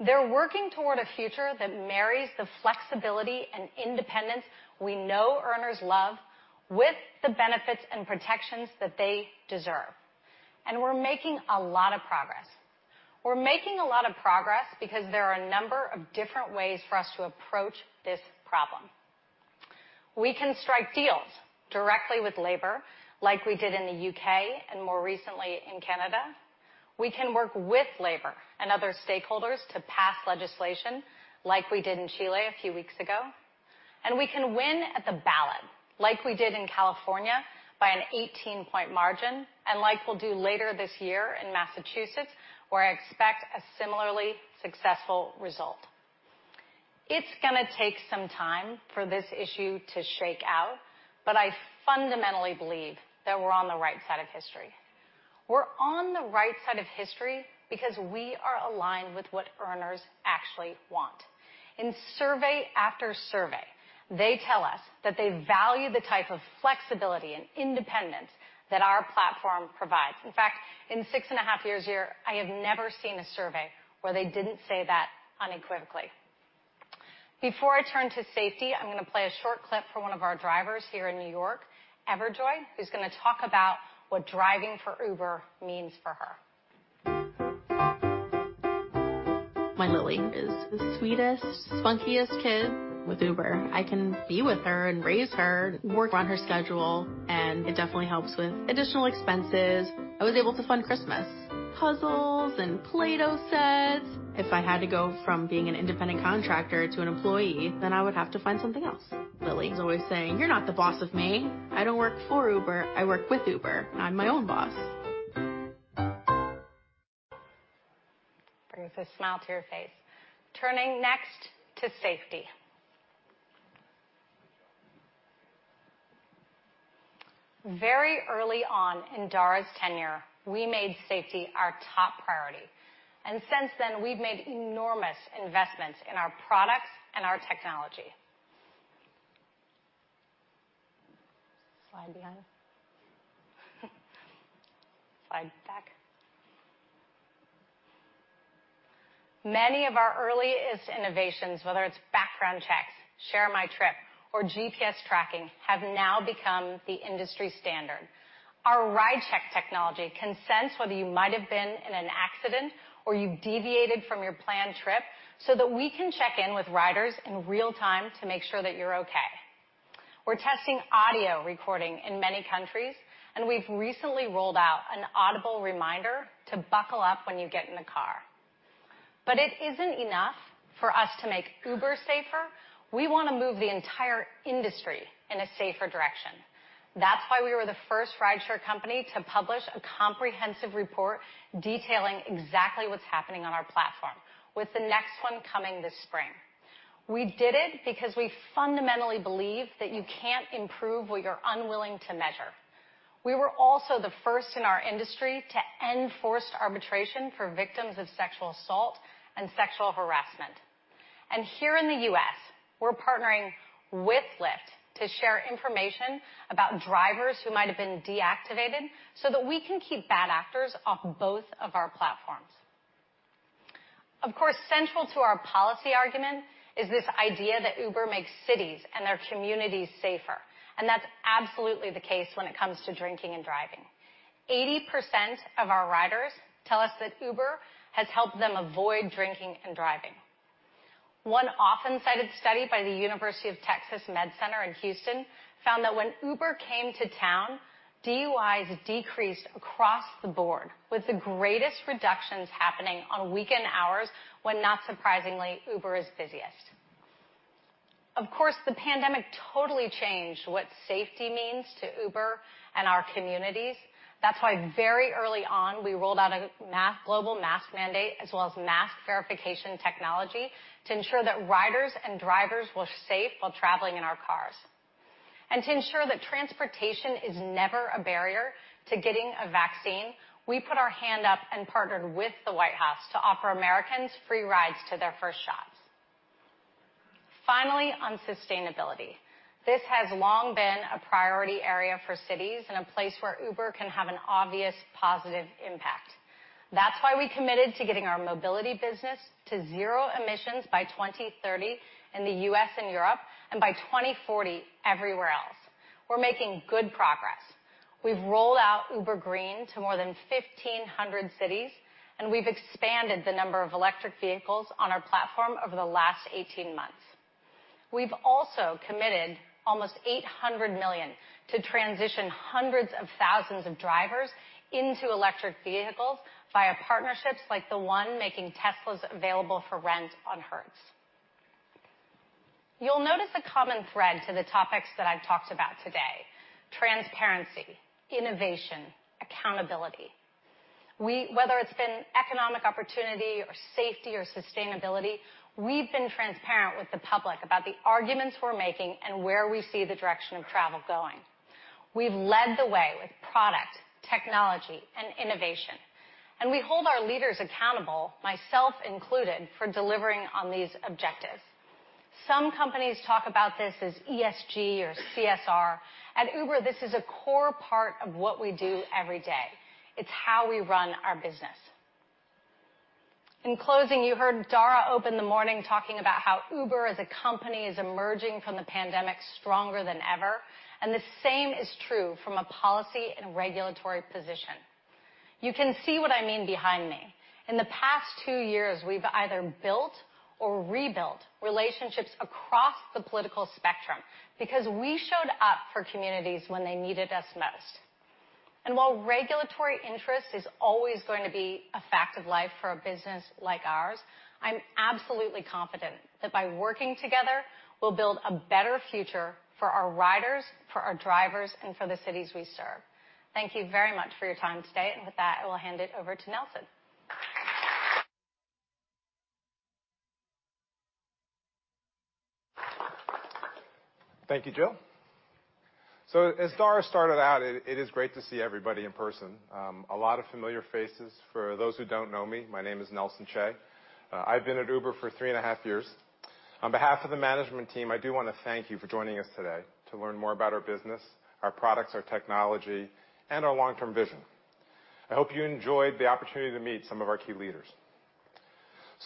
They're working toward a future that marries the flexibility and independence we know earners love with the benefits and protections that they deserve. We're making a lot of progress. We're making a lot of progress because there are a number of different ways for us to approach this problem. We can strike deals directly with labor like we did in the U.K. and more recently in Canada. We can work with labor and other stakeholders to pass legislation like we did in Chile a few weeks ago, and we can win at the ballot like we did in California by an 18-point margin, and like we'll do later this year in Massachusetts, where I expect a similarly successful result. It's gonna take some time for this issue to shake out, but I fundamentally believe that we're on the right side of history. We're on the right side of history because we are aligned with what earners actually want. In survey after survey, they tell us that they value the type of flexibility and independence that our platform provides. In fact, in six and a half years here, I have never seen a survey where they didn't say that unequivocally. Before I turn to safety, I'm gonna play a short clip from one of our drivers here in New York, Everjoy, who's gonna talk about what driving for Uber means for her. My Lily is the sweetest, spunkiest kid. With Uber, I can be with her and raise her, work on her schedule, and it definitely helps with additional expenses. I was able to fund Christmas, puzzles, and Play-Doh sets. If I had to go from being an independent contractor to an employee, then I would have to find something else. Lily's always saying, "You're not the boss of me. I don't work for Uber. I work with Uber. I'm my own boss. Brings a smile to your face. Turning next to safety. Very early on in Dara's tenure, we made safety our top priority, and since then, we've made enormous investments in our products and our technology. Slide behind. Slide back. Many of our earliest innovations, whether it's background checks, Share My Trip, or GPS tracking, have now become the industry standard. Our Ride Check technology can sense whether you might have been in an accident or you deviated from your planned trip so that we can check in with riders in real time to make sure that you're okay. We're testing audio recording in many countries, and we've recently rolled out an audible reminder to buckle up when you get in the car. It isn't enough for us to make Uber safer. We wanna move the entire industry in a safer direction. That's why we were the first rideshare company to publish a comprehensive report detailing exactly what's happening on our platform, with the next one coming this spring. We did it because we fundamentally believe that you can't improve what you're unwilling to measure. We were also the first in our industry to end forced arbitration for victims of sexual assault and sexual harassment. Here in the U.S., we're partnering with Lyft to share information about drivers who might have been deactivated so that we can keep bad actors off both of our platforms. Of course, central to our policy argument is this idea that Uber makes cities and their communities safer, and that's absolutely the case when it comes to drinking and driving. 80% of our riders tell us that Uber has helped them avoid drinking and driving. One often-cited study by the University of Texas Health Science Center at Houston found that when Uber came to town, DUIs decreased across the board, with the greatest reductions happening on weekend hours when, not surprisingly, Uber is busiest. Of course, the pandemic totally changed what safety means to Uber and our communities. That's why very early on, we rolled out a global mask mandate as well as mask verification technology to ensure that riders and drivers were safe while traveling in our cars. To ensure that transportation is never a barrier to getting a vaccine, we put our hand up and partnered with the White House to offer Americans free rides to their first shots. Finally, on sustainability, this has long been a priority area for cities and a place where Uber can have an obvious positive impact. That's why we committed to getting our mobility business to zero emissions by 2030 in the U.S. and Europe, and by 2040 everywhere else. We're making good progress. We've rolled out Uber Green to more than 1,500 cities, and we've expanded the number of electric vehicles on our platform over the last 18 months. We've also committed almost $800 million to transition hundreds of thousands of drivers into electric vehicles via partnerships like the one making Teslas available for rent on Hertz. You'll notice a common thread to the topics that I've talked about today, transparency, innovation, accountability. Whether it's been economic opportunity or safety or sustainability, we've been transparent with the public about the arguments we're making and where we see the direction of travel going. We've led the way with product, technology, and innovation, and we hold our leaders accountable, myself included, for delivering on these objectives. Some companies talk about this as ESG or CSR. At Uber, this is a core part of what we do every day. It's how we run our business. In closing, you heard Dara open the morning talking about how Uber as a company is emerging from the pandemic stronger than ever, and the same is true from a policy and regulatory position. You can see what I mean behind me. In the past two years, we've either built or rebuilt relationships across the political spectrum because we showed up for communities when they needed us most. While regulatory interest is always going to be a fact of life for a business like ours, I'm absolutely confident that by working together, we'll build a better future for our riders, for our drivers, and for the cities we serve. Thank you very much for your time today. With that, I will hand it over to Nelson. Thank you, Jill. As Dara started out, it is great to see everybody in person. A lot of familiar faces. For those who don't know me, my name is Nelson Chai. I've been at Uber for three and a half years. On behalf of the management team, I do wanna thank you for joining us today to learn more about our business, our products, our technology, and our long-term vision. I hope you enjoy the opportunity to meet some of our key leaders.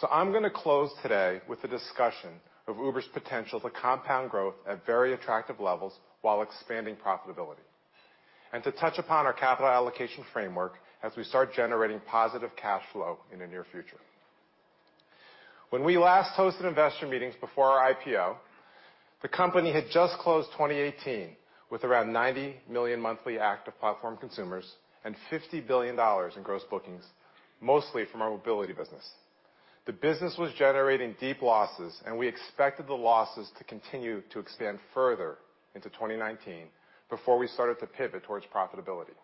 I'm gonna close today with a discussion of Uber's potential to compound growth at very attractive levels while expanding profitability, and to touch upon our capital allocation framework as we start generating positive cash flow in the near future. When we last hosted investor meetings before our IPO, the company had just closed 2018 with around 90 million monthly active platform consumers and $50 billion in gross bookings, mostly from our mobility business. The business was generating deep losses, and we expected the losses to continue to expand further into 2019 before we started to pivot towards profitability.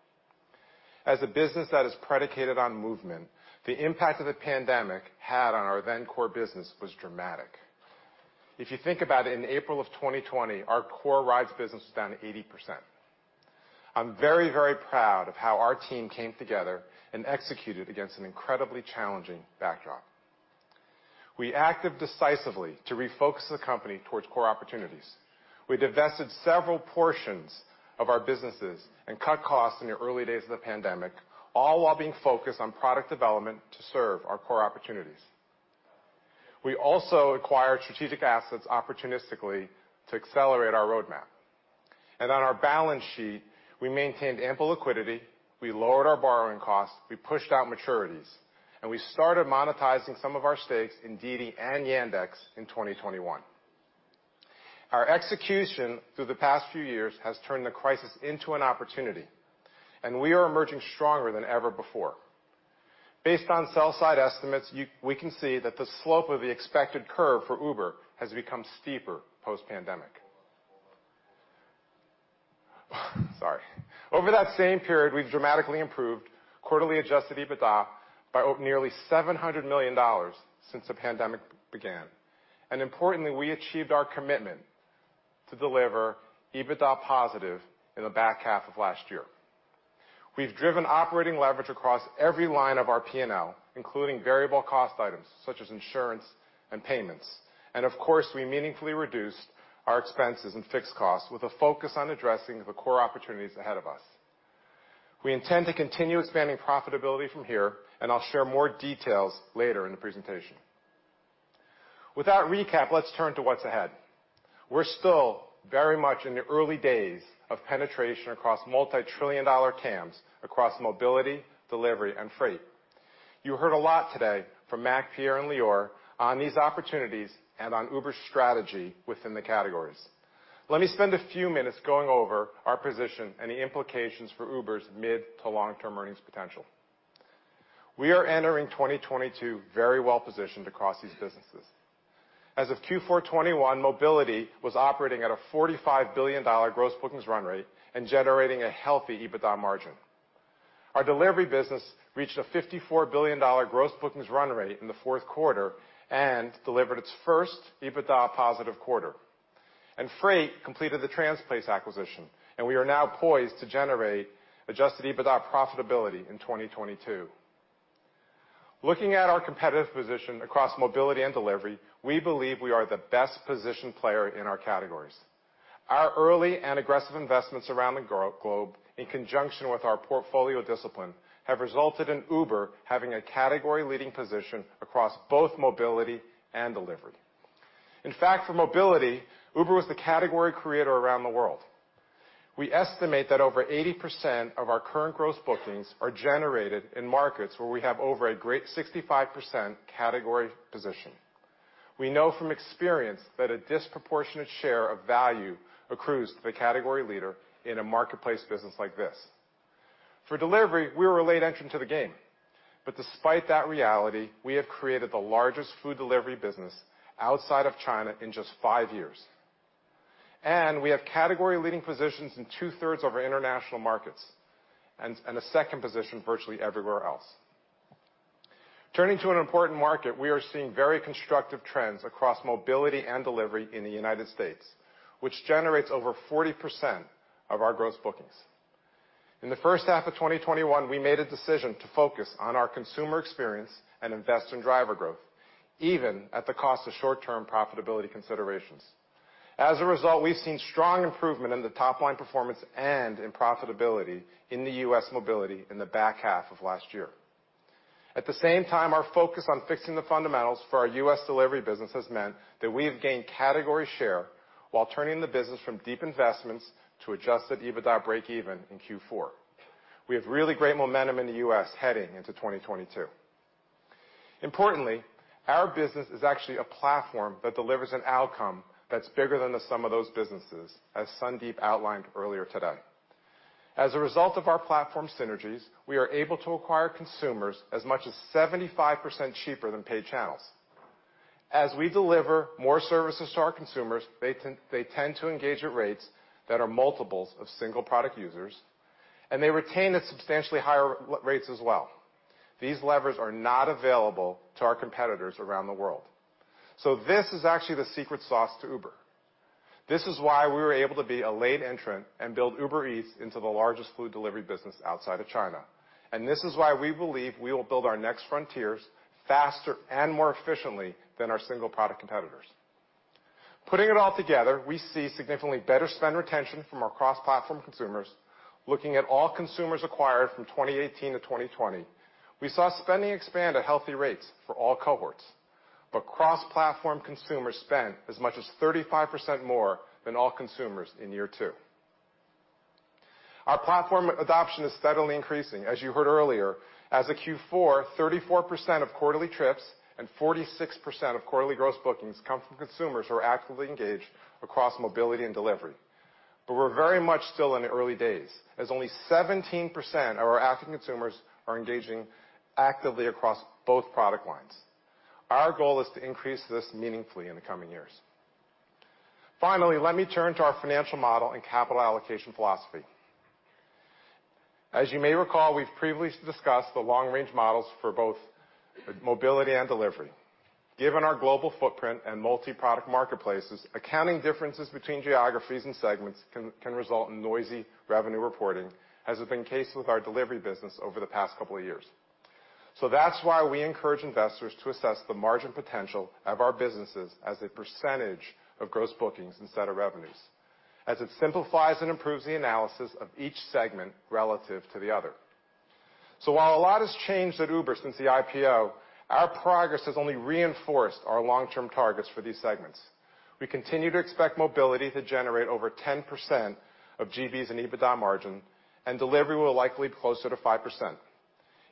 As a business that is predicated on movement, the impact of the pandemic had on our then core business was dramatic. If you think about in April of 2020, our core rides business was down 80%. I'm very, very proud of how our team came together and executed against an incredibly challenging backdrop. We acted decisively to refocus the company towards core opportunities. We divested several portions of our businesses and cut costs in the early days of the pandemic, all while being focused on product development to serve our core opportunities. We also acquired strategic assets opportunistically to accelerate our roadmap. On our balance sheet, we maintained ample liquidity, we lowered our borrowing costs, we pushed out maturities, and we started monetizing some of our stakes in DiDi and Yandex in 2021. Our execution through the past few years has turned the crisis into an opportunity, and we are emerging stronger than ever before. Based on sell-side estimates, we can see that the slope of the expected curve for Uber has become steeper post-pandemic. Sorry. Over that same period, we've dramatically improved quarterly adjusted EBITDA by nearly $700 million since the pandemic began. Importantly, we achieved our commitment to deliver EBITDA positive in the back half of last year. We've driven operating leverage across every line of our P&L, including variable cost items such as insurance and payments. Of course, we meaningfully reduced our expenses and fixed costs with a focus on addressing the core opportunities ahead of us. We intend to continue expanding profitability from here, and I'll share more details later in the presentation. With that recap, let's turn to what's ahead. We're still very much in the early days of penetration across multi-trillion-dollar TAMs across Mobility, Delivery, and Freight. You heard a lot today from Mac, Pierre, and Lior on these opportunities and on Uber's strategy within the categories. Let me spend a few minutes going over our position and the implications for Uber's mid- to long-term earnings potential. We are entering 2022 very well-positioned across these businesses. As of Q4 2021, Mobility was operating at a $45 billion gross bookings run rate and generating a healthy EBITDA margin. Our Delivery business reached a $54 billion gross bookings run rate in the fourth quarter and delivered its first EBITDA-positive quarter. Freight completed the Transplace acquisition, and we are now poised to generate adjusted EBITDA profitability in 2022. Looking at our competitive position across Mobility and Delivery, we believe we are the best positioned player in our categories. Our early and aggressive investments around the globe in conjunction with our portfolio discipline have resulted in Uber having a category-leading position across both Mobility and Delivery. In fact, for Mobility, Uber was the category creator around the world. We estimate that over 80% of our current gross bookings are generated in markets where we have over a greater 65% category position. We know from experience that a disproportionate share of value accrues to the category leader in a marketplace business like this. For Delivery, we're a late entrant to the game. Despite that reality, we have created the largest food delivery business outside of China in just five years. We have category leading positions in two-thirds of our international markets, and a second position virtually everywhere else. Turning to an important market, we are seeing very constructive trends across Mobility and Delivery in the United States, which generates over 40% of our gross bookings. In the first half of 2021, we made a decision to focus on our consumer experience and invest in driver growth, even at the cost of short-term profitability considerations. As a result, we've seen strong improvement in the top-line performance and in profitability in the U.S. mobility in the back half of last year. At the same time, our focus on fixing the fundamentals for our U.S. delivery business has meant that we have gained category share while turning the business from deep investments to adjusted EBITDA breakeven in Q4. We have really great momentum in the U.S. heading into 2022. Importantly, our business is actually a platform that delivers an outcome that's bigger than the sum of those businesses, as Sundeep outlined earlier today. As a result of our platform synergies, we are able to acquire consumers as much as 75% cheaper than paid channels. As we deliver more services to our consumers, they tend to engage at rates that are multiples of single product users, and they retain at substantially higher rates as well. These levers are not available to our competitors around the world. This is actually the secret sauce to Uber. This is why we were able to be a late entrant and build Uber Eats into the largest food delivery business outside of China. This is why we believe we will build our next frontiers faster and more efficiently than our single product competitors. Putting it all together, we see significantly better spend retention from our cross-platform consumers. Looking at all consumers acquired from 2018 to 2020, we saw spending expand at healthy rates for all cohorts, but cross-platform consumers spent as much as 35% more than all consumers in year two. Our platform adoption is steadily increasing. As you heard earlier, as of Q4, 34% of quarterly trips and 46% of quarterly gross bookings come from consumers who are actively engaged across mobility and delivery. We're very much still in the early days, as only 17% of our active consumers are engaging actively across both product lines. Our goal is to increase this meaningfully in the coming years. Finally, let me turn to our financial model and capital allocation philosophy. As you may recall, we've previously discussed the long-range models for both mobility and delivery. Given our global footprint and multi-product marketplaces, accounting differences between geographies and segments can result in noisy revenue reporting, as has been the case with our delivery business over the past couple of years. That's why we encourage investors to assess the margin potential of our businesses as a percentage of gross bookings instead of revenues, as it simplifies and improves the analysis of each segment relative to the other. While a lot has changed at Uber since the IPO, our progress has only reinforced our long-term targets for these segments. We continue to expect mobility to generate over 10% of GBs and EBITDA margin, and delivery will likely be closer to 5%.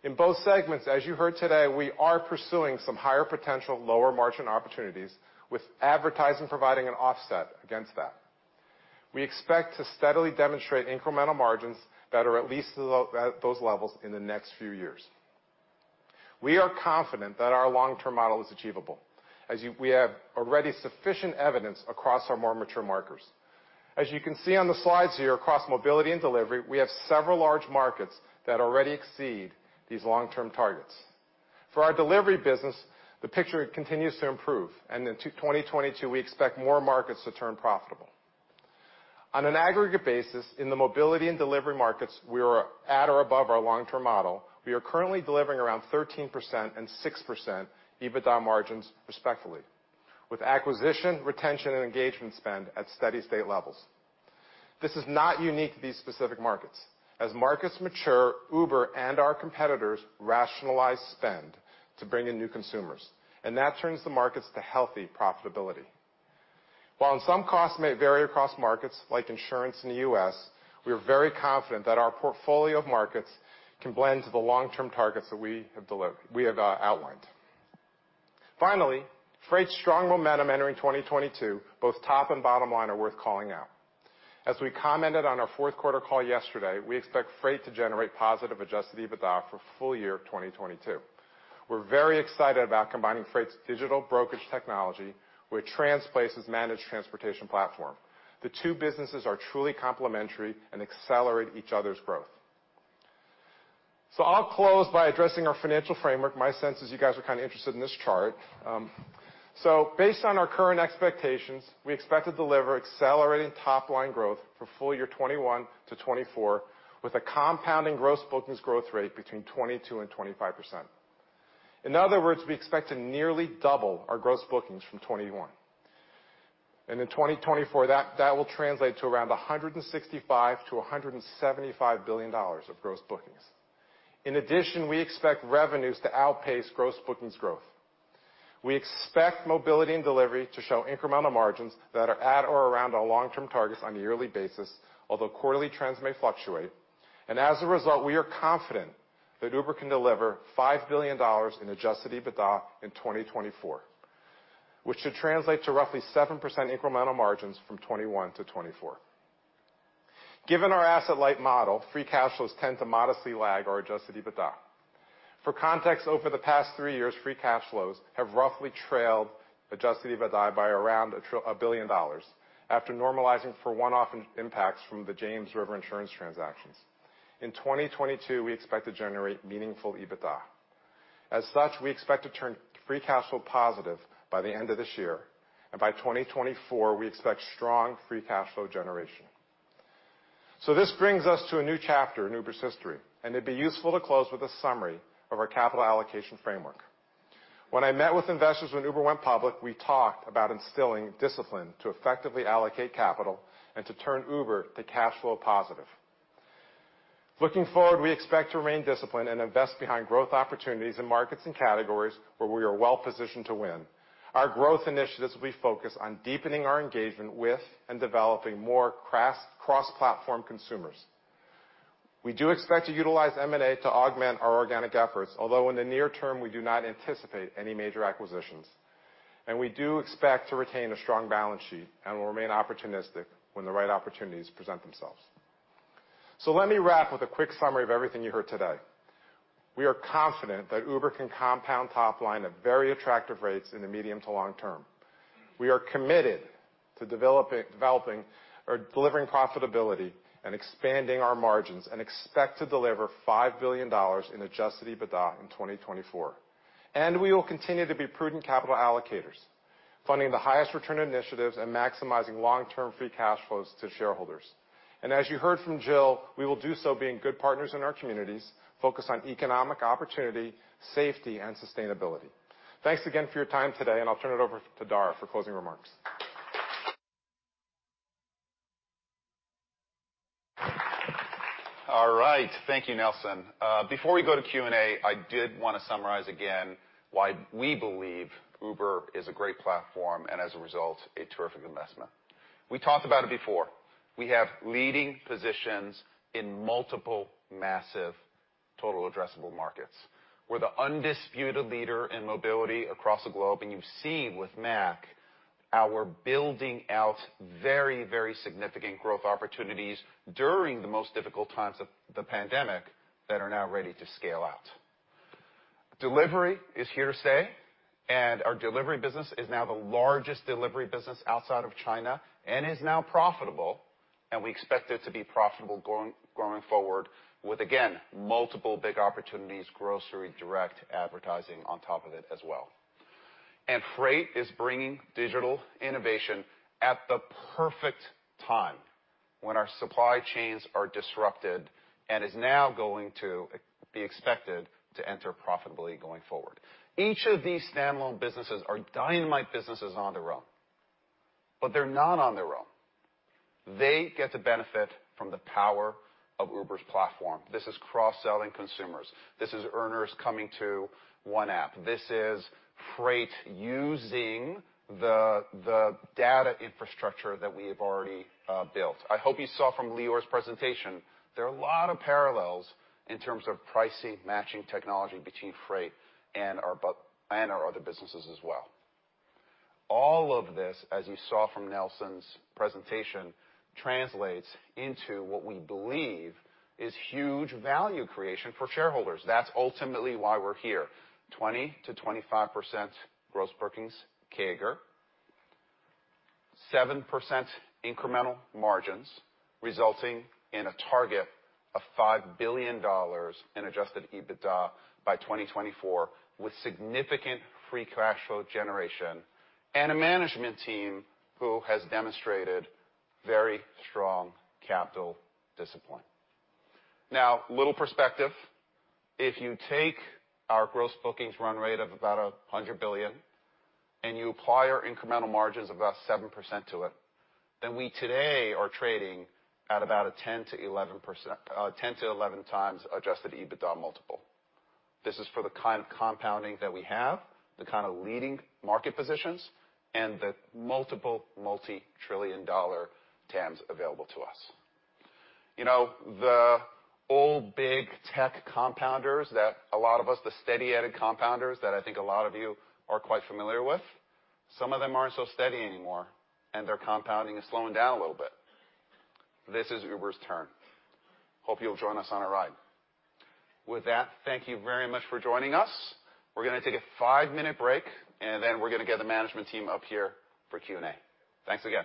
In both segments, as you heard today, we are pursuing some higher potential, lower margin opportunities, with advertising providing an offset against that. We expect to steadily demonstrate incremental margins that are at least at those levels in the next few years. We are confident that our long-term model is achievable, as we have already sufficient evidence across our more mature markets. As you can see on the slides here across mobility and delivery, we have several large markets that already exceed these long-term targets. For our delivery business, the picture continues to improve, and in 2022, we expect more markets to turn profitable. On an aggregate basis, in the mobility and delivery markets, we are at or above our long-term model. We are currently delivering around 13% and 6% EBITDA margins respectively, with acquisition, retention, and engagement spend at steady-state levels. This is not unique to these specific markets. As markets mature, Uber and our competitors rationalize spend to bring in new consumers, and that turns the markets to healthy profitability. While some costs may vary across markets like insurance in the U.S., we are very confident that our portfolio of markets can blend to the long-term targets that we have outlined. Finally, Freight's strong momentum entering 2022, both top and bottom line are worth calling out. As we commented on our fourth quarter call yesterday, we expect Freight to generate positive adjusted EBITDA for full year of 2022. We're very excited about combining Freight's digital brokerage technology with Transplace's managed transportation platform. The two businesses are truly complementary and accelerate each other's growth. I'll close by addressing our financial framework. My sense is you guys are kind of interested in this chart. Based on our current expectations, we expect to deliver accelerating top-line growth for full year 2021 to 2024, with a compounding gross bookings growth rate between 22% and 25%. In other words, we expect to nearly double our gross bookings from 2021. In 2024, that will translate to around $165 billion-$175 billion of gross bookings. In addition, we expect revenues to outpace gross bookings growth. We expect mobility and delivery to show incremental margins that are at or around our long-term targets on a yearly basis, although quarterly trends may fluctuate. As a result, we are confident that Uber can deliver $5 billion in adjusted EBITDA in 2024, which should translate to roughly 7% incremental margins from 2021 to 2024. Given our asset-light model, free cash flows tend to modestly lag our adjusted EBITDA. For context, over the past three years, free cash flows have roughly trailed adjusted EBITDA by around $1 billion after normalizing for one-off impacts from the James River insurance transactions. In 2022, we expect to generate meaningful EBITDA. As such, we expect to turn free cash flow positive by the end of this year, and by 2024, we expect strong free cash flow generation. This brings us to a new chapter in Uber's history, and it'd be useful to close with a summary of our capital allocation framework. When I met with investors when Uber went public, we talked about instilling discipline to effectively allocate capital and to turn Uber to cash flow positive. Looking forward, we expect to remain disciplined and invest behind growth opportunities in markets and categories where we are well-positioned to win. Our growth initiatives will be focused on deepening our engagement with and developing more cross-platform consumers. We do expect to utilize M&A to augment our organic efforts, although in the near term, we do not anticipate any major acquisitions. We do expect to retain a strong balance sheet and will remain opportunistic when the right opportunities present themselves. Let me wrap with a quick summary of everything you heard today. We are confident that Uber can compound top line at very attractive rates in the medium to long term. We are committed to developing or delivering profitability and expanding our margins and expect to deliver $5 billion in adjusted EBITDA in 2024. We will continue to be prudent capital allocators, funding the highest return initiatives and maximizing long-term free cash flows to shareholders. As you heard from Jill, we will do so being good partners in our communities, focused on economic opportunity, safety, and sustainability. Thanks again for your time today, and I'll turn it over to Dara for closing remarks. All right. Thank you, Nelson. Before we go to Q&A, I did wanna summarize again why we believe Uber is a great platform and as a result, a terrific investment. We talked about it before. We have leading positions in multiple massive total addressable markets. We're the undisputed leader in mobility across the globe, and you've seen with Mac how we're building out very, very significant growth opportunities during the most difficult times of the pandemic that are now ready to scale out. Delivery is here to stay, and our delivery business is now the largest delivery business outside of China and is now profitable, and we expect it to be profitable going forward with, again, multiple big opportunities, grocery, direct advertising on top of it as well. Freight is bringing digital innovation at the perfect time when our supply chains are disrupted and is now going to be expected to enter profitability going forward. Each of these standalone businesses are dynamite businesses on their own, but they're not on their own. They get to benefit from the power of Uber's platform. This is cross-selling consumers. This is earners coming to one app. This is Freight using the data infrastructure that we have already built. I hope you saw from Lior's presentation, there are a lot of parallels in terms of pricing, matching technology between Freight and our other businesses as well. All of this, as you saw from Nelson's presentation, translates into what we believe is huge value creation for shareholders. That's ultimately why we're here. 20%-25% gross bookings CAGR, 7% incremental margins resulting in a target of $5 billion in adjusted EBITDA by 2024 with significant free cash flow generation and a management team who has demonstrated very strong capital discipline. Now, a little perspective, if you take our gross bookings run rate of about $100 billion and you apply our incremental margins of about 7% to it, then we today are trading at about 10x-11x adjusted EBITDA multiple. This is for the kind of compounding that we have, the kind of leading market positions, and the multiple multi-trillion-dollar TAMs available to us. You know, the old big tech compounders that a lot of us, the steady-added compounders that I think a lot of you are quite familiar with, some of them aren't so steady anymore, and their compounding is slowing down a little bit. This is Uber's turn. Hope you'll join us on our ride. With that, thank you very much for joining us. We're gonna take a five-minute break, and then we're gonna get the management team up here for Q&A. Thanks again.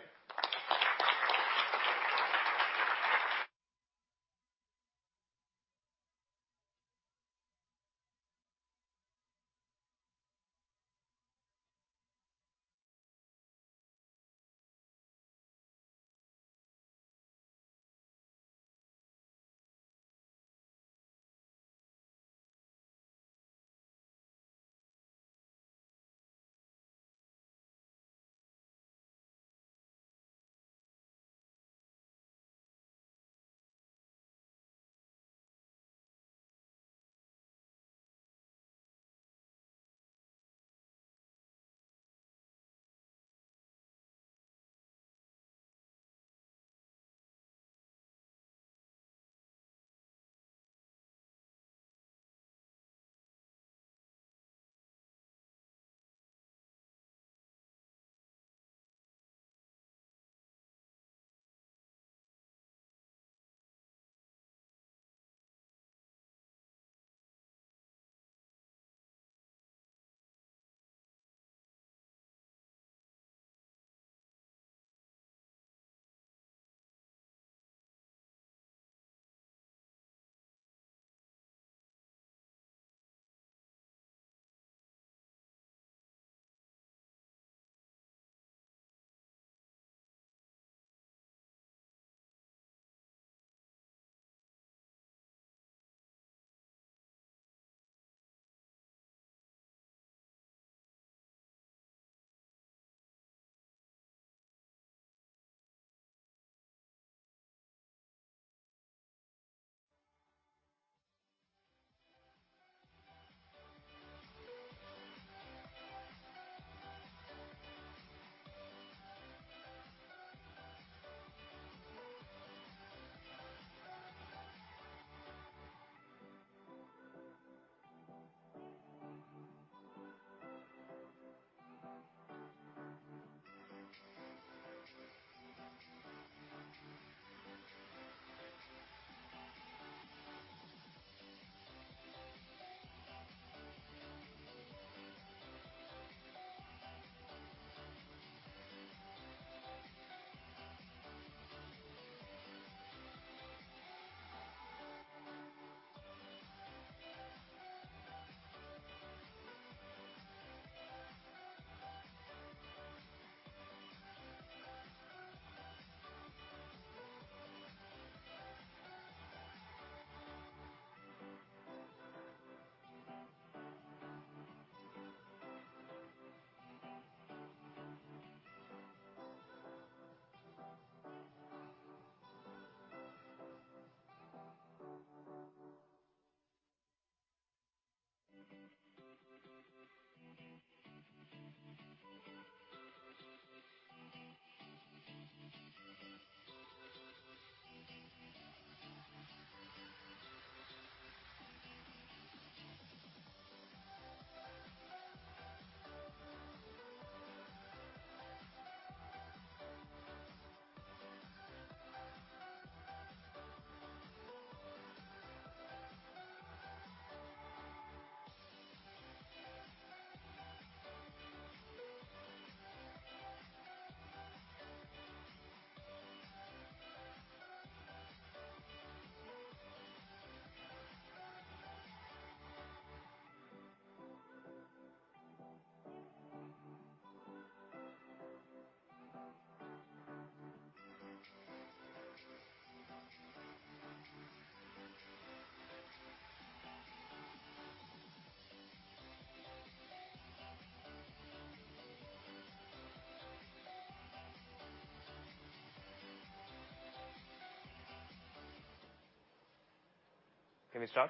Can we start?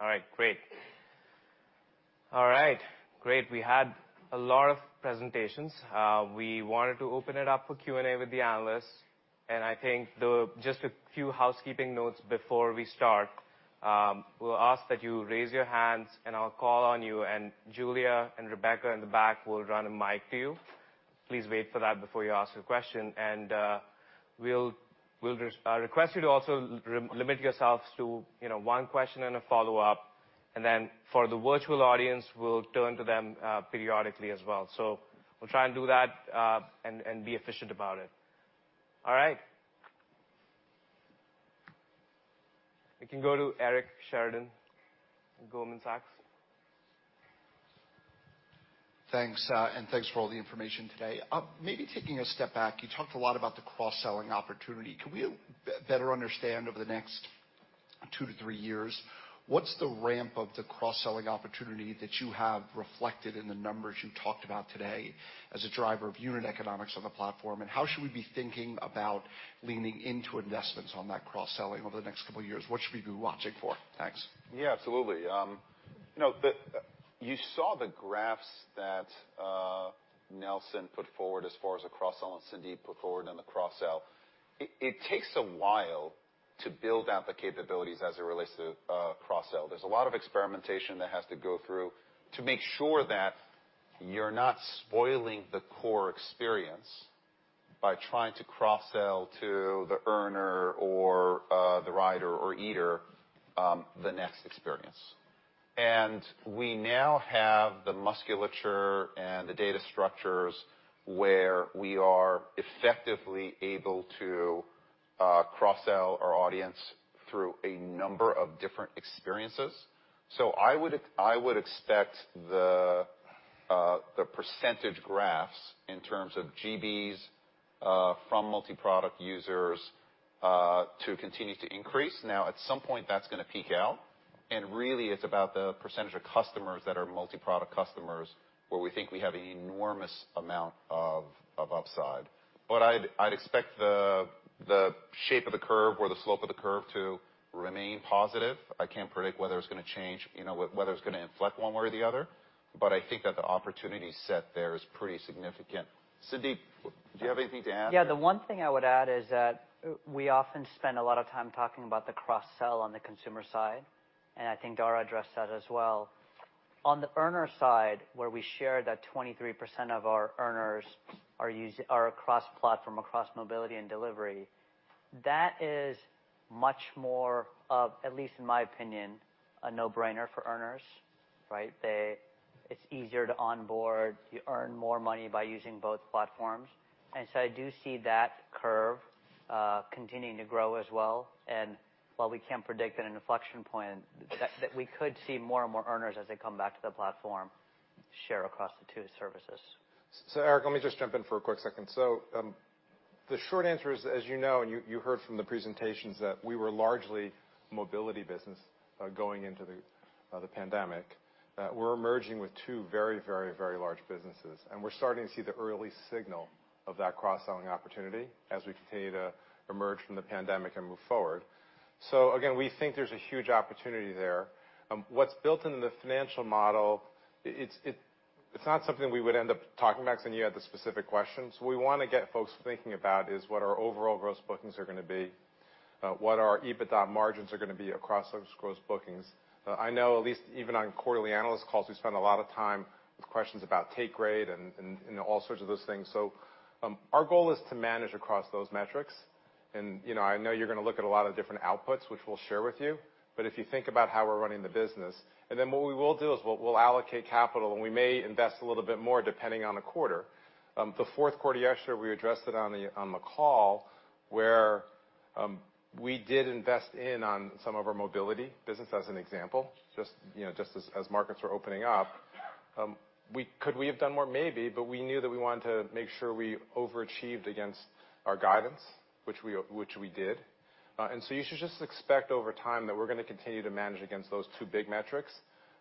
All right, great. We had a lot of presentations. We wanted to open it up for Q&A with the analysts, and I think just a few housekeeping notes before we start. We'll ask that you raise your hands and I'll call on you, and Julia and Rebecca in the back will run a mic to you. Please wait for that before you ask a question. We'll request you to also limit yourselves to, you know, one question and a follow-up. For the virtual audience, we'll turn to them periodically as well. We'll try and do that and be efficient about it. All right. We can go to Eric Sheridan, Goldman Sachs. Thanks, and thanks for all the information today. Maybe taking a step back, you talked a lot about the cross-selling opportunity. Can we better understand over the next two to three years, what's the ramp of the cross-selling opportunity that you have reflected in the numbers you talked about today as a driver of unit economics on the platform? And how should we be thinking about leaning into investments on that cross-selling over the next couple of years? What should we be watching for? Thanks. Yeah, absolutely. You know, you saw the graphs that Nelson put forward as far as the cross-sell, and Sandeep put forward on the cross-sell. It takes a while to build out the capabilities as it relates to cross-sell. There's a lot of experimentation that has to go through to make sure that you're not spoiling the core experience by trying to cross-sell to the earner or the rider or eater, the next experience. We now have the musculature and the data structures where we are effectively able to cross-sell our audience through a number of different experiences. I would expect the percentage graphs in terms of GBs from multi-product users to continue to increase. Now, at some point, that's gonna peak out, and really, it's about the percentage of customers that are multi-product customers, where we think we have an enormous amount of upside. I'd expect the shape of the curve or the slope of the curve to remain positive. I can't predict whether it's gonna change, you know, whether it's gonna inflect one way or the other, but I think that the opportunity set there is pretty significant. Sundeep, do you have anything to add? Yeah. The one thing I would add is that we often spend a lot of time talking about the cross-sell on the consumer side, and I think Dara addressed that as well. On the earner side, where we share that 23% of our earners are across platform, across Mobility and Delivery, that is much more of, at least in my opinion, a no-brainer for earners, right? It's easier to onboard, you earn more money by using both platforms. So I do see that curve continuing to grow as well. While we can't predict an inflection point, that we could see more and more earners as they come back to the platform share across the two services. Eric, let me just jump in for a quick second. The short answer is, as you know, and you heard from the presentations that we were largely Mobility business, going into the pandemic. That we're merging with two very large businesses, and we're starting to see the early signal of that cross-selling opportunity as we continue to emerge from the pandemic and move forward. Again, we think there's a huge opportunity there. What's built into the financial model, it's not something we would end up talking about, 'cause I knew you had the specific question. We wanna get folks thinking about is what our overall gross bookings are gonna be, what our EBITDA margins are gonna be across those gross bookings. I know at least even on quarterly analyst calls, we spend a lot of time with questions about take rate and all sorts of those things. Our goal is to manage across those metrics and, you know, I know you're gonna look at a lot of different outputs, which we'll share with you, but if you think about how we're running the business, what we will do is we'll allocate capital, and we may invest a little bit more depending on the quarter. The fourth quarter yesterday, we addressed it on the call where we did invest in some of our Mobility business as an example. Just, you know, as markets were opening up. Could we have done more? Maybe, but we knew that we wanted to make sure we overachieved against our guidance, which we did. You should just expect over time that we're gonna continue to manage against those two big metrics,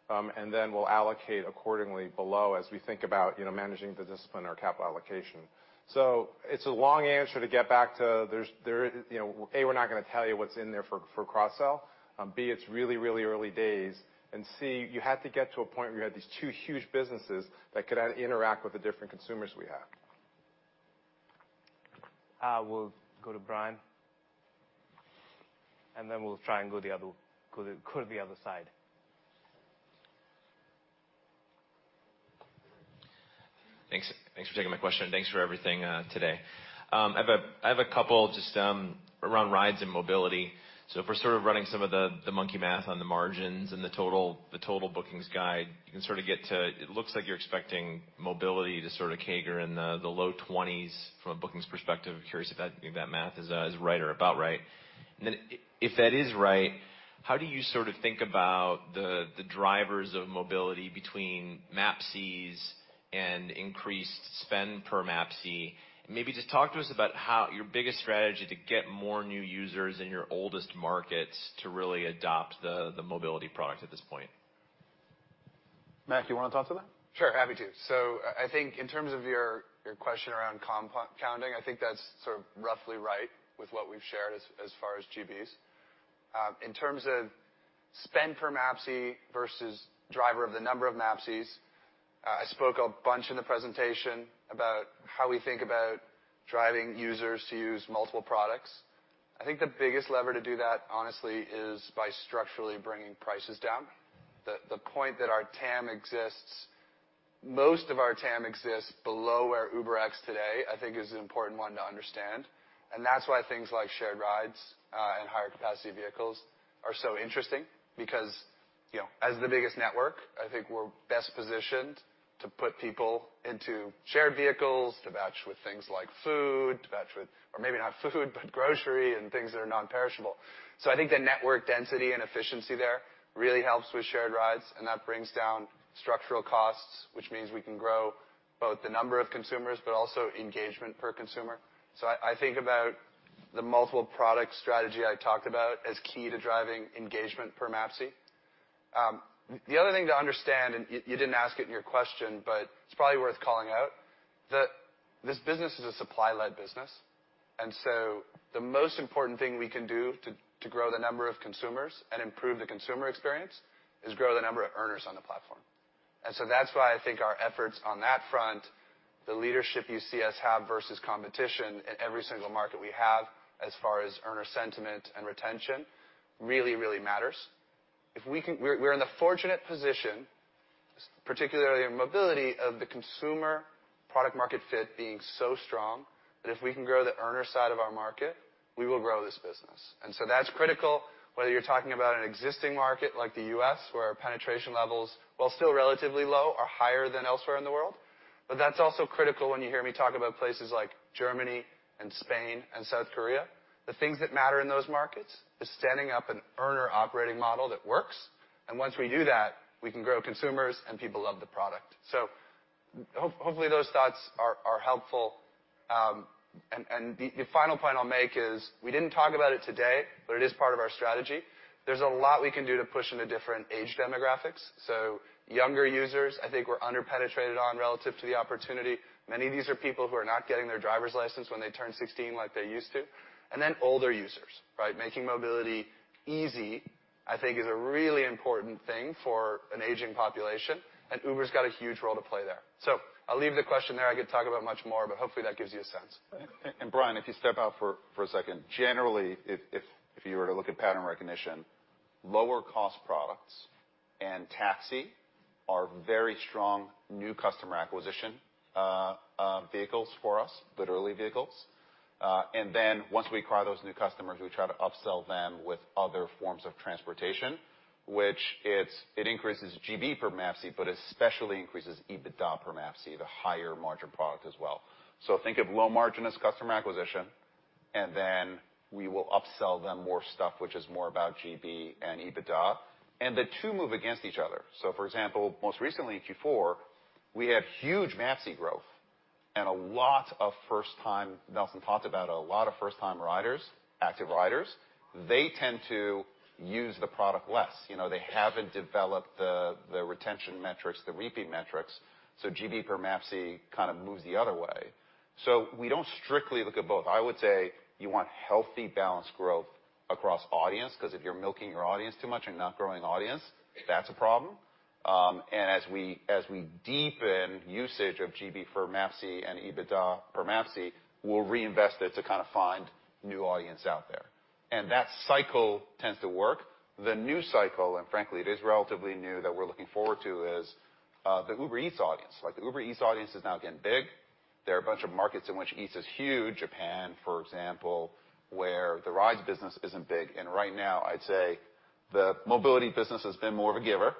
and then we'll allocate accordingly below as we think about, you know, managing the discipline or capital allocation. It's a long answer to get back to. You know, A, we're not gonna tell you what's in there for cross-sell. B, it's really early days. C, you had to get to a point where you had these two huge businesses that could interact with the different consumers we have. We'll go to Brian. We'll try and go the other side. Thanks for taking my question. Thanks for everything today. I have a couple just around Rides and Mobility. If we're sort of running some of the monkey math on the margins and the total bookings guide, you can sort of get to it. It looks like you're expecting mobility to sort of CAGR in the low 20s from a bookings perspective. I'm curious if that math is right or about right. If that is right, how do you sort of think about the drivers of mobility between MAPCs and increased spend per MAPC? Maybe just talk to us about your biggest strategy to get more new users in your oldest markets to really adopt the mobility product at this point. Mac, you wanna talk to that? Sure, happy to. I think in terms of your question around compounding, I think that's sort of roughly right with what we've shared as far as GBs. In terms of spend per MAPC versus driver of the number of MAPCs, I spoke a bunch in the presentation about how we think about driving users to use multiple products. I think the biggest lever to do that, honestly, is by structurally bringing prices down. The point that our TAM exists, most of our TAM exists below where UberX today, I think is an important one to understand. That's why things like shared rides and higher capacity vehicles are so interesting because, you know, as the biggest network, I think we're best positioned to put people into shared vehicles to batch with things like food, to batch with. Maybe not food, but grocery and things that are non-perishable. I think the network density and efficiency there really helps with shared rides and that brings down structural costs, which means we can grow both the number of consumers, but also engagement per consumer. I think about the multiple product strategy I talked about as key to driving engagement per MAPC. The other thing to understand, and you didn't ask it in your question, but it's probably worth calling out, that this business is a supply-led business. The most important thing we can do to grow the number of consumers and improve the consumer experience is grow the number of earners on the platform. That's why I think our efforts on that front, the leadership you see us have versus competition in every single market we have as far as earner sentiment and retention really, really matters. We're in the fortunate position, particularly in mobility, of the consumer product market fit being so strong that if we can grow the earner side of our market, we will grow this business. That's critical whether you're talking about an existing market like the U.S., where our penetration levels, while still relatively low, are higher than elsewhere in the world. That's also critical when you hear me talk about places like Germany and Spain and South Korea. The things that matter in those markets is standing up an earner operating model that works. Once we do that, we can grow consumers, and people love the product. Hopefully, those thoughts are helpful. The final point I'll make is, we didn't talk about it today, but it is part of our strategy. There's a lot we can do to push into different age demographics. Younger users, I think we're under-penetrated on relative to the opportunity. Many of these are people who are not getting their driver's license when they turn 16 like they used to. Then older users, right? Making Mobility easy, I think is a really important thing for an aging population, and Uber's got a huge role to play there. I'll leave the question there. I could talk about much more, but hopefully, that gives you a sense. Brian, if you step out for a second. Generally, if you were to look at pattern recognition, lower cost products and taxi are very strong new customer acquisition vehicles for us, literally vehicles. Then once we acquire those new customers, we try to upsell them with other forms of transportation, which it increases GB per MAPC, but especially increases EBITDA per MAPC, the higher margin product as well. Think of low margin as customer acquisition. Then we will upsell them more stuff, which is more about GB and EBITDA, and the two move against each other. For example, most recently in Q4, we had huge MAPC growth and a lot of first-time-- Nelson talked about a lot of first-time riders, active riders. They tend to use the product less, you know, they haven't developed the retention metrics, the repeat metrics, so GB per MAPC kind of moves the other way. We don't strictly look at both. I would say you want healthy, balanced growth across audience, 'cause if you're milking your audience too much and not growing audience, that's a problem. As we deepen usage of GB for MAPC and EBITDA for MAPC, we'll reinvest it to kind of find new audience out there. That cycle tends to work. The new cycle, and frankly, it is relatively new that we're looking forward to, is the Uber Eats audience. Like, the Uber Eats audience is now getting big. There are a bunch of markets in which Eats is huge. Japan, for example, where the rides business isn't big. Right now, I'd say the mobility business has been more of a giver.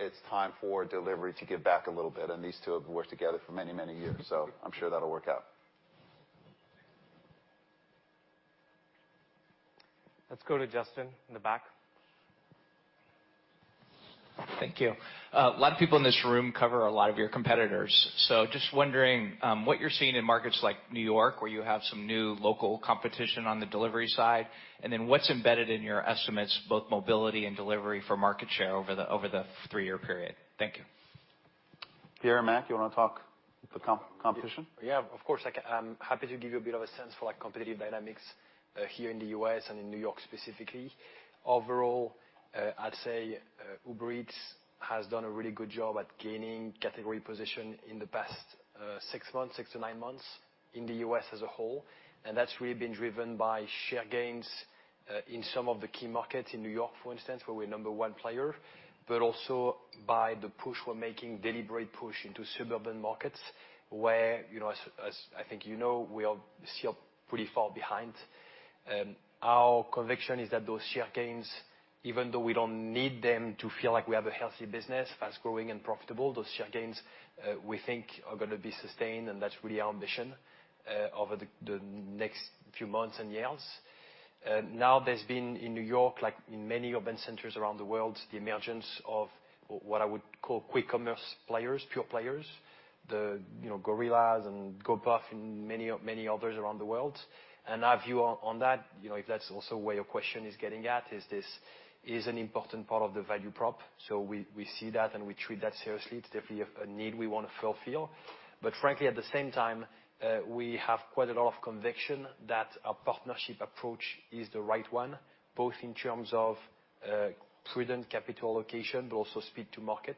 It's time for delivery to give back a little bit, and these two have worked together for many, many years, so I'm sure that'll work out. Let's go to Justin in the back. Thank you. A lot of people in this room cover a lot of your competitors. Just wondering what you're seeing in markets like New York, where you have some new local competition on the delivery side, and then what's embedded in your estimates, both mobility and delivery, for market share over the three-year period? Thank you. Pierre and Mac, you wanna talk the competition? Yeah, of course, I can. I'm happy to give you a bit of a sense for, like, competitive dynamics here in the U.S. and in New York specifically. Overall, I'd say Uber Eats has done a really good job at gaining category position in the past six months, six to nine months in the U.S. as a whole, and that's really been driven by share gains in some of the key markets, in New York, for instance, where we're number one player, but also by the push we're making, deliberate push into suburban markets where, you know, as I think you know, we are still pretty far behind. Our conviction is that those share gains, even though we don't need them to feel like we have a healthy business, fast-growing and profitable, those share gains, we think are gonna be sustained, and that's really our ambition over the next few months and years. Now there's been in New York, like in many urban centers around the world, the emergence of what I would call quick commerce players, pure players, you know, Gorillas and Gopuff and many, many others around the world. Our view on that, you know, if that's also where your question is getting at, is this an important part of the value prop. We see that and we treat that seriously. It's definitely a need we wanna fulfill. Frankly, at the same time, we have quite a lot of conviction that our partnership approach is the right one, both in terms of prudent capital allocation, but also speed to market.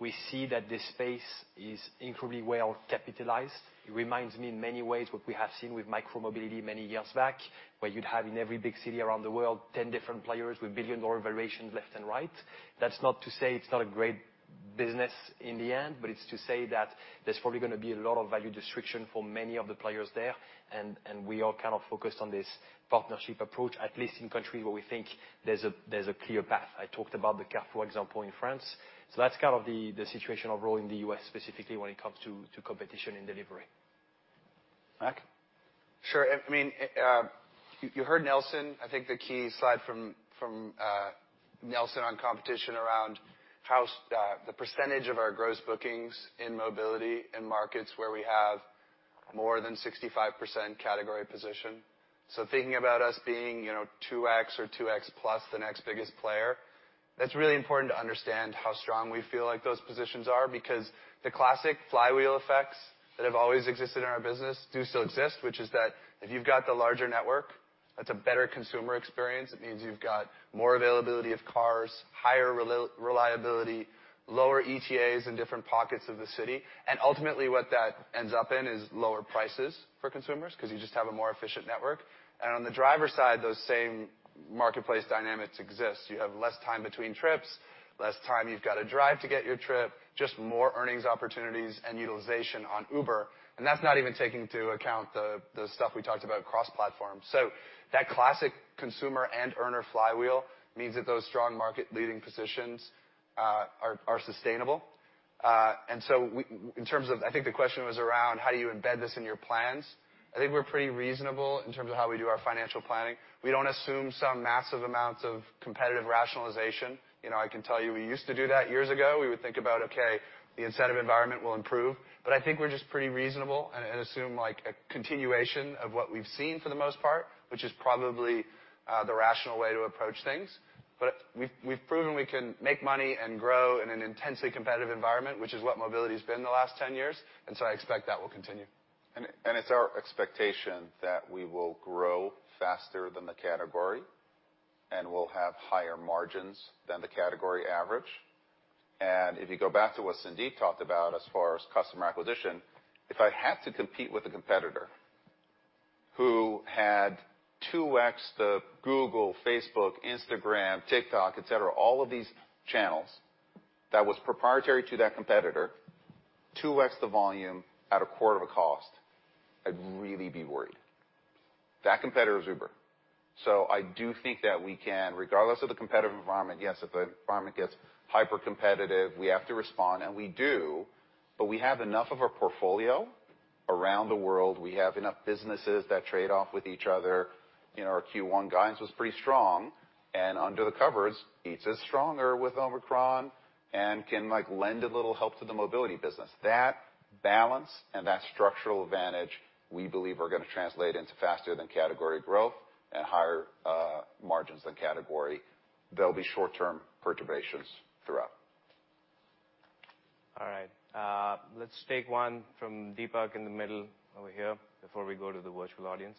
We see that this space is incredibly well-capitalized. It reminds me in many ways what we have seen with micro-mobility many years back, where you'd have in every big city around the world 10 different players with billion-dollar valuations left and right. That's not to say it's not a great business in the end, but it's to say that there's probably gonna be a lot of value destruction for many of the players there. We are kind of focused on this partnership approach, at least in countries where we think there's a clear path. I talked about the Carrefour example in France. That's kind of the situation overall in the U.S. specifically when it comes to competition in delivery. Mac? Sure. I mean, you heard Nelson. I think the key slide from Nelson on competition around how the percentage of our gross bookings in mobility in markets where we have more than 65% category position. Thinking about us being, you know, 2x or 2x plus the next biggest player, that's really important to understand how strong we feel like those positions are because the classic flywheel effects that have always existed in our business do still exist, which is that if you've got the larger network, that's a better consumer experience. It means you've got more availability of cars, higher reliability, lower ETAs in different pockets of the city. Ultimately, what that ends up in is lower prices for consumers 'cause you just have a more efficient network. On the driver side, those same marketplace dynamics exist. You have less time between trips, less time you've got to drive to get your trip, just more earnings opportunities and utilization on Uber. That's not even taking into account the stuff we talked about cross-platform. That classic consumer and earner flywheel means that those strong market leading positions are sustainable. In terms of, I think the question was around how do you embed this in your plans? I think we're pretty reasonable in terms of how we do our financial planning. We don't assume some massive amounts of competitive rationalization. You know, I can tell you we used to do that years ago. We would think about, okay, the incentive environment will improve. I think we're just pretty reasonable and assume, like, a continuation of what we've seen for the most part, which is probably the rational way to approach things. We've proven we can make money and grow in an intensely competitive environment, which is what mobility's been the last 10 years, and so I expect that will continue. It's our expectation that we will grow faster than the category and we'll have higher margins than the category average. If you go back to what Sundeep talked about as far as customer acquisition, if I had to compete with a competitor who had 2x the Google, Facebook, Instagram, TikTok, et cetera, all of these channels that was proprietary to that competitor, 2x the volume at a quarter of a cost, I'd really be worried. That competitor is Uber. I do think that we can, regardless of the competitive environment, yes, if the environment gets hypercompetitive, we have to respond, and we do, but we have enough of a portfolio around the world, we have enough businesses that trade off with each other. You know, our Q1 guidance was pretty strong, and under the covers, Eats is stronger with Omicron and can, like, lend a little help to the Mobility business. That balance and that structural advantage, we believe, are gonna translate into faster than category growth and higher, margins than category. There'll be short-term perturbations throughout. All right. Let's take one from Deepak in the middle over here before we go to the virtual audience.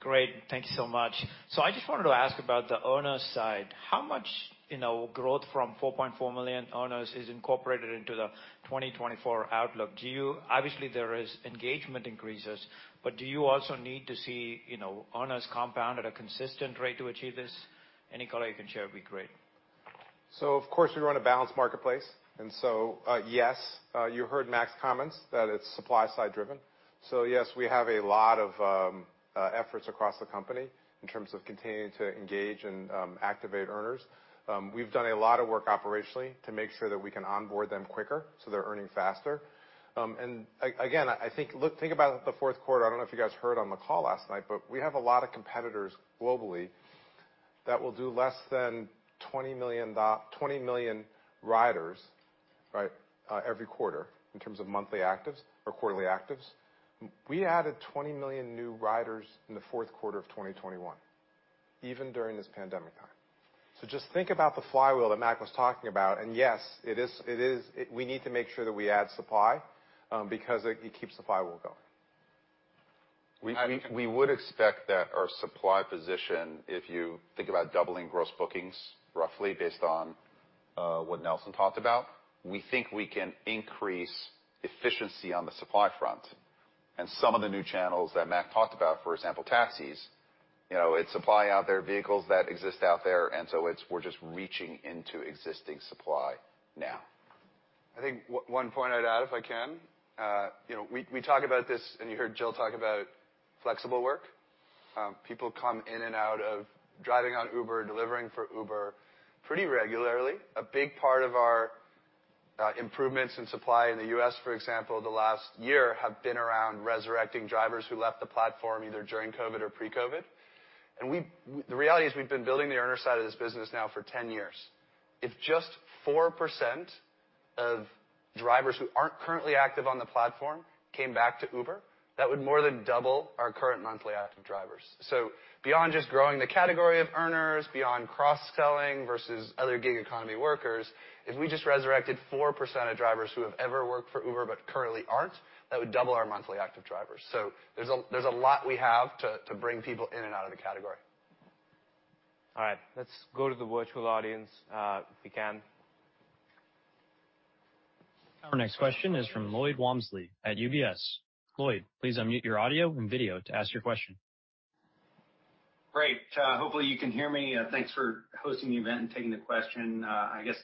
Great. Thank you so much. I just wanted to ask about the owner side. How much, you know, growth from 4.4 million owners is incorporated into the 2024 outlook? Do you, obviously, there is engagement increases, but do you also need to see, you know, owners compound at a consistent rate to achieve this? Any color you can share would be great. Of course, we run a balanced marketplace. Yes, you heard Mac's comments that it's supply side driven. Yes, we have a lot of efforts across the company in terms of continuing to engage and activate earners. We've done a lot of work operationally to make sure that we can onboard them quicker, so they're earning faster. Again, I think, look, think about the fourth quarter. I don't know if you guys heard on the call last night, but we have a lot of competitors globally that will do less than 20 million riders, right, every quarter in terms of monthly actives or quarterly actives. We added 20 million new riders in the fourth quarter of 2021, even during this pandemic time. Just think about the flywheel that Mac was talking about. Yes, it is. We need to make sure that we add supply, because it keeps the flywheel going. We would expect that our supply position, if you think about doubling gross bookings, roughly based on what Nelson talked about, we think we can increase efficiency on the supply front. Some of the new channels that Mac talked about, for example, taxis, you know, it's supply out there, vehicles that exist out there, and so it's, we're just reaching into existing supply now. I think one point I'd add, if I can, we talk about this, and you heard Jill talk about flexible work. People come in and out of driving on Uber, delivering for Uber pretty regularly. A big part of our improvements in supply in the U.S., for example, the last year have been around resurrecting drivers who left the platform either during COVID or pre-COVID. The reality is we've been building the earner side of this business now for 10 years. If just 4% of drivers who aren't currently active on the platform came back to Uber, that would more than double our current monthly active drivers. Beyond just growing the category of earners, beyond cross-selling versus other gig economy workers, if we just resurrected 4% of drivers who have ever worked for Uber but currently aren't, that would double our monthly active drivers. There's a lot we have to bring people in and out of the category. All right, let's go to the virtual audience, if we can. Our next question is from Lloyd Walmsley at UBS. Lloyd, please unmute your audio and video to ask your question. Great. Hopefully, you can hear me. Thanks for hosting the event and taking the question. I guess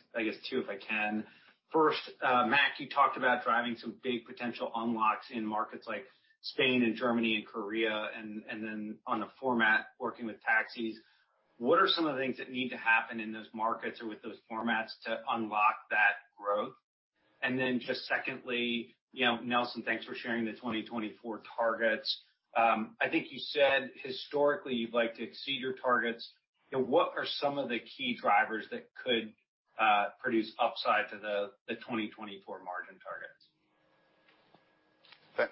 two, if I can. First, Mac, you talked about driving some big potential unlocks in markets like Spain and Germany and Korea, and then on a format working with taxis. What are some of the things that need to happen in those markets or with those formats to unlock that growth? Just secondly, you know, Nelson, thanks for sharing the 2024 targets. I think you said historically you'd like to exceed your targets. You know, what are some of the key drivers that could produce upside to the 2024 margin targets?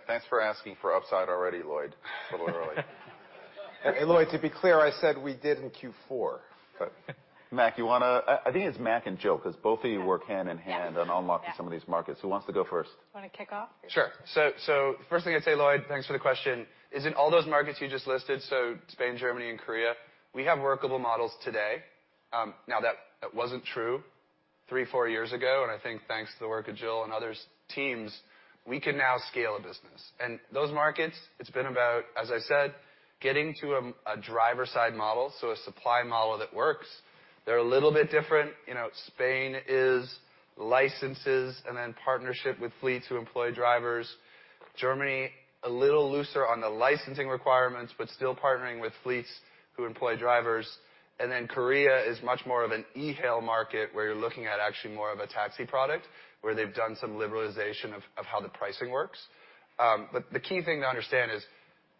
Thanks for asking for upside already, Lloyd. It's a little early. Lloyd, to be clear, I said we did in Q4. Mac, I think it's Mac and Jill 'cause both of you work hand in hand. Yeah. On unlocking some of these markets. Who wants to go first? You wanna kick off? Sure. First thing I'd say, Lloyd, thanks for the question, is in all those markets you just listed, so Spain, Germany, and Korea, we have workable models today. Now that wasn't true three, four years ago, and I think thanks to the work of Jill and others' teams, we can now scale a business. Those markets, it's been about, as I said, getting to a driver side model, so a supply model that works. They're a little bit different. You know, Spain is licenses and then partnership with fleets who employ drivers. Germany, a little looser on the licensing requirements, but still partnering with fleets who employ drivers. Then Korea is much more of an e-hail market, where you're looking at actually more of a taxi product, where they've done some liberalization of how the pricing works. The key thing to understand is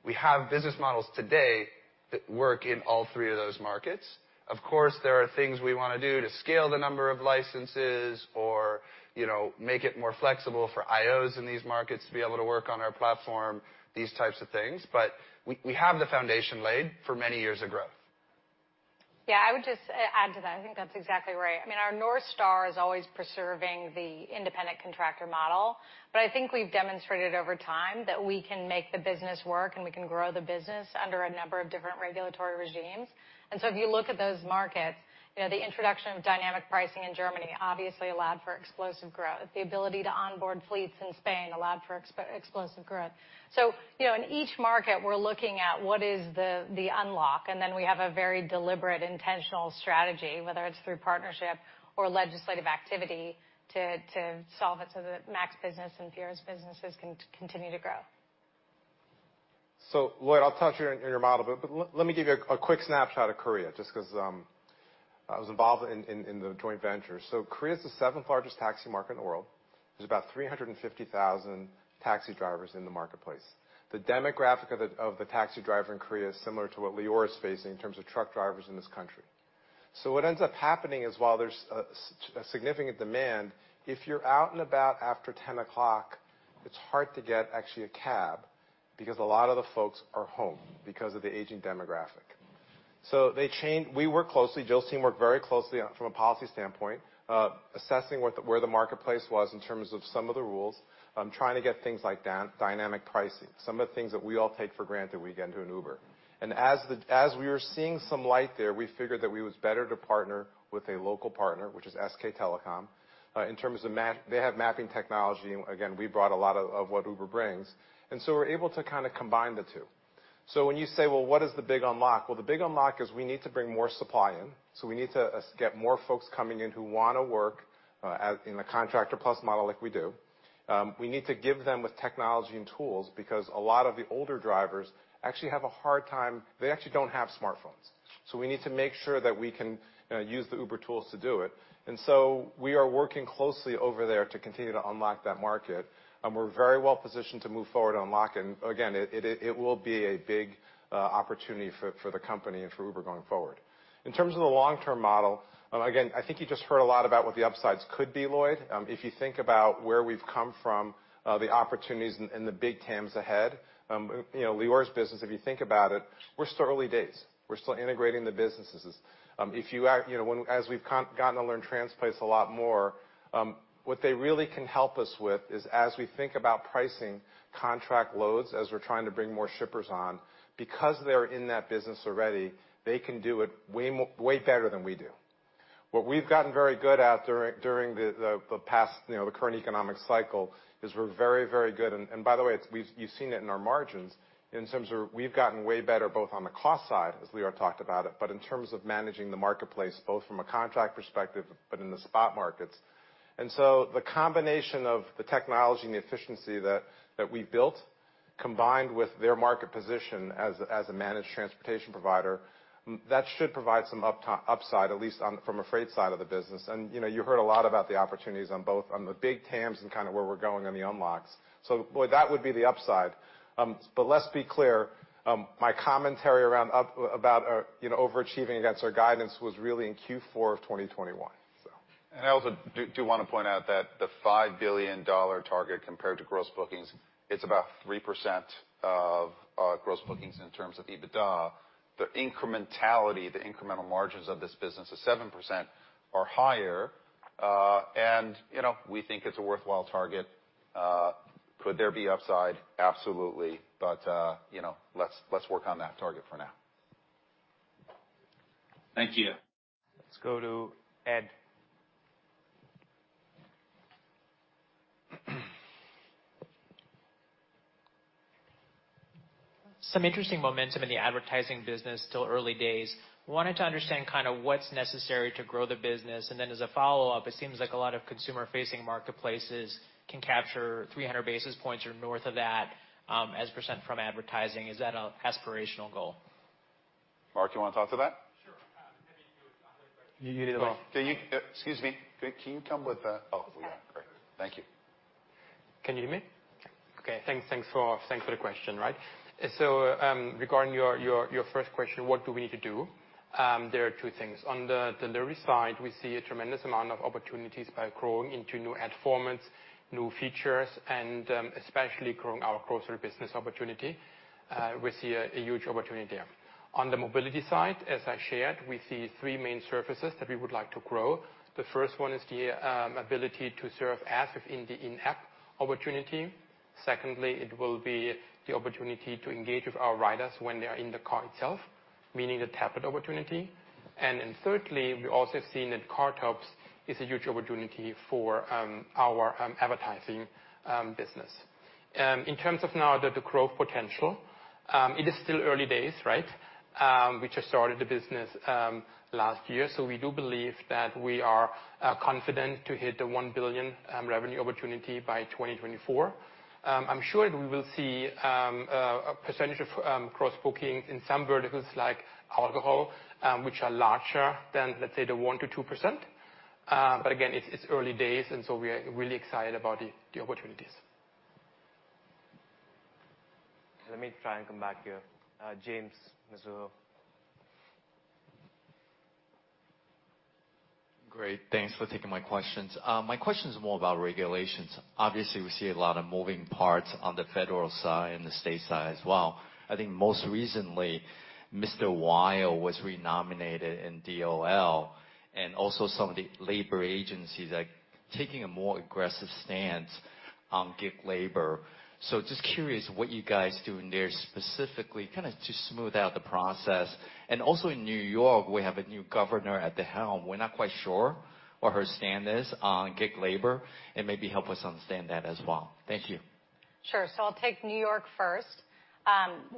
we have business models today that work in all three of those markets. Of course, there are things we wanna do to scale the number of licenses or, you know, make it more flexible for IOs in these markets to be able to work on our platform, these types of things, but we have the foundation laid for many years of growth. Yeah, I would just add to that. I think that's exactly right. I mean, our North Star is always preserving the independent contractor model, but I think we've demonstrated over time that we can make the business work, and we can grow the business under a number of different regulatory regimes. If you look at those markets, you know, the introduction of dynamic pricing in Germany obviously allowed for explosive growth. The ability to onboard fleets in Spain allowed for explosive growth. You know, in each market, we're looking at what is the unlock, and then we have a very deliberate, intentional strategy, whether it's through partnership or legislative activity, to solve it so that Mac's business and Pierre's businesses can continue to grow. Lloyd, I'll touch on your model, but let me give you a quick snapshot of Korea just 'cause I was involved in the joint venture. Korea is the seventh-largest taxi market in the world. There's about 350,000 taxi drivers in the marketplace. The demographic of the taxi driver in Korea is similar to what Lior is facing in terms of truck drivers in this country. What ends up happening is, while there's a significant demand, if you're out and about after ten o'clock, it's hard to get actually a cab because a lot of the folks are home because of the aging demographic. Jill's team worked very closely on it from a policy standpoint, assessing where the marketplace was in terms of some of the rules, trying to get things like dynamic pricing, some of the things that we all take for granted when we get into an Uber. As we were seeing some light there, we figured that it was better to partner with a local partner, which is SK Telecom. In terms of mapping, they have mapping technology. Again, we brought a lot of what Uber brings, and we're able to kinda combine the two. When you say, "Well, what is the big unlock?" Well, the big unlock is we need to bring more supply in, so we need to get more folks coming in who wanna work as in the Contractor Plus model like we do. We need to give them with technology and tools because a lot of the older drivers actually have a hard time. They actually don't have smartphones. We need to make sure that we can use the Uber tools to do it. We are working closely over there to continue to unlock that market, and we're very well positioned to move forward to unlock. It will be a big opportunity for the company and for Uber going forward. In terms of the long-term model, again, I think you just heard a lot about what the upsides could be, Lloyd. If you think about where we've come from, the opportunities and the big TAMs ahead, you know, Lior's business, if you think about it, we're still early days. We're still integrating the businesses. As we've gotten to learn Transplace a lot more, what they really can help us with is, as we think about pricing contract loads, as we're trying to bring more shippers on, because they're in that business already, they can do it way better than we do. What we've gotten very good at during the past, you know, the current economic cycle is we're very, very good. By the way, you've seen it in our margins in terms of we've gotten way better both on the cost side, as we all talked about it, but in terms of managing the marketplace, both from a contract perspective, but in the spot markets. The combination of the technology and the efficiency that we built, combined with their market position as a managed transportation provider, that should provide some upside, at least on from a freight side of the business. You know, you heard a lot about the opportunities on both, on the big TAMs and kinda where we're going on the unlocks. Lloyd, that would be the upside. But let's be clear, my commentary around about, you know, overachieving against our guidance was really in Q4 of 2021, so. I also wanna point out that the $5 billion target compared to gross bookings, it's about 3% of gross bookings in terms of EBITDA. The incrementality, the incremental margins of this business is 7% or higher. You know, we think it's a worthwhile target. Could there be upside? Absolutely. You know, let's work on that target for now. Thank you. Let's go to Ed. Some interesting momentum in the advertising business, still early days. Wanted to understand kinda what's necessary to grow the business. Then as a follow-up, it seems like a lot of consumer-facing marketplaces can capture 300 basis points or north of that, as percent from advertising. Is that an aspirational goal? Mark, you wanna talk to that? Sure. Other question. Excuse me. Can you come with? Oh. Great. Thank you. Can you hear me? Sure. Okay. Thanks for the question. Right. Regarding your first question, what do we need to do? There are two things. On the delivery side, we see a tremendous amount of opportunities by growing into new ad formats, new features, and especially growing our grocery business opportunity. We see a huge opportunity there. On the mobility side, as I shared, we see three main surfaces that we would like to grow. The first one is the ability to serve ads within the in-app opportunity. Secondly, it will be the opportunity to engage with our riders when they are in the car itself, meaning the tablet opportunity. And then thirdly, we also have seen that car tops is a huge opportunity for our advertising business. In terms of now the growth potential, it is still early days, right? We just started the business last year, so we do believe that we are confident to hit the $1 billion revenue opportunity by 2024. I'm sure we will see a percentage of cross-booking in some verticals like alcohol, which are larger than, let's say, the 1%-2%. But again, it's early days, and so we are really excited about the opportunities. Let me try and come back here. James Lee. Great. Thanks for taking my questions. My question is more about regulations. Obviously, we see a lot of moving parts on the federal side and the state side as well. I think most recently, Mr. Weil was re-nominated in DOL, and also some of the labor agencies are taking a more aggressive stance on gig labor. Just curious what you guys do in there specifically kinda to smooth out the process. In New York, we have a new governor at the helm. We're not quite sure what her stand is on gig labor, and maybe help us understand that as well. Thank you. Sure. I'll take New York first.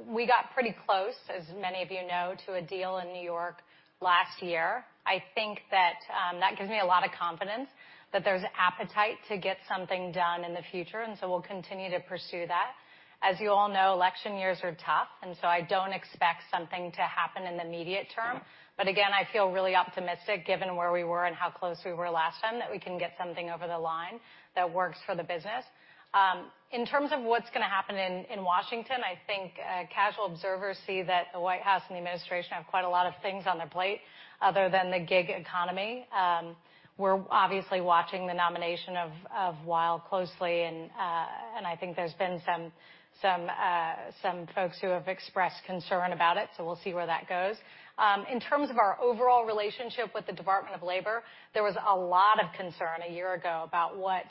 We got pretty close, as many of you know, to a deal in New York last year. I think that that gives me a lot of confidence that there's appetite to get something done in the future, and so we'll continue to pursue that. As you all know, election years are tough, and so I don't expect something to happen in the immediate term. Again, I feel really optimistic given where we were and how close we were last time, that we can get something over the line that works for the business. In terms of what's gonna happen in Washington, I think casual observers see that the White House and the administration have quite a lot of things on their plate other than the gig economy. We're obviously watching the nomination of Weil closely and I think there's been some folks who have expressed concern about it, so we'll see where that goes. In terms of our overall relationship with the Department of Labor, there was a lot of concern a year ago about what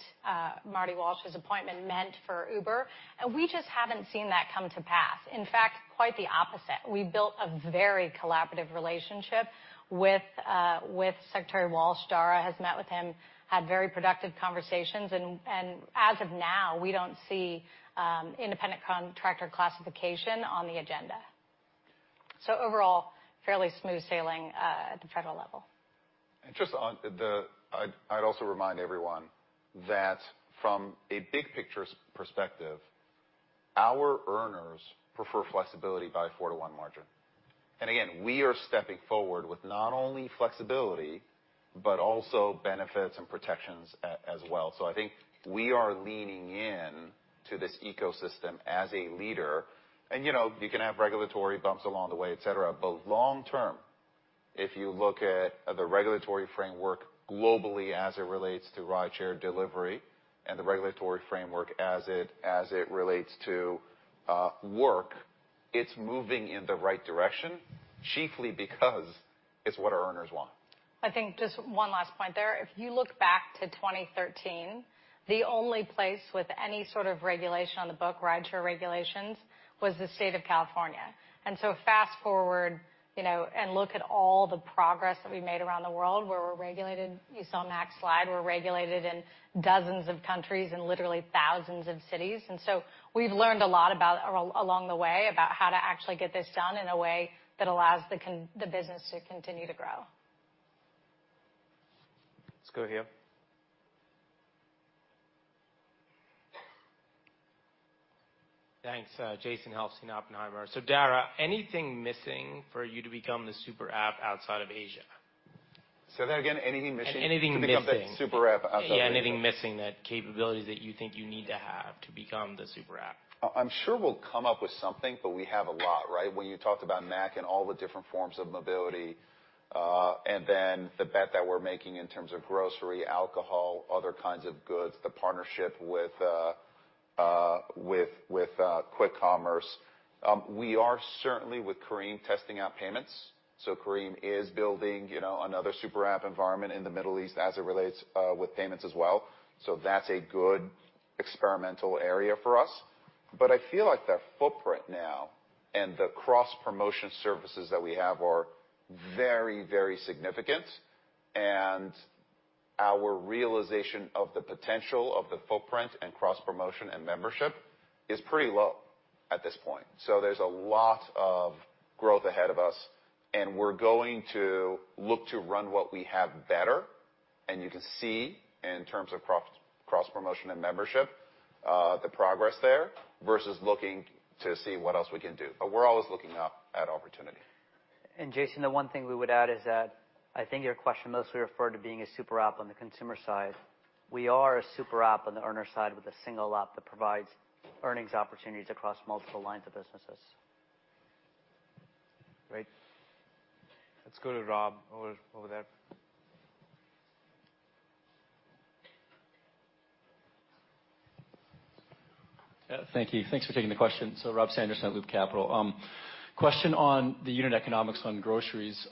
Marty Walsh's appointment meant for Uber, and we just haven't seen that come to pass. In fact, quite the opposite. We built a very collaborative relationship with Secretary Walsh. Dara has met with him, had very productive conversations and as of now, we don't see independent contractor classification on the agenda. Overall, fairly smooth sailing at the federal level. Just on the-- I'd also remind everyone that from a big picture perspective, our earners prefer flexibility by a 4-to-1 margin. Again, we are stepping forward with not only flexibility, but also benefits and protections as well. I think we are leaning in to this ecosystem as a leader. You know, you can have regulatory bumps along the way, et cetera. Long term, if you look at the regulatory framework globally as it relates to rideshare delivery and the regulatory framework as it relates to work, it's moving in the right direction, chiefly because it's what our earners want. I think just one last point there. If you look back to 2013, the only place with any sort of regulation on the books, rideshare regulations, was the state of California. Fast-forward, you know, and look at all the progress that we've made around the world where we're regulated. You saw in that slide, we're regulated in dozens of countries and literally thousands of cities. We've learned a lot about, or along the way, about how to actually get this done in a way that allows the business to continue to grow. Let's go here. Thanks. Jason Helfstein, Oppenheimer. Dara, anything missing for you to become the super app outside of Asia? Say that again. Anything missing? Anything missing. To become the super app outside of Asia. Yeah, anything missing, the capabilities that you think you need to have to become the super app? I'm sure we'll come up with something, but we have a lot, right? When you talked about Mac and all the different forms of mobility, and then the bet that we're making in terms of grocery, alcohol, other kinds of goods, the partnership with quick commerce. We are certainly with Careem, testing out payments. Careem is building, you know, another super app environment in the Middle East as it relates with payments as well. That's a good experimental area for us. I feel like the footprint now and the cross-promotion services that we have are very, very significant, and our realization of the potential of the footprint and cross-promotion and membership is pretty low at this point. There's a lot of growth ahead of us, and we're going to look to run what we have better. You can see in terms of cross-promotion and membership, the progress there versus looking to see what else we can do. We're always looking up at opportunity. Jason, the one thing we would add is that I think your question mostly referred to being a super app on the consumer side. We are a super app on the earner side with a single app that provides earnings opportunities across multiple lines of businesses. Great. Let's go to Rob over there. Yeah, thank you. Thanks for taking the question. Rob Sanderson at Loop Capital. Question on the unit economics on groceries.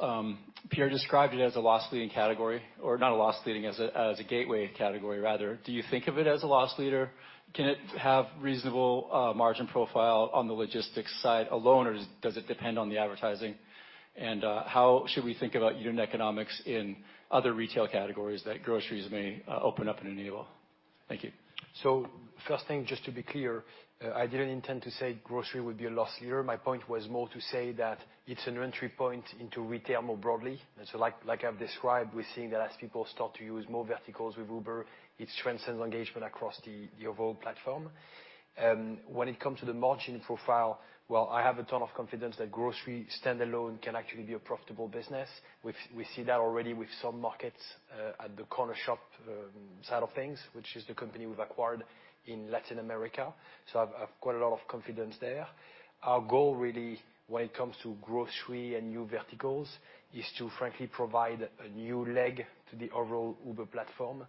Pierre described it as a loss-leading category or not a loss-leading, as a gateway category rather. Do you think of it as a loss leader? Can it have reasonable margin profile on the logistics side alone, or does it depend on the advertising? And how should we think about unit economics in other retail categories that groceries may open up and enable? Thank you. First thing, just to be clear, I didn't intend to say grocery would be a loss leader. My point was more to say that it's an entry point into retail more broadly. Like I've described, we're seeing that as people start to use more verticals with Uber, it strengthens engagement across the overall platform. When it comes to the margin profile, well, I have a ton of confidence that grocery standalone can actually be a profitable business. We see that already with some markets at the Cornershop side of things, which is the company we've acquired in Latin America. I've quite a lot of confidence there. Our goal really when it comes to grocery and new verticals is to frankly provide a new leg to the overall Uber platform,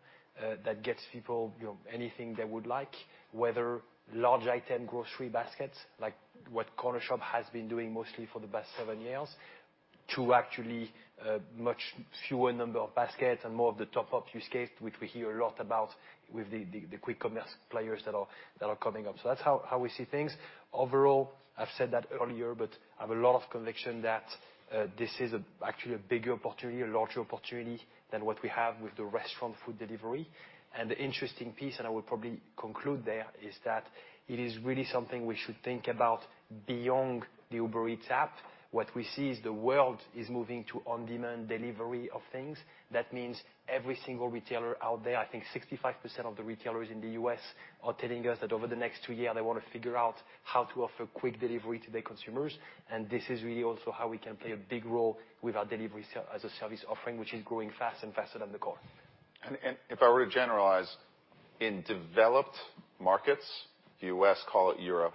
that gets people, you know, anything they would like, whether large item grocery baskets, like what Cornershop has been doing mostly for the past seven years—to actually much fewer number of baskets and more of the top of use case, which we hear a lot about with the quick commerce players that are coming up. So that's how we see things. Overall, I've said that earlier, but I have a lot of conviction that this is actually a bigger opportunity, a larger opportunity than what we have with the restaurant food delivery. The interesting piece, and I will probably conclude there, is that it is really something we should think about beyond the Uber Eats app. What we see is the world is moving to on-demand delivery of things. That means every single retailer out there, I think 65% of the retailers in the U.S. are telling us that over the next two years, they wanna figure out how to offer quick delivery to their consumers. This is really also how we can play a big role with our delivery as a service offering, which is growing fast and faster than the core. If I were to generalize, in developed markets, the U.S., call it Europe,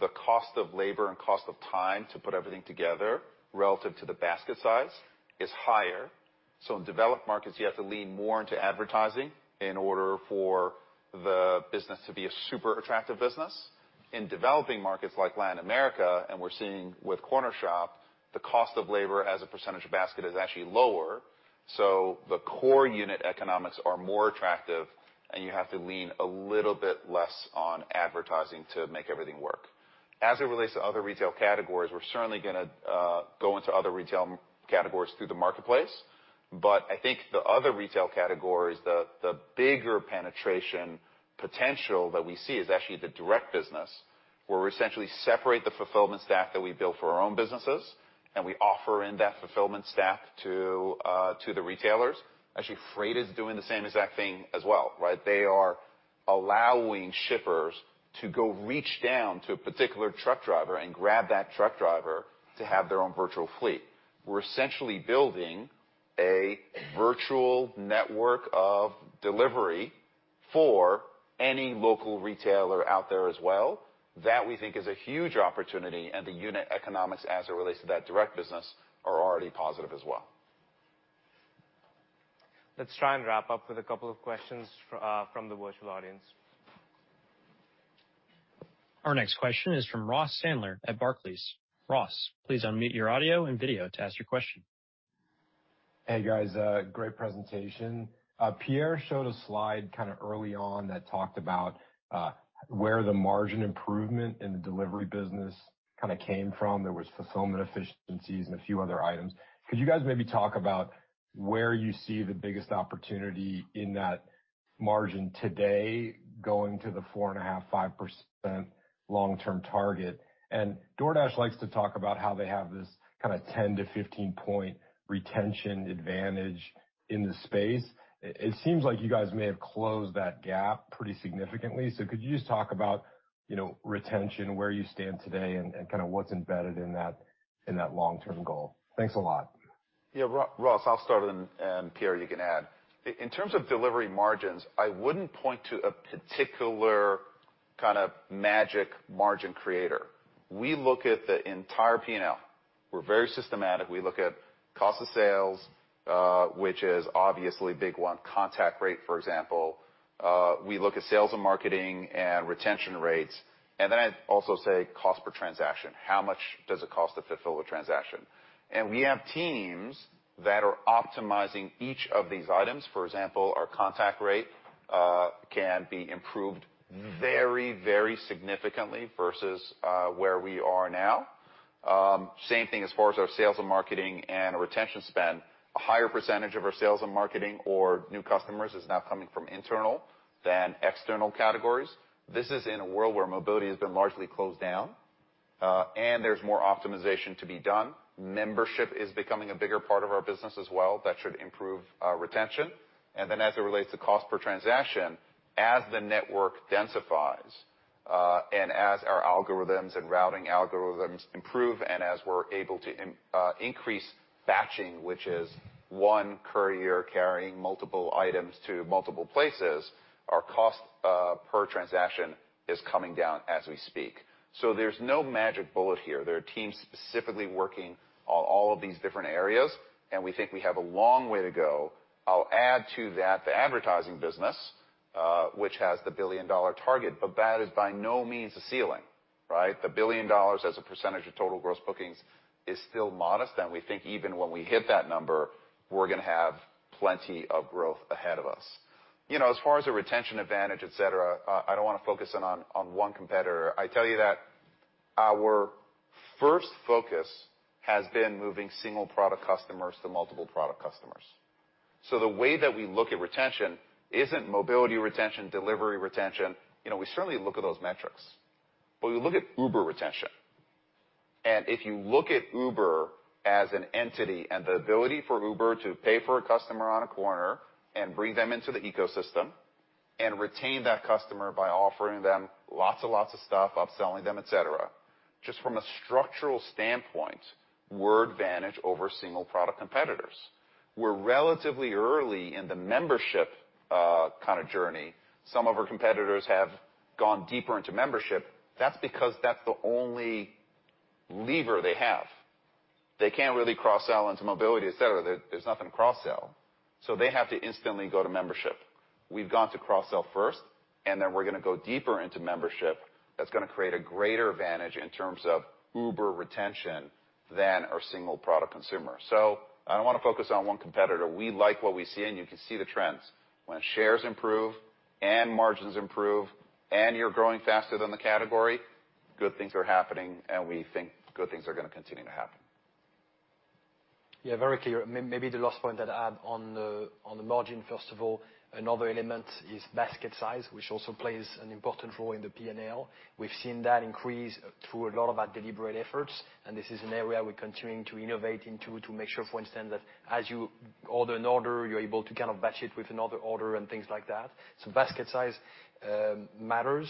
the cost of labor and cost of time to put everything together relative to the basket size is higher. In developed markets, you have to lean more into advertising in order for the business to be a super attractive business. In developing markets like Latin America, and we're seeing with Cornershop, the cost of labor as a percentage of basket is actually lower, so the core unit economics are more attractive, and you have to lean a little bit less on advertising to make everything work. As it relates to other retail categories, we're certainly gonna go into other retail categories through the marketplace. I think the other retail categories, the bigger penetration potential that we see is actually the direct business, where we essentially separate the fulfillment staff that we build for our own businesses, and we offer in that fulfillment staff to to the retailers. Actually, Freight is doing the same exact thing as well, right? They are allowing shippers to go reach down to a particular truck driver and grab that truck driver to have their own virtual fleet. We're essentially building a virtual network of delivery for any local retailer out there as well. That we think is a huge opportunity, and the unit economics as it relates to that direct business are already positive as well. Let's try and wrap up with a couple of questions from the virtual audience. Our next question is from Ross Sandler at Barclays. Ross, please unmute your audio and video to ask your question. Hey, guys, great presentation. Pierre showed a slide kinda early on that talked about where the margin improvement in the delivery business kinda came from. There was fulfillment efficiencies and a few other items. Could you guys maybe talk about where you see the biggest opportunity in that margin today going to the 4.5%-5% long-term target? DoorDash likes to talk about how they have this kinda 10- to 15-point retention advantage in the space. It seems like you guys may have closed that gap pretty significantly. Could you just talk about, you know, retention, where you stand today and kinda what's embedded in that long-term goal? Thanks a lot. Yeah. Ross, I'll start, and Pierre, you can add. In terms of delivery margins, I wouldn't point to a particular kind of magic margin creator. We look at the entire P&L. We're very systematic. We look at cost of sales, which is obviously a big one, contact rate, for example. We look at sales and marketing and retention rates, and then I'd also say cost per transaction. How much does it cost to fulfill a transaction? We have teams that are optimizing each of these items. For example, our contact rate can be improved very, very significantly versus where we are now. Same thing as far as our sales and marketing and retention spend. A higher percentage of our sales and marketing for new customers is now coming from internal than external categories. This is in a world where mobility has been largely closed down, and there's more optimization to be done. Membership is becoming a bigger part of our business as well. That should improve retention. Then as it relates to cost per transaction, as the network densifies, and as our algorithms and routing algorithms improve, and as we're able to increase batching, which is one courier carrying multiple items to multiple places, our cost per transaction is coming down as we speak. There's no magic bullet here. There are teams specifically working on all of these different areas, and we think we have a long way to go. I'll add to that the advertising business, which has the billion-dollar target, but that is by no means the ceiling, right? The $1 billion as a percentage of total gross bookings is still modest, and we think even when we hit that number, we're gonna have plenty of growth ahead of us. You know, as far as the retention advantage, et cetera, I don't wanna focus in on one competitor. I tell you that our first focus has been moving single product customers to multiple product customers. So the way that we look at retention isn't mobility retention, delivery retention. You know, we certainly look at those metrics, but we look at Uber retention. If you look at Uber as an entity and the ability for Uber to pay for a customer on a corner and bring them into the ecosystem and retain that customer by offering them lots and lots of stuff, upselling them, et cetera, just from a structural standpoint, we're advantaged over single product competitors. We're relatively early in the membership, kinda journey. Some of our competitors have gone deeper into membership. That's because that's the only lever they have. They can't really cross-sell into Mobility, et cetera. There's nothing to cross-sell. So they have to instantly go to membership. We've gone to cross-sell first, and then we're gonna go deeper into membership. That's gonna create a greater advantage in terms of Uber retention than our single product consumer. I don't wanna focus on one competitor. We like what we see, and you can see the trends. When shares improve and margins improve, and you're growing faster than the category, good things are happening, and we think good things are gonna continue to happen. Yeah, very clear. Maybe the last point that I add on the margin, first of all, another element is basket size, which also plays an important role in the P&L. We've seen that increase through a lot of our deliberate efforts, and this is an area we're continuing to innovate into to make sure, for instance, that as you order an order, you're able to kind of batch it with another order and things like that. Basket size matters.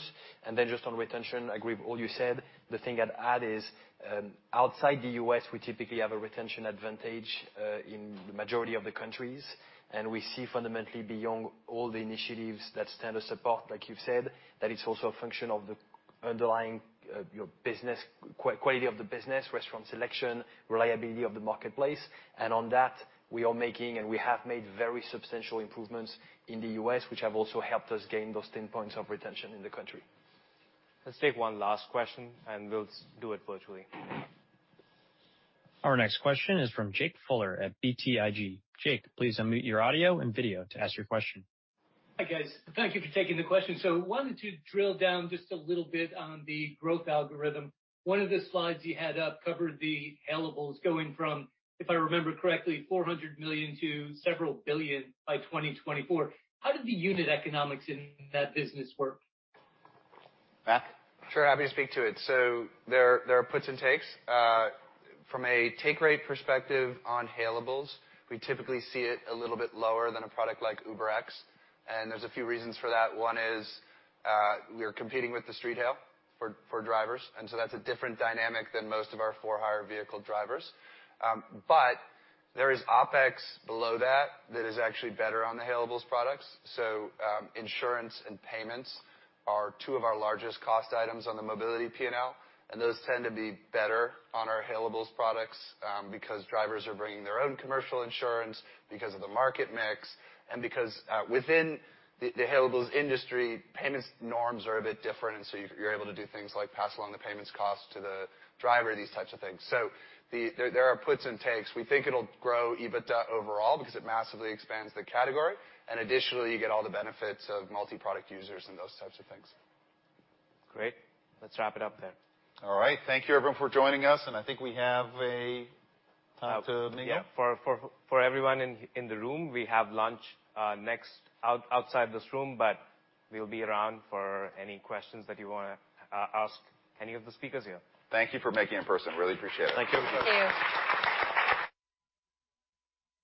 Just on retention, I agree with all you said. The thing I'd add is, outside the U.S., we typically have a retention advantage in the majority of the countries. We see fundamentally beyond all the initiatives that stand to support, like you've said, that it's also a function of the underlying, your business— quality of the business, restaurant selection, reliability of the marketplace. We are making, and we have made very substantial improvements in the U.S., which have also helped us gain those 10 points of retention in the country. Let's take one last question, and we'll do it virtually. Our next question is from Jake Fuller at BTIG. Jake, please unmute your audio and video to ask your question. Hi, guys. Thank you for taking the question. Wanted to drill down just a little bit on the growth algorithm. One of the slides you had up covered the hailables going from, if I remember correctly, 400 million to several billion by 2024. How did the unit economics in that business work? Mac? Sure, happy to speak to it. There are puts and takes. From a take rate perspective on hailables, we typically see it a little bit lower than a product like UberX, and there's a few reasons for that. One is we are competing with the street hail for drivers, and so that's a different dynamic than most of our for-hire vehicle drivers. But there is OpEx below that that is actually better on the hailables products. Insurance and payments are two of our largest cost items on the mobility P&L, and those tend to be better on our hailables products, because drivers are bringing their own commercial insurance because of the market mix and because, within the hailables industry, payments norms are a bit different, and so you're able to do things like pass along the payments cost to the driver, these types of things. There are puts and takes. We think it'll grow EBITDA overall because it massively expands the category, and additionally, you get all the benefits of multi-product users and those types of things. Great. Let's wrap it up there. All right. Thank you everyone for joining us, and I think we have a time to mingle. Yeah. For everyone in the room, we have lunch next outside this room, but we'll be around for any questions that you wanna ask any of the speakers here. Thank you for making it in person. Really appreciate it. Thank you. Thank you.